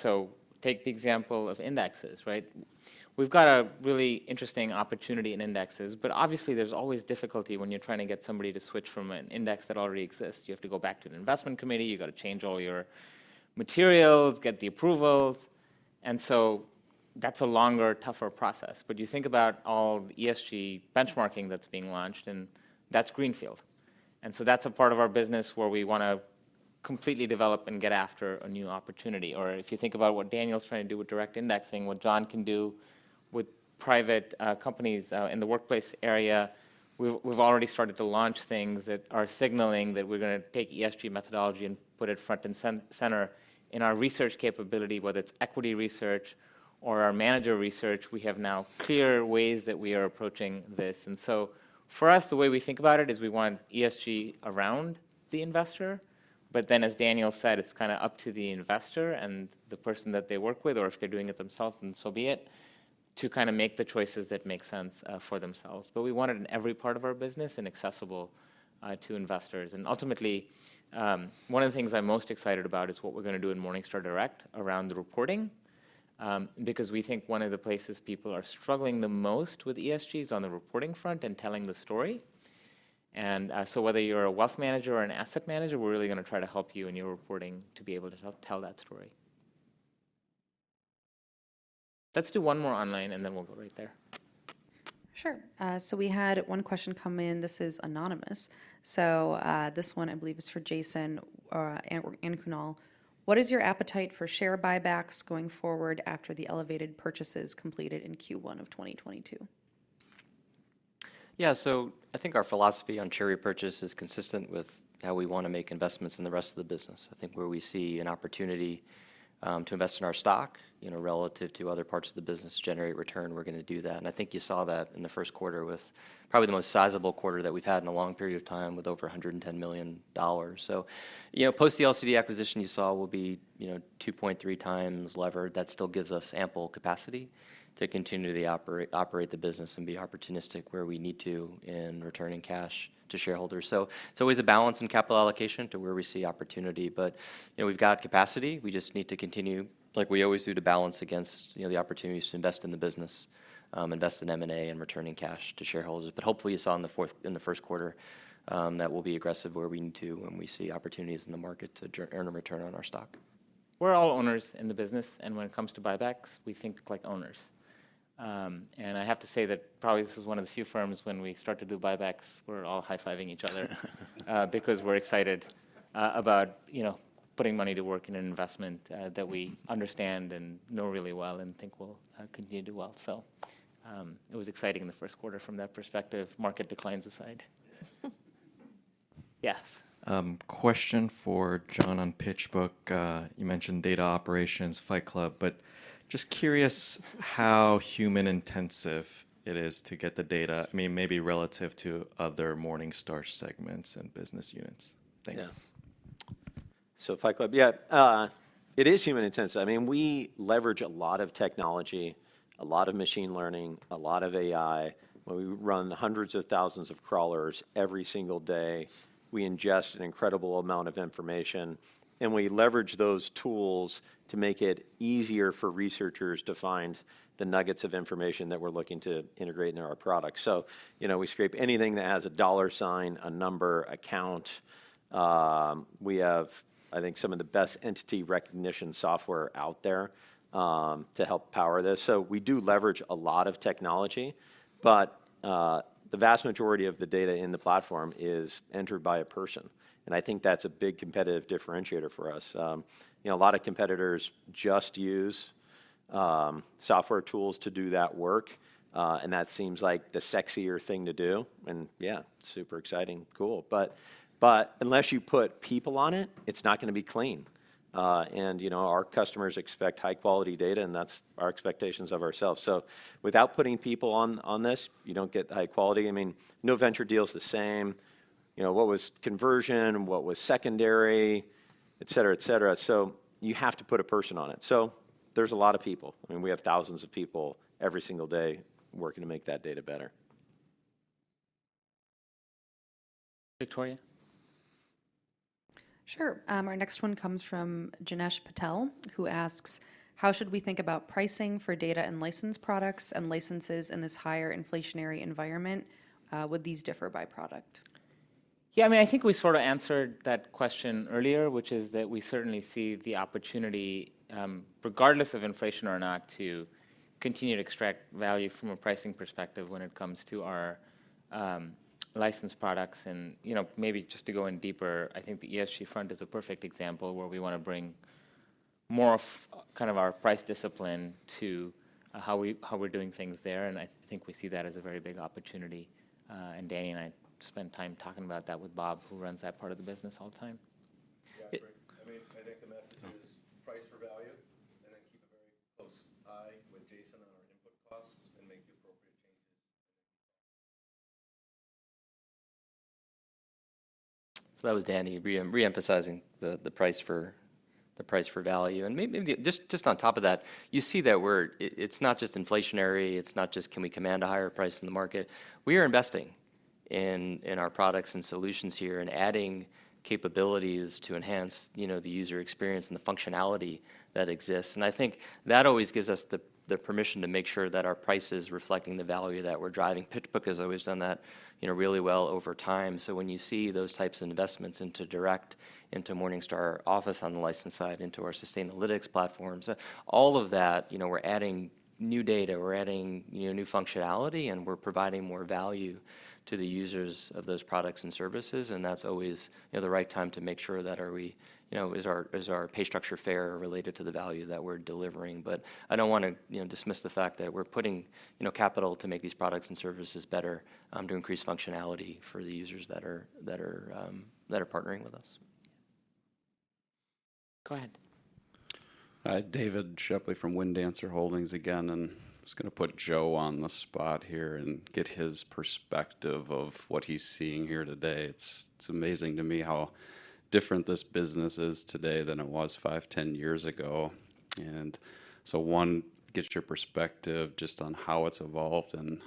Take the example of indexes, right? We've got a really interesting opportunity in indexes, but obviously there's always difficulty when you're trying to get somebody to switch from an index that already exists. You have to go back to an investment committee, you gotta change all your materials, get the approvals. That's a longer, tougher process. You think about all the ESG benchmarking that's being launched, and that's greenfield. That's a part of our business where we wanna completely develop and get after a new opportunity. If you think about what Daniel's trying to do with direct indexing, what John can do with private companies in the workplace area, we've already started to launch things that are signaling that we're gonna take ESG methodology and put it front and center in our research capability, whether it's equity research or our manager research, we have now clear ways that we are approaching this. For us, the way we think about it is we want ESG around the investor. As Daniel said, it's kinda up to the investor and the person that they work with, or if they're doing it themselves, then so be it, to kinda make the choices that make sense for themselves. We want it in every part of our business and accessible to investors. Ultimately, one of the things I'm most excited about is what we're gonna do in Morningstar Direct around the reporting, because we think one of the places people are struggling the most with ESG is on the reporting front and telling the story. Whether you're a wealth manager or an asset manager, we're really gonna try to help you in your reporting to be able to tell that story. Let's do one more online, and then we'll go right there. Sure. We had one question come in. This is anonymous. This one I believe is for Jason and Kunal. What is your appetite for share buybacks going forward after the elevated purchases completed in Q1 of 2022? Yeah. I think our philosophy on share repurchase is consistent with how we wanna make investments in the rest of the business. I think where we see an opportunity to invest in our stock, you know, relative to other parts of the business to generate return, we're gonna do that. I think you saw that in the first quarter with probably the most sizable quarter that we've had in a long period of time with over $110 million. You know, post the LCD acquisition, you saw, we'll be, you know, 2.3x levered. That still gives us ample capacity to continue to operate the business and be opportunistic where we need to in returning cash to shareholders. It's always a balance in capital allocation to where we see opportunity. You know, we've got capacity. We just need to continue, like we always do, to balance against, you know, the opportunities to invest in the business, invest in M&A and returning cash to shareholders. Hopefully you saw in the first quarter, that we'll be aggressive where we need to when we see opportunities in the market to earn a return on our stock. We're all owners in the business, and when it comes to buybacks, we think like owners. I have to say that probably this is one of the few firms when we start to do buybacks, we're all high-fiving each other, because we're excited about, you know, putting money to work in an investment that we understand and know really well and think will continue to do well. It was exciting in the first quarter from that perspective, market declines aside. Yes. Question for Jon on PitchBook. You mentioned data operations, Fight Club, but just curious how human-intensive it is to get the data, I mean, maybe relative to other Morningstar segments and business units. Thanks. Yeah. Fight Club. Yeah. It is human-intensive. I mean, we leverage a lot of technology, a lot of machine learning, a lot of AI. We run hundreds of thousands of crawlers every single day. We ingest an incredible amount of information, and we leverage those tools to make it easier for researchers to find the nuggets of information that we're looking to integrate into our products. You know, we scrape anything that has a dollar sign, a number, a count. We have, I think, some of the best entity recognition software out there, to help power this. We do leverage a lot of technology, but the vast majority of the data in the platform is entered by a person, and I think that's a big competitive differentiator for us. You know, a lot of competitors just use software tools to do that work, and that seems like the sexier thing to do. Yeah, super exciting. Cool. But unless you put people on it's not gonna be clean. You know, our customers expect high-quality data, and that's our expectations of ourselves. Without putting people on this, you don't get high quality. I mean, no venture deal's the same. You know, what was conversion, what was secondary, et cetera, et cetera. You have to put a person on it. There's a lot of people. I mean, we have thousands of people every single day working to make that data better. Victoria? Sure. Our next one comes from Janesh Patel, who asks, how should we think about pricing for data and license products and licenses in this higher inflationary environment? Would these differ by product? Yeah, I mean, I think we sort of answered that question earlier, which is that we certainly see the opportunity, regardless of inflation or not, to continue to extract value from a pricing perspective when it comes to our license products. You know, maybe just to go in deeper, I think the ESG front is a perfect example where we wanna bring more of kind of our price discipline to how we're doing things there, and I think we see that as a very big opportunity. Danny and I spend time talking about that with Bob, who runs that part of the business all the time. Yeah. I mean, I think the message is price for value, and then keep a very close eye with Jason on our input costs and make the appropriate changes when they come up. That was Danny reemphasizing the price for value. Maybe just on top of that, you see that we're. It's not just inflationary, it's not just can we command a higher price in the market. We are investing in our products and solutions here and adding capabilities to enhance, you know, the user experience and the functionality that exists. I think that always gives us the permission to make sure that our price is reflecting the value that we're driving. PitchBook has always done that, you know, really well over time. When you see those types of investments into Morningstar Direct, into Morningstar Office on the license side, into our Sustainalytics platforms, all of that, you know, we're adding new data, we're adding, you know, new functionality, and we're providing more value to the users of those products and services, and that's always, you know, the right time to make sure that is our pay structure fair related to the value that we're delivering? But I don't wanna, you know, dismiss the fact that we're putting, you know, capital to make these products and services better, to increase functionality for the users that are partnering with us. Go ahead. David Shepley from Windancer Holdings again, and just gonna put Joe on the spot here and get his perspective of what he's seeing here today. It's amazing to me how different this business is today than it was 5, 10 years ago. One, get your perspective just on how it's evolved, and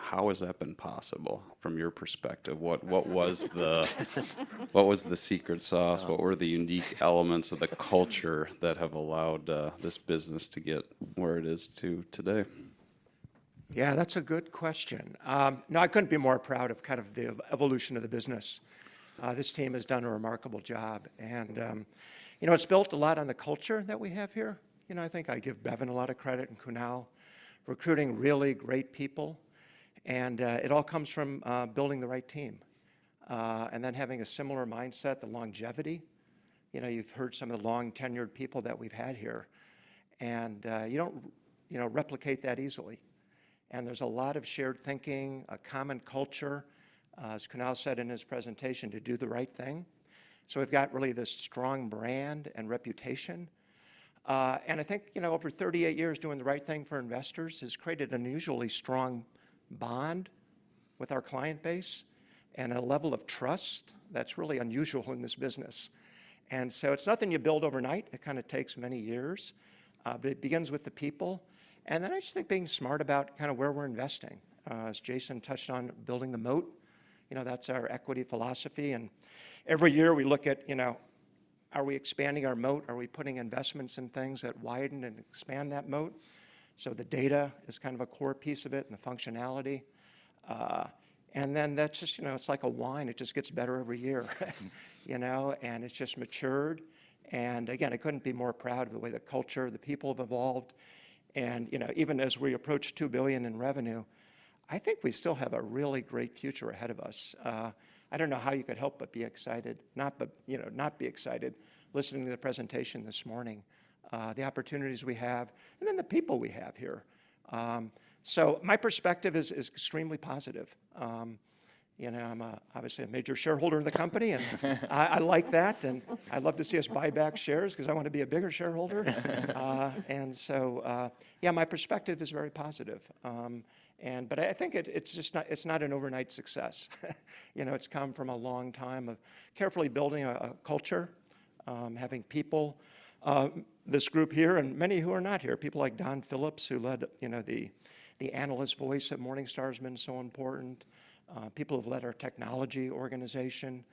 how has that been possible from your perspective? What was the secret sauce? What were the unique elements of the culture that have allowed this business to get where it is today? Yeah, that's a good question. No, I couldn't be more proud of kind of the evolution of the business. This team has done a remarkable job. You know, it's built a lot on the culture that we have here. You know, I think I give Bevin a lot of credit, and Kunal, recruiting really great people. It all comes from building the right team. Then having a similar mindset, the longevity. You know, you've heard some of the long-tenured people that we've had here. You don't, you know, replicate that easily. There's a lot of shared thinking, a common culture, as Kunal said in his presentation, to do the right thing. We've got really this strong brand and reputation. I think, you know, over 38 years doing the right thing for investors has created an unusually strong bond with our client base and a level of trust that's really unusual in this business. It's nothing you build overnight. It kinda takes many years. It begins with the people, and then I just think being smart about kinda where we're investing. As Jason touched on building the moat, you know, that's our equity philosophy. Every year we look at, you know, are we expanding our moat? Are we putting investments in things that widen and expand that moat? The data is kind of a core piece of it, and the functionality. Then that's just, you know, it's like a wine. It just gets better every year, you know, and it's just matured. Again, I couldn't be more proud of the way the culture, the people have evolved. You know, even as we approach $2 billion in revenue, I think we still have a really great future ahead of us. I don't know how you could not be excited listening to the presentation this morning, you know, the opportunities we have, and then the people we have here. My perspective is extremely positive. You know, I'm obviously a major shareholder in the company, and I like that, and I'd love to see us buy back shares 'cause I wanna be a bigger shareholder. Yeah, my perspective is very positive. I think it's just not an overnight success. You know, it's come from a long time of carefully building a culture, having people, this group here and many who are not here, people like Don Phillips, who led, you know, the analyst voice at Morningstar has been so important. People who've led our technology organization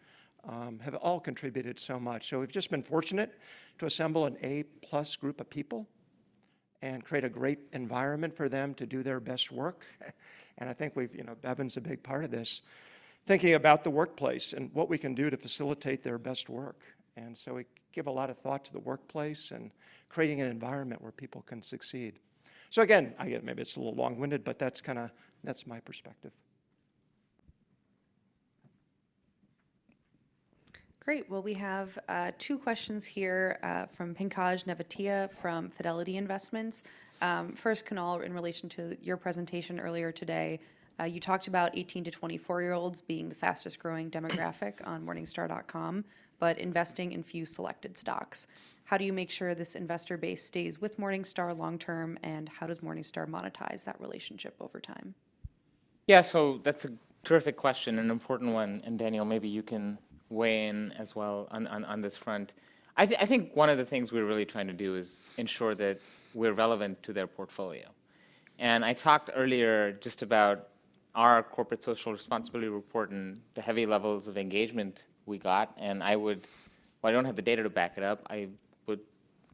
have all contributed so much. We've just been fortunate to assemble an A-plus group of people and create a great environment for them to do their best work. I think we've, you know, Bevin's a big part of this, thinking about the workplace and what we can do to facilitate their best work. We give a lot of thought to the workplace and creating an environment where people can succeed. Again, I get it maybe it's a little long-winded, but that's my perspective. Great. Well, we have two questions here from Pankaj Nevatia from Fidelity Investments. First, Kunal, in relation to your presentation earlier today, you talked about 18-24-year-olds being the fastest growing demographic on Morningstar.com, but investing in few selected stocks. How do you make sure this investor base stays with Morningstar long term, and how does Morningstar monetize that relationship over time? Yeah. That's a terrific question, an important one, and Daniel, maybe you can weigh in as well on this front. I think one of the things we're really trying to do is ensure that we're relevant to their portfolio. I talked earlier just about our corporate social responsibility report and the heavy levels of engagement we got, and I would, while I don't have the data to back it up, I would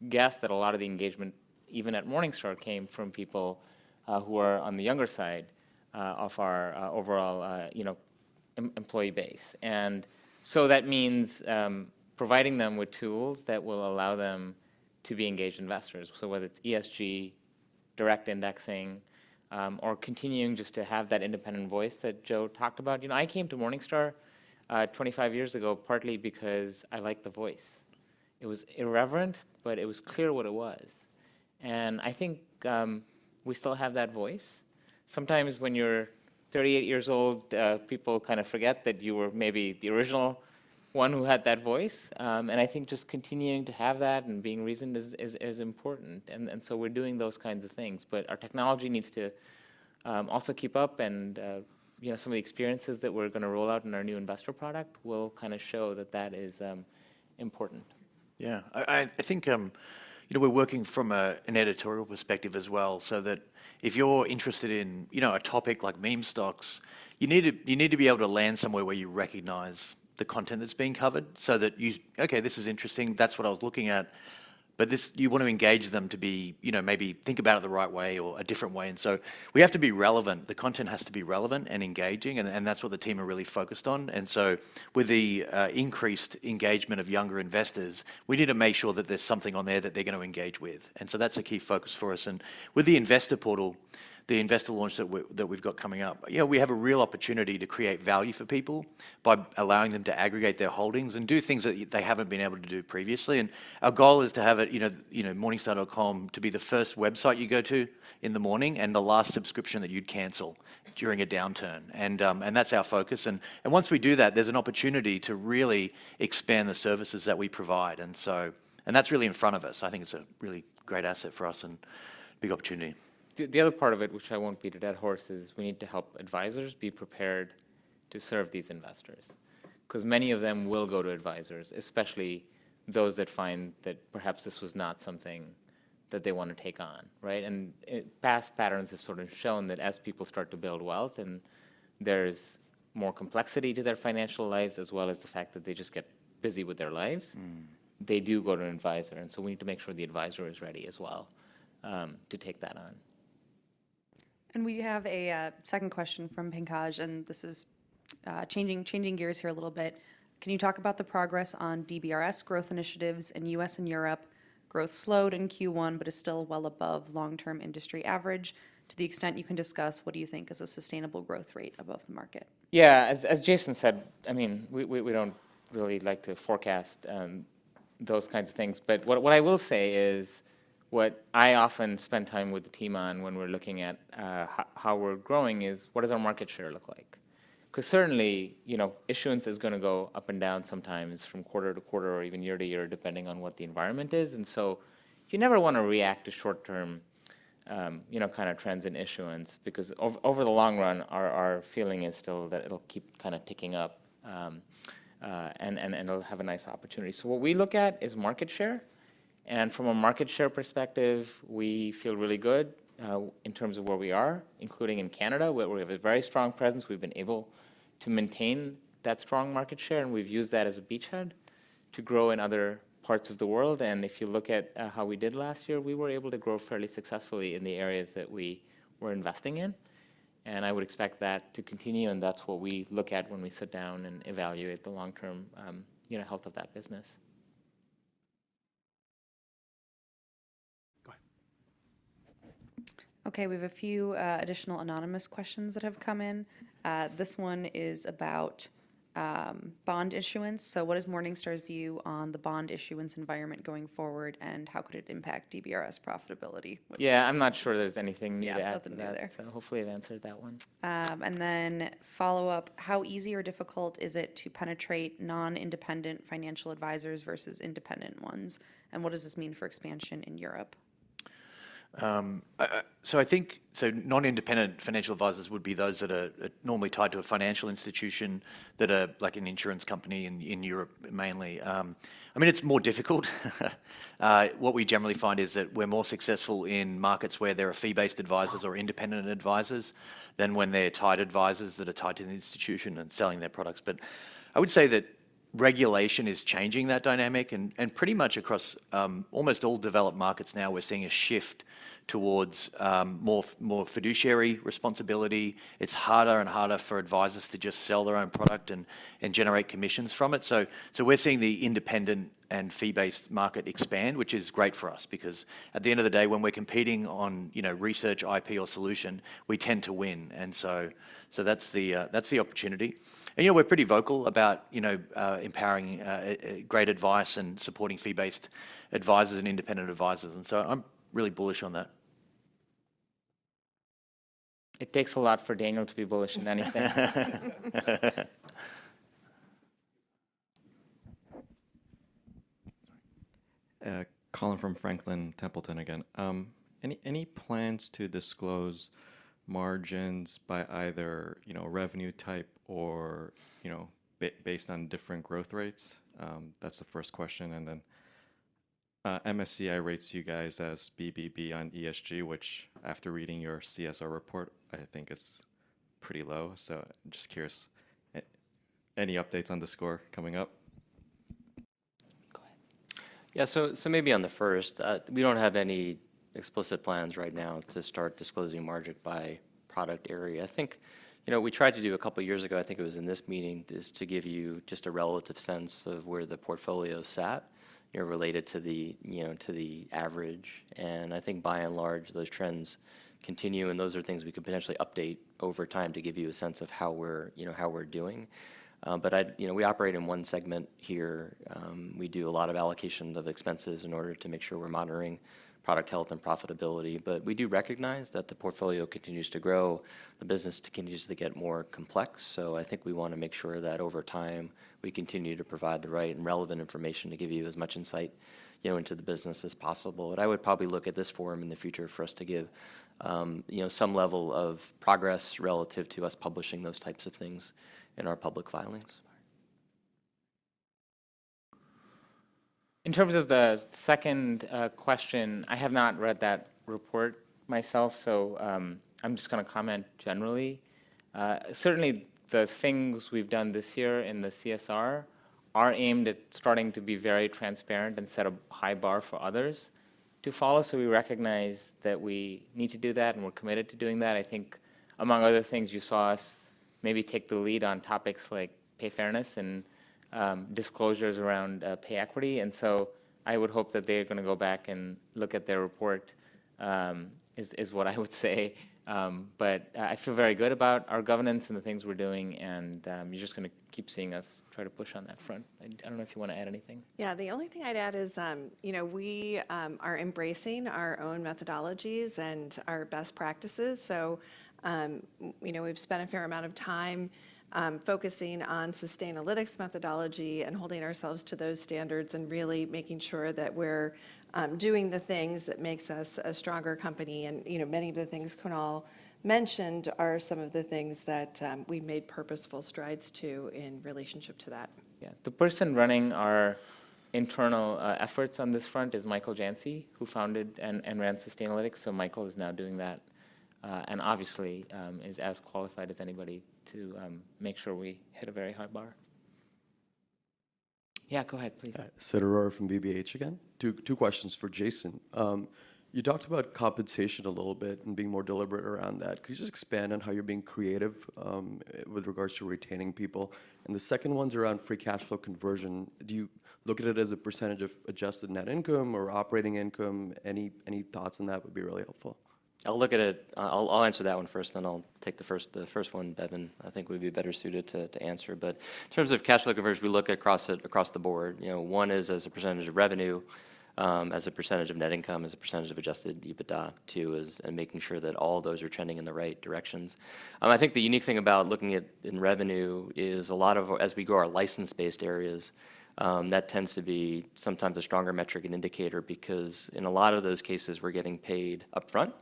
guess that a lot of the engagement, even at Morningstar, came from people who are on the younger side of our overall you know employee base. That means providing them with tools that will allow them to be engaged investors. Whether it's ESG, direct indexing, or continuing just to have that independent voice that Joe talked about. You know, I came to Morningstar 25 years ago partly because I like the voice. It was irreverent, but it was clear what it was, and I think we still have that voice. Sometimes when you're 38 years old, people kinda forget that you were maybe the original one who had that voice. I think just continuing to have that and being reasoned is important. So we're doing those kinds of things. Our technology needs to also keep up and you know, some of the experiences that we're gonna roll out in our new investor product will kinda show that that is important. I think, you know, we're working from an editorial perspective as well, so that if you're interested in, you know, a topic like meme stocks, you need to be able to land somewhere where you recognize the content that's being covered so that you "Okay, this is interesting. That's what I was looking at." But you wanna engage them to be, you know, maybe think about it the right way or a different way. We have to be relevant. The content has to be relevant and engaging, and that's what the team are really focused on. With the increased engagement of younger investors, we need to make sure that there's something on there that they're gonna engage with. That's a key focus for us. With the investor portal, the investor launch that we've got coming up, you know, we have a real opportunity to create value for people by allowing them to aggregate their holdings and do things that they haven't been able to do previously. Our goal is to have it, you know, Morningstar.com to be the first website you go to in the morning and the last subscription that you'd cancel during a downturn. That's our focus. Once we do that, there's an opportunity to really expand the services that we provide. That's really in front of us. I think it's a really great asset for us and big opportunity. The other part of it, which I won't beat a dead horse, is we need to help advisors be prepared to serve these investors. 'Cause many of them will go to advisors, especially those that find that perhaps this was not something that they wanna take on, right? Past patterns have sort of shown that as people start to build wealth and there's more complexity to their financial lives, as well as the fact that they just get busy with their lives. Mm. They do go to an advisor. We need to make sure the advisor is ready as well, to take that on. We have a second question from Pankaj, and this is changing gears here a little bit. Can you talk about the progress on DBRS growth initiatives in U.S. and Europe? Growth slowed in Q1, but is still well above long-term industry average. To the extent you can discuss, what do you think is a sustainable growth rate above the market? Yeah. As Jason said, I mean, we don't really like to forecast those kinds of things. What I will say is, what I often spend time with the team on when we're looking at how we're growing is, what does our market share look like? 'Cause certainly, you know, issuance is gonna go up and down sometimes from quarter to quarter or even year to year, depending on what the environment is. You never wanna react to short-term, you know, kinda trends in issuance because over the long run, our feeling is still that it'll keep kinda ticking up, and it'll have a nice opportunity. What we look at is market share, and from a market share perspective, we feel really good in terms of where we are, including in Canada, where we have a very strong presence. We've been able to maintain that strong market share, and we've used that as a beachhead to grow in other parts of the world. If you look at how we did last year, we were able to grow fairly successfully in the areas that we were investing in, and I would expect that to continue, and that's what we look at when we sit down and evaluate the long-term, you know, health of that business. Go ahead. Okay. We have a few additional anonymous questions that have come in. This one is about bond issuance. What is Morningstar's view on the bond issuance environment going forward, and how could it impact DBRS profitability with Yeah. I'm not sure there's anything new to add to that. Yeah. Nothing new there. Hopefully I've answered that one. Follow-up, how easy or difficult is it to penetrate non-independent financial advisors versus independent ones, and what does this mean for expansion in Europe? Non-independent financial advisors would be those that are normally tied to a financial institution, like an insurance company in Europe mainly. I mean, it's more difficult. What we generally find is that we're more successful in markets where there are fee-based advisors or independent advisors than when they're tied advisors tied to the institution and selling their products. I would say that regulation is changing that dynamic, and pretty much across almost all developed markets now, we're seeing a shift towards more fiduciary responsibility. It's harder and harder for advisors to just sell their own product and generate commissions from it. We're seeing the independent and fee-based market expand, which is great for us because at the end of the day, when we're competing on, you know, research, IP, or solution, we tend to win. That's the opportunity. You know, we're pretty vocal about, you know, empowering great advice and supporting fee-based advisors and independent advisors, and so I'm really bullish on that. It takes a lot for Daniel to be bullish on anything. Colin from Franklin Templeton again. Any plans to disclose margins by either, you know, revenue type or, you know, based on different growth rates? That's the first question. MSCI rates you guys as BBB on ESG, which after reading your CSR report, I think is pretty low. Just curious, any updates on the score coming up? Go ahead. Yeah. Maybe on the first, we don't have any explicit plans right now to start disclosing margin by product area. I think, you know, we tried to do a couple years ago, I think it was in this meeting, just to give you just a relative sense of where the portfolio sat, you know, related to the, you know, to the average. I think by and large, those trends continue, and those are things we could potentially update over time to give you a sense of how we're, you know, how we're doing. I'd. You know, we operate in one segment here. We do a lot of allocations of expenses in order to make sure we're monitoring product health and profitability. We do recognize that the portfolio continues to grow. The business continues to get more complex, so I think we wanna make sure that over time, we continue to provide the right and relevant information to give you as much insight, you know, into the business as possible. I would probably look at this forum in the future for us to give, you know, some level of progress relative to us publishing those types of things in our public filings. In terms of the second question, I have not read that report myself, so I'm just gonna comment generally. Certainly the things we've done this year in the CSR are aimed at starting to be very transparent and set a high bar for others to follow. We recognize that we need to do that, and we're committed to doing that. I think among other things, you saw us maybe take the lead on topics like pay fairness and disclosures around pay equity. I would hope that they're gonna go back and look at their report is what I would say. I feel very good about our governance and the things we're doing, and you're just gonna keep seeing us try to push on that front. I don't know if you wanna add anything. Yeah. The only thing I'd add is, you know, we are embracing our own methodologies and our best practices. We've spent a fair amount of time focusing on Sustainalytics methodology and holding ourselves to those standards and really making sure that we're doing the things that makes us a stronger company. You know, many of the things Kunal mentioned are some of the things that we've made purposeful strides to in relationship to that. Yeah. The person running our internal efforts on this front is Michael Jantzi, who founded and ran Sustainalytics, so Michael is now doing that. Obviously is as qualified as anybody to make sure we hit a very high bar. Yeah, go ahead, please. Sid Arora from BBH again. Two questions for Jason. You talked about compensation a little bit and being more deliberate around that. Could you just expand on how you're being creative with regards to retaining people? The second one's around free cash flow conversion. Do you look at it as a percentage of adjusted net income or operating income? Any thoughts on that would be really helpful. I'll answer that one first, then I'll take the first one Bevin I think would be better suited to answer. In terms of cash flow conversion, we look across the board. You know, one is as a percentage of revenue, as a percentage of net income, as a percentage of adjusted EBITDA. Two is in making sure that all those are trending in the right directions. I think the unique thing about looking at it in revenue is, as we grow our license-based areas, that tends to be sometimes a stronger metric and indicator because in a lot of those cases, we're getting paid upfront,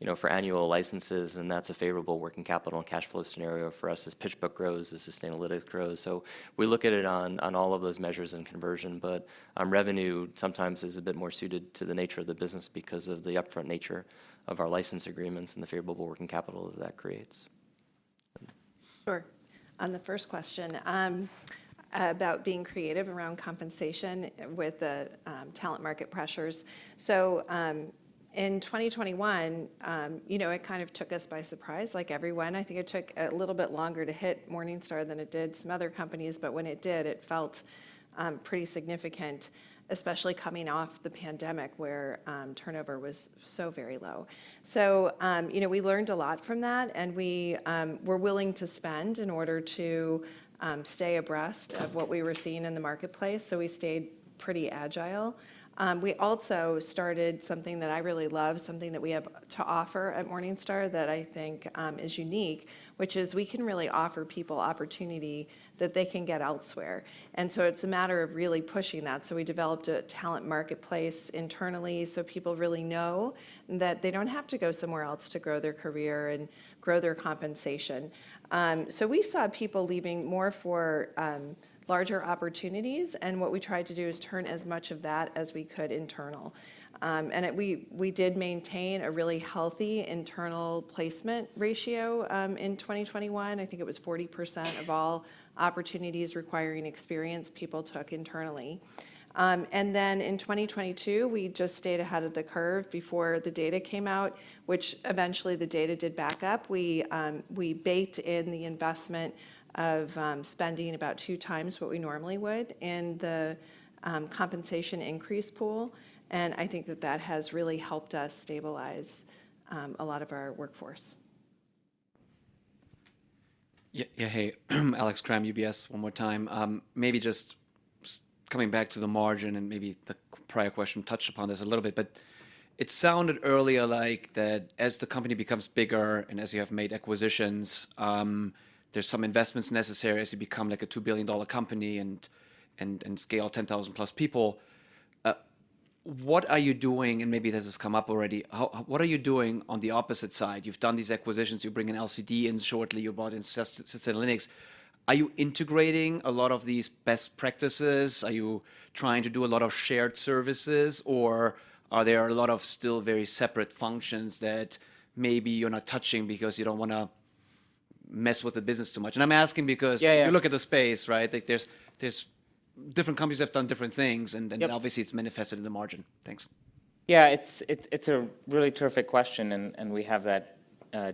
you know, for annual licenses, and that's a favorable working capital and cash flow scenario for us as PitchBook grows, as Sustainalytics grows. We look at it on all of those measures in conversion. Revenue sometimes is a bit more suited to the nature of the business because of the upfront nature of our license agreements and the favorable working capital that that creates. Sure. On the first question, about being creative around compensation with the talent market pressures. In 2021, you know, it kind of took us by surprise, like everyone. I think it took a little bit longer to hit Morningstar than it did some other companies, but when it did, it felt pretty significant, especially coming off the pandemic where turnover was so very low. We learned a lot from that, and we were willing to spend in order to stay abreast of what we were seeing in the marketplace, so we stayed pretty agile. We also started something that I really love, something that we have to offer at Morningstar that I think is unique, which is we can really offer people opportunity that they can get elsewhere. It's a matter of really pushing that. We developed a talent marketplace internally, so people really know that they don't have to go somewhere else to grow their career and grow their compensation. We saw people leaving more for larger opportunities, and what we tried to do is turn as much of that as we could internal. We did maintain a really healthy internal placement ratio in 2021. I think it was 40% of all opportunities requiring experienced people took internally. In 2022, we just stayed ahead of the curve before the data came out, which eventually the data did back up. We baked in the investment of spending about 2 times what we normally would in the compensation increase pool, and I think that has really helped us stabilize a lot of our workforce. Yeah, yeah. Hey, Alex Kramm, UBS, one more time. Maybe just coming back to the margin, and maybe the prior question touched upon this a little bit, but it sounded earlier like that as the company becomes bigger and as you have made acquisitions, there's some investments necessary as you become like a $2 billion company and scale 10,000+ people. What are you doing, and maybe this has come up already. What are you doing on the opposite side? You've done these acquisitions. You bring in LCD in shortly. You bought Sustainalytics. Are you integrating a lot of these best practices? Are you trying to do a lot of shared services, or are there a lot of still very separate functions that maybe you're not touching because you don't wanna mess with the business too much? I'm asking because- Yeah, yeah. You look at the space, right? Like, there's different companies that have done different things. Yep Obviously it's manifested in the margin. Thanks. Yeah, it's a really terrific question, and we have that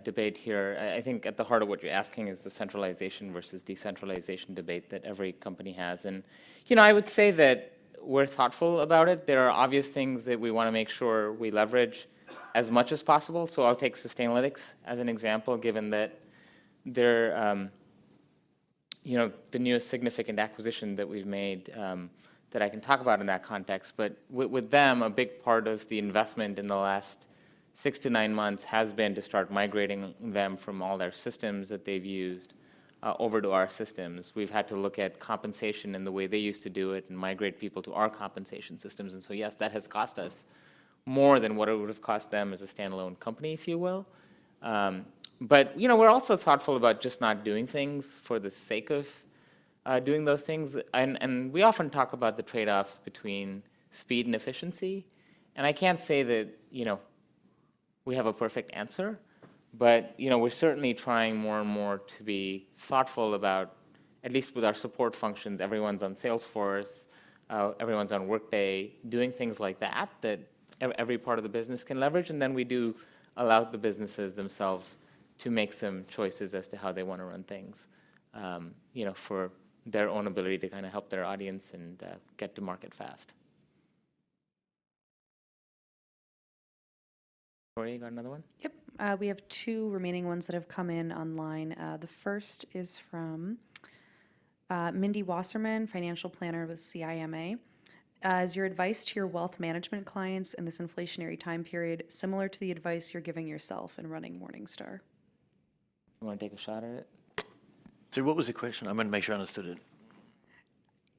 debate here. I think at the heart of what you're asking is the centralization versus decentralization debate that every company has. You know, I would say that we're thoughtful about it. There are obvious things that we wanna make sure we leverage as much as possible. I'll take Sustainalytics as an example, given that they're. You know, the newest significant acquisition that we've made, that I can talk about in that context, but with them, a big part of the investment in the last six to nine months has been to start migrating them from all their systems that they've used over to our systems. We've had to look at compensation and the way they used to do it and migrate people to our compensation systems, and so yes, that has cost us more than what it would've cost them as a standalone company, if you will. You know, we're also thoughtful about just not doing things for the sake of doing those things. We often talk about the trade-offs between speed and efficiency, and I can't say that, you know, we have a perfect answer. You know, we're certainly trying more and more to be thoughtful about, at least with our support functions, everyone's on Salesforce, everyone's on Workday, doing things like that every part of the business can leverage. We do allow the businesses themselves to make some choices as to how they wanna run things, you know, for their own ability to kinda help their audience and get to market fast. Rory, you got another one? Yep. We have two remaining ones that have come in online. The first is from Mindee Wasserman, financial planner with CIMA. Is your advice to your wealth management clients in this inflationary time period similar to the advice you're giving yourself in running Morningstar? You wanna take a shot at it? Sorry, what was the question? I wanna make sure I understood it.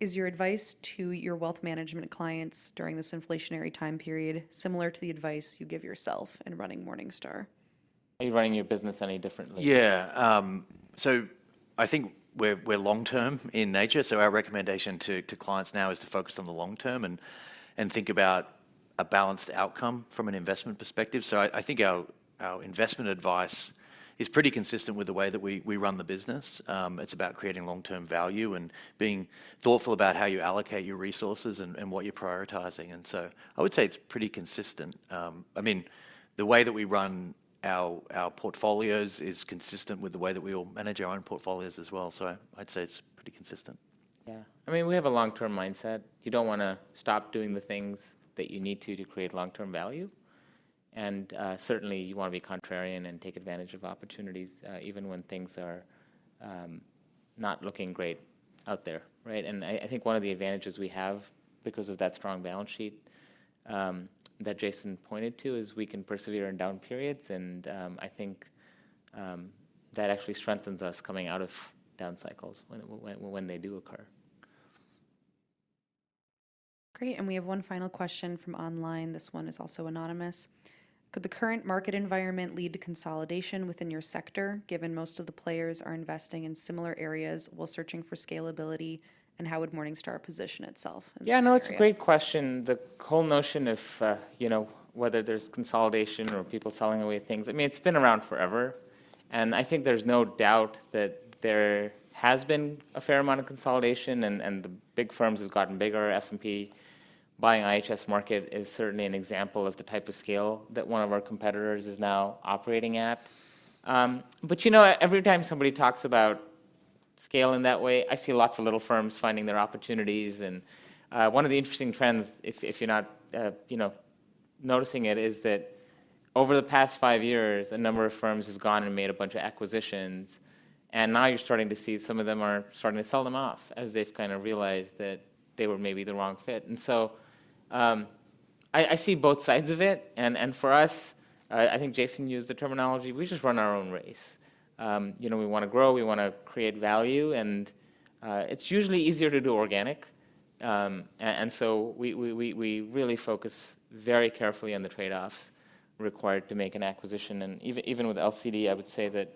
Is your advice to your wealth management clients during this inflationary time period similar to the advice you give yourself in running Morningstar? Are you running your business any differently? Yeah. I think we're long-term in nature, so our recommendation to clients now is to focus on the long term and think about a balanced outcome from an investment perspective. I think our investment advice is pretty consistent with the way that we run the business. It's about creating long-term value and being thoughtful about how you allocate your resources and what you're prioritizing. I would say it's pretty consistent. I mean, the way that we run our portfolios is consistent with the way that we all manage our own portfolios as well, so I'd say it's pretty consistent. Yeah. I mean, we have a long-term mindset. You don't wanna stop doing the things that you need to create long-term value. Certainly you wanna be contrarian and take advantage of opportunities, even when things are not looking great out there, right? I think one of the advantages we have because of that strong balance sheet that Jason pointed to is we can persevere in down periods, and I think that actually strengthens us coming out of down cycles when they do occur. Great. We have one final question from online. This one is also anonymous. Could the current market environment lead to consolidation within your sector, given most of the players are investing in similar areas while searching for scalability, and how would Morningstar position itself in this area? Yeah, no, it's a great question. The whole notion of, you know, whether there's consolidation or people selling away things, I mean, it's been around forever, and I think there's no doubt that there has been a fair amount of consolidation and the big firms have gotten bigger. S&P buying IHS Markit is certainly an example of the type of scale that one of our competitors is now operating at. But you know, every time somebody talks about scale in that way, I see lots of little firms finding their opportunities. One of the interesting trends, if you're not, you know, noticing it, is that over the past 5 years, a number of firms have gone and made a bunch of acquisitions, and now you're starting to see some of them are starting to sell them off as they've kind of realized that they were maybe the wrong fit. I see both sides of it, and for us, I think Jason used the terminology, we just run our own race. You know, we wanna grow, we wanna create value, and it's usually easier to do organic. We really focus very carefully on the trade-offs required to make an acquisition. Even with LCD, I would say that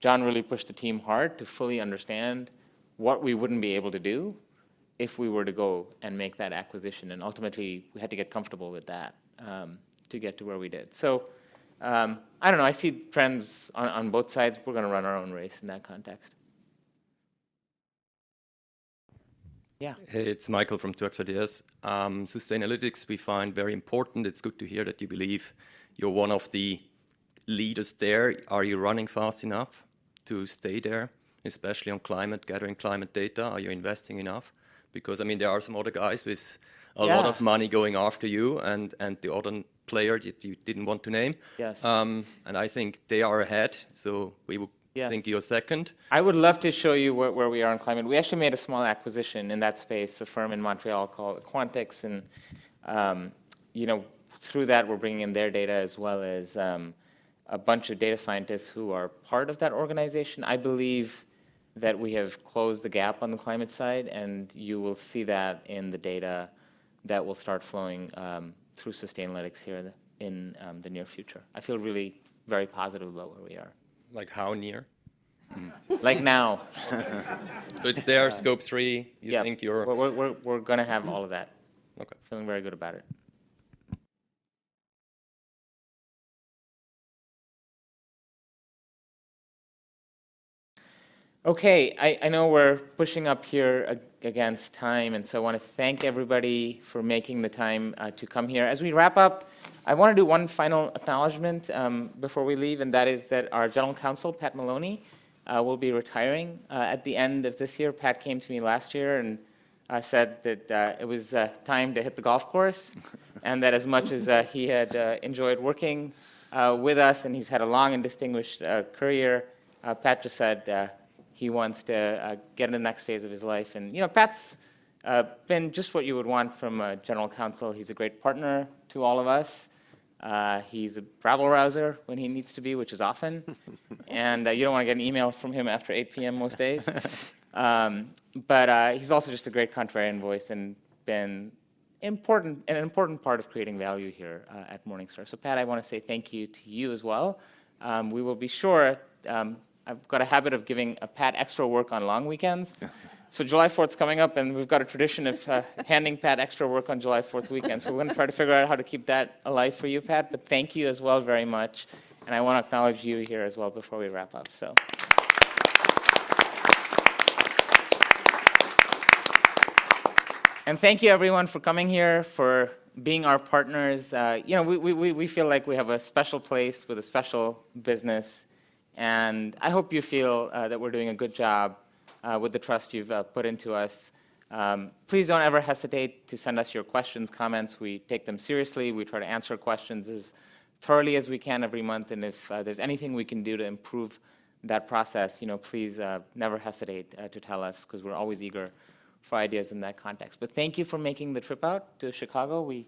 John really pushed the team hard to fully understand what we wouldn't be able to do if we were to go and make that acquisition, and ultimately, we had to get comfortable with that, to get to where we did. I don't know. I see trends on both sides. We're gonna run our own race in that context. Yeah. Hey, it's Michael from Tresidor. Sustainalytics we find very important. It's good to hear that you believe you're one of the leaders there. Are you running fast enough to stay there, especially on climate, gathering climate data? Are you investing enough? Because, I mean, there are some other guys with- Yeah A lot of money going after you, and the other player you didn't want to name. Yes. I think they are ahead. Yeah think you're second. I would love to show you where we are on climate. We actually made a small acquisition in that space, a firm in Montreal called Quantics, and, you know, through that, we're bringing in their data as well as, a bunch of data scientists who are part of that organization. I believe that we have closed the gap on the climate side, and you will see that in the data that will start flowing, through Sustainalytics here in, the near future. I feel really very positive about where we are. Like how near? Like now. It's there, Scope 3. Yeah You think you're We're gonna have all of that. Okay. Feeling very good about it. Okay. I know we're pushing up here against time, and so I wanna thank everybody for making the time to come here. As we wrap up, I wanna do one final acknowledgement before we leave, and that is that our General Counsel, Pat Maloney, will be retiring at the end of this year. Pat came to me last year and said that it was time to hit the golf course and that as much as he had enjoyed working with us, and he's had a long and distinguished career, Pat just said he wants to get in the next phase of his life. You know, Pat's been just what you would want from a general counsel. He's a great partner to all of us. He's a rabble-rouser when he needs to be, which is often. You don't wanna get an email from him after 8:00 P.M. most days. He's also just a great contrarian voice and has been an important part of creating value here at Morningstar. Pat, I wanna say thank you to you as well. I've got a habit of giving Pat extra work on long weekends. July 4th's coming up, and we've got a tradition of handing Pat extra work on July 4th weekend. We're gonna try to figure out how to keep that alive for you, Pat, but thank you as well very much, and I wanna acknowledge you here as well before we wrap up. Thank you everyone for coming here, for being our partners. You know, we feel like we have a special place with a special business, and I hope you feel that we're doing a good job with the trust you've put into us. Please don't ever hesitate to send us your questions, comments. We take them seriously. We try to answer questions as thoroughly as we can every month, and if there's anything we can do to improve that process, you know, please never hesitate to tell us, 'cause we're always eager for ideas in that context. Thank you for making the trip out to Chicago. We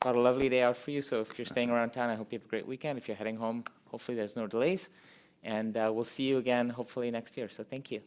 got a lovely day out for you, so if you're staying around town, I hope you have a great weekend. If you're heading home, hopefully there's no delays. We'll see you again hopefully next year. Thank you.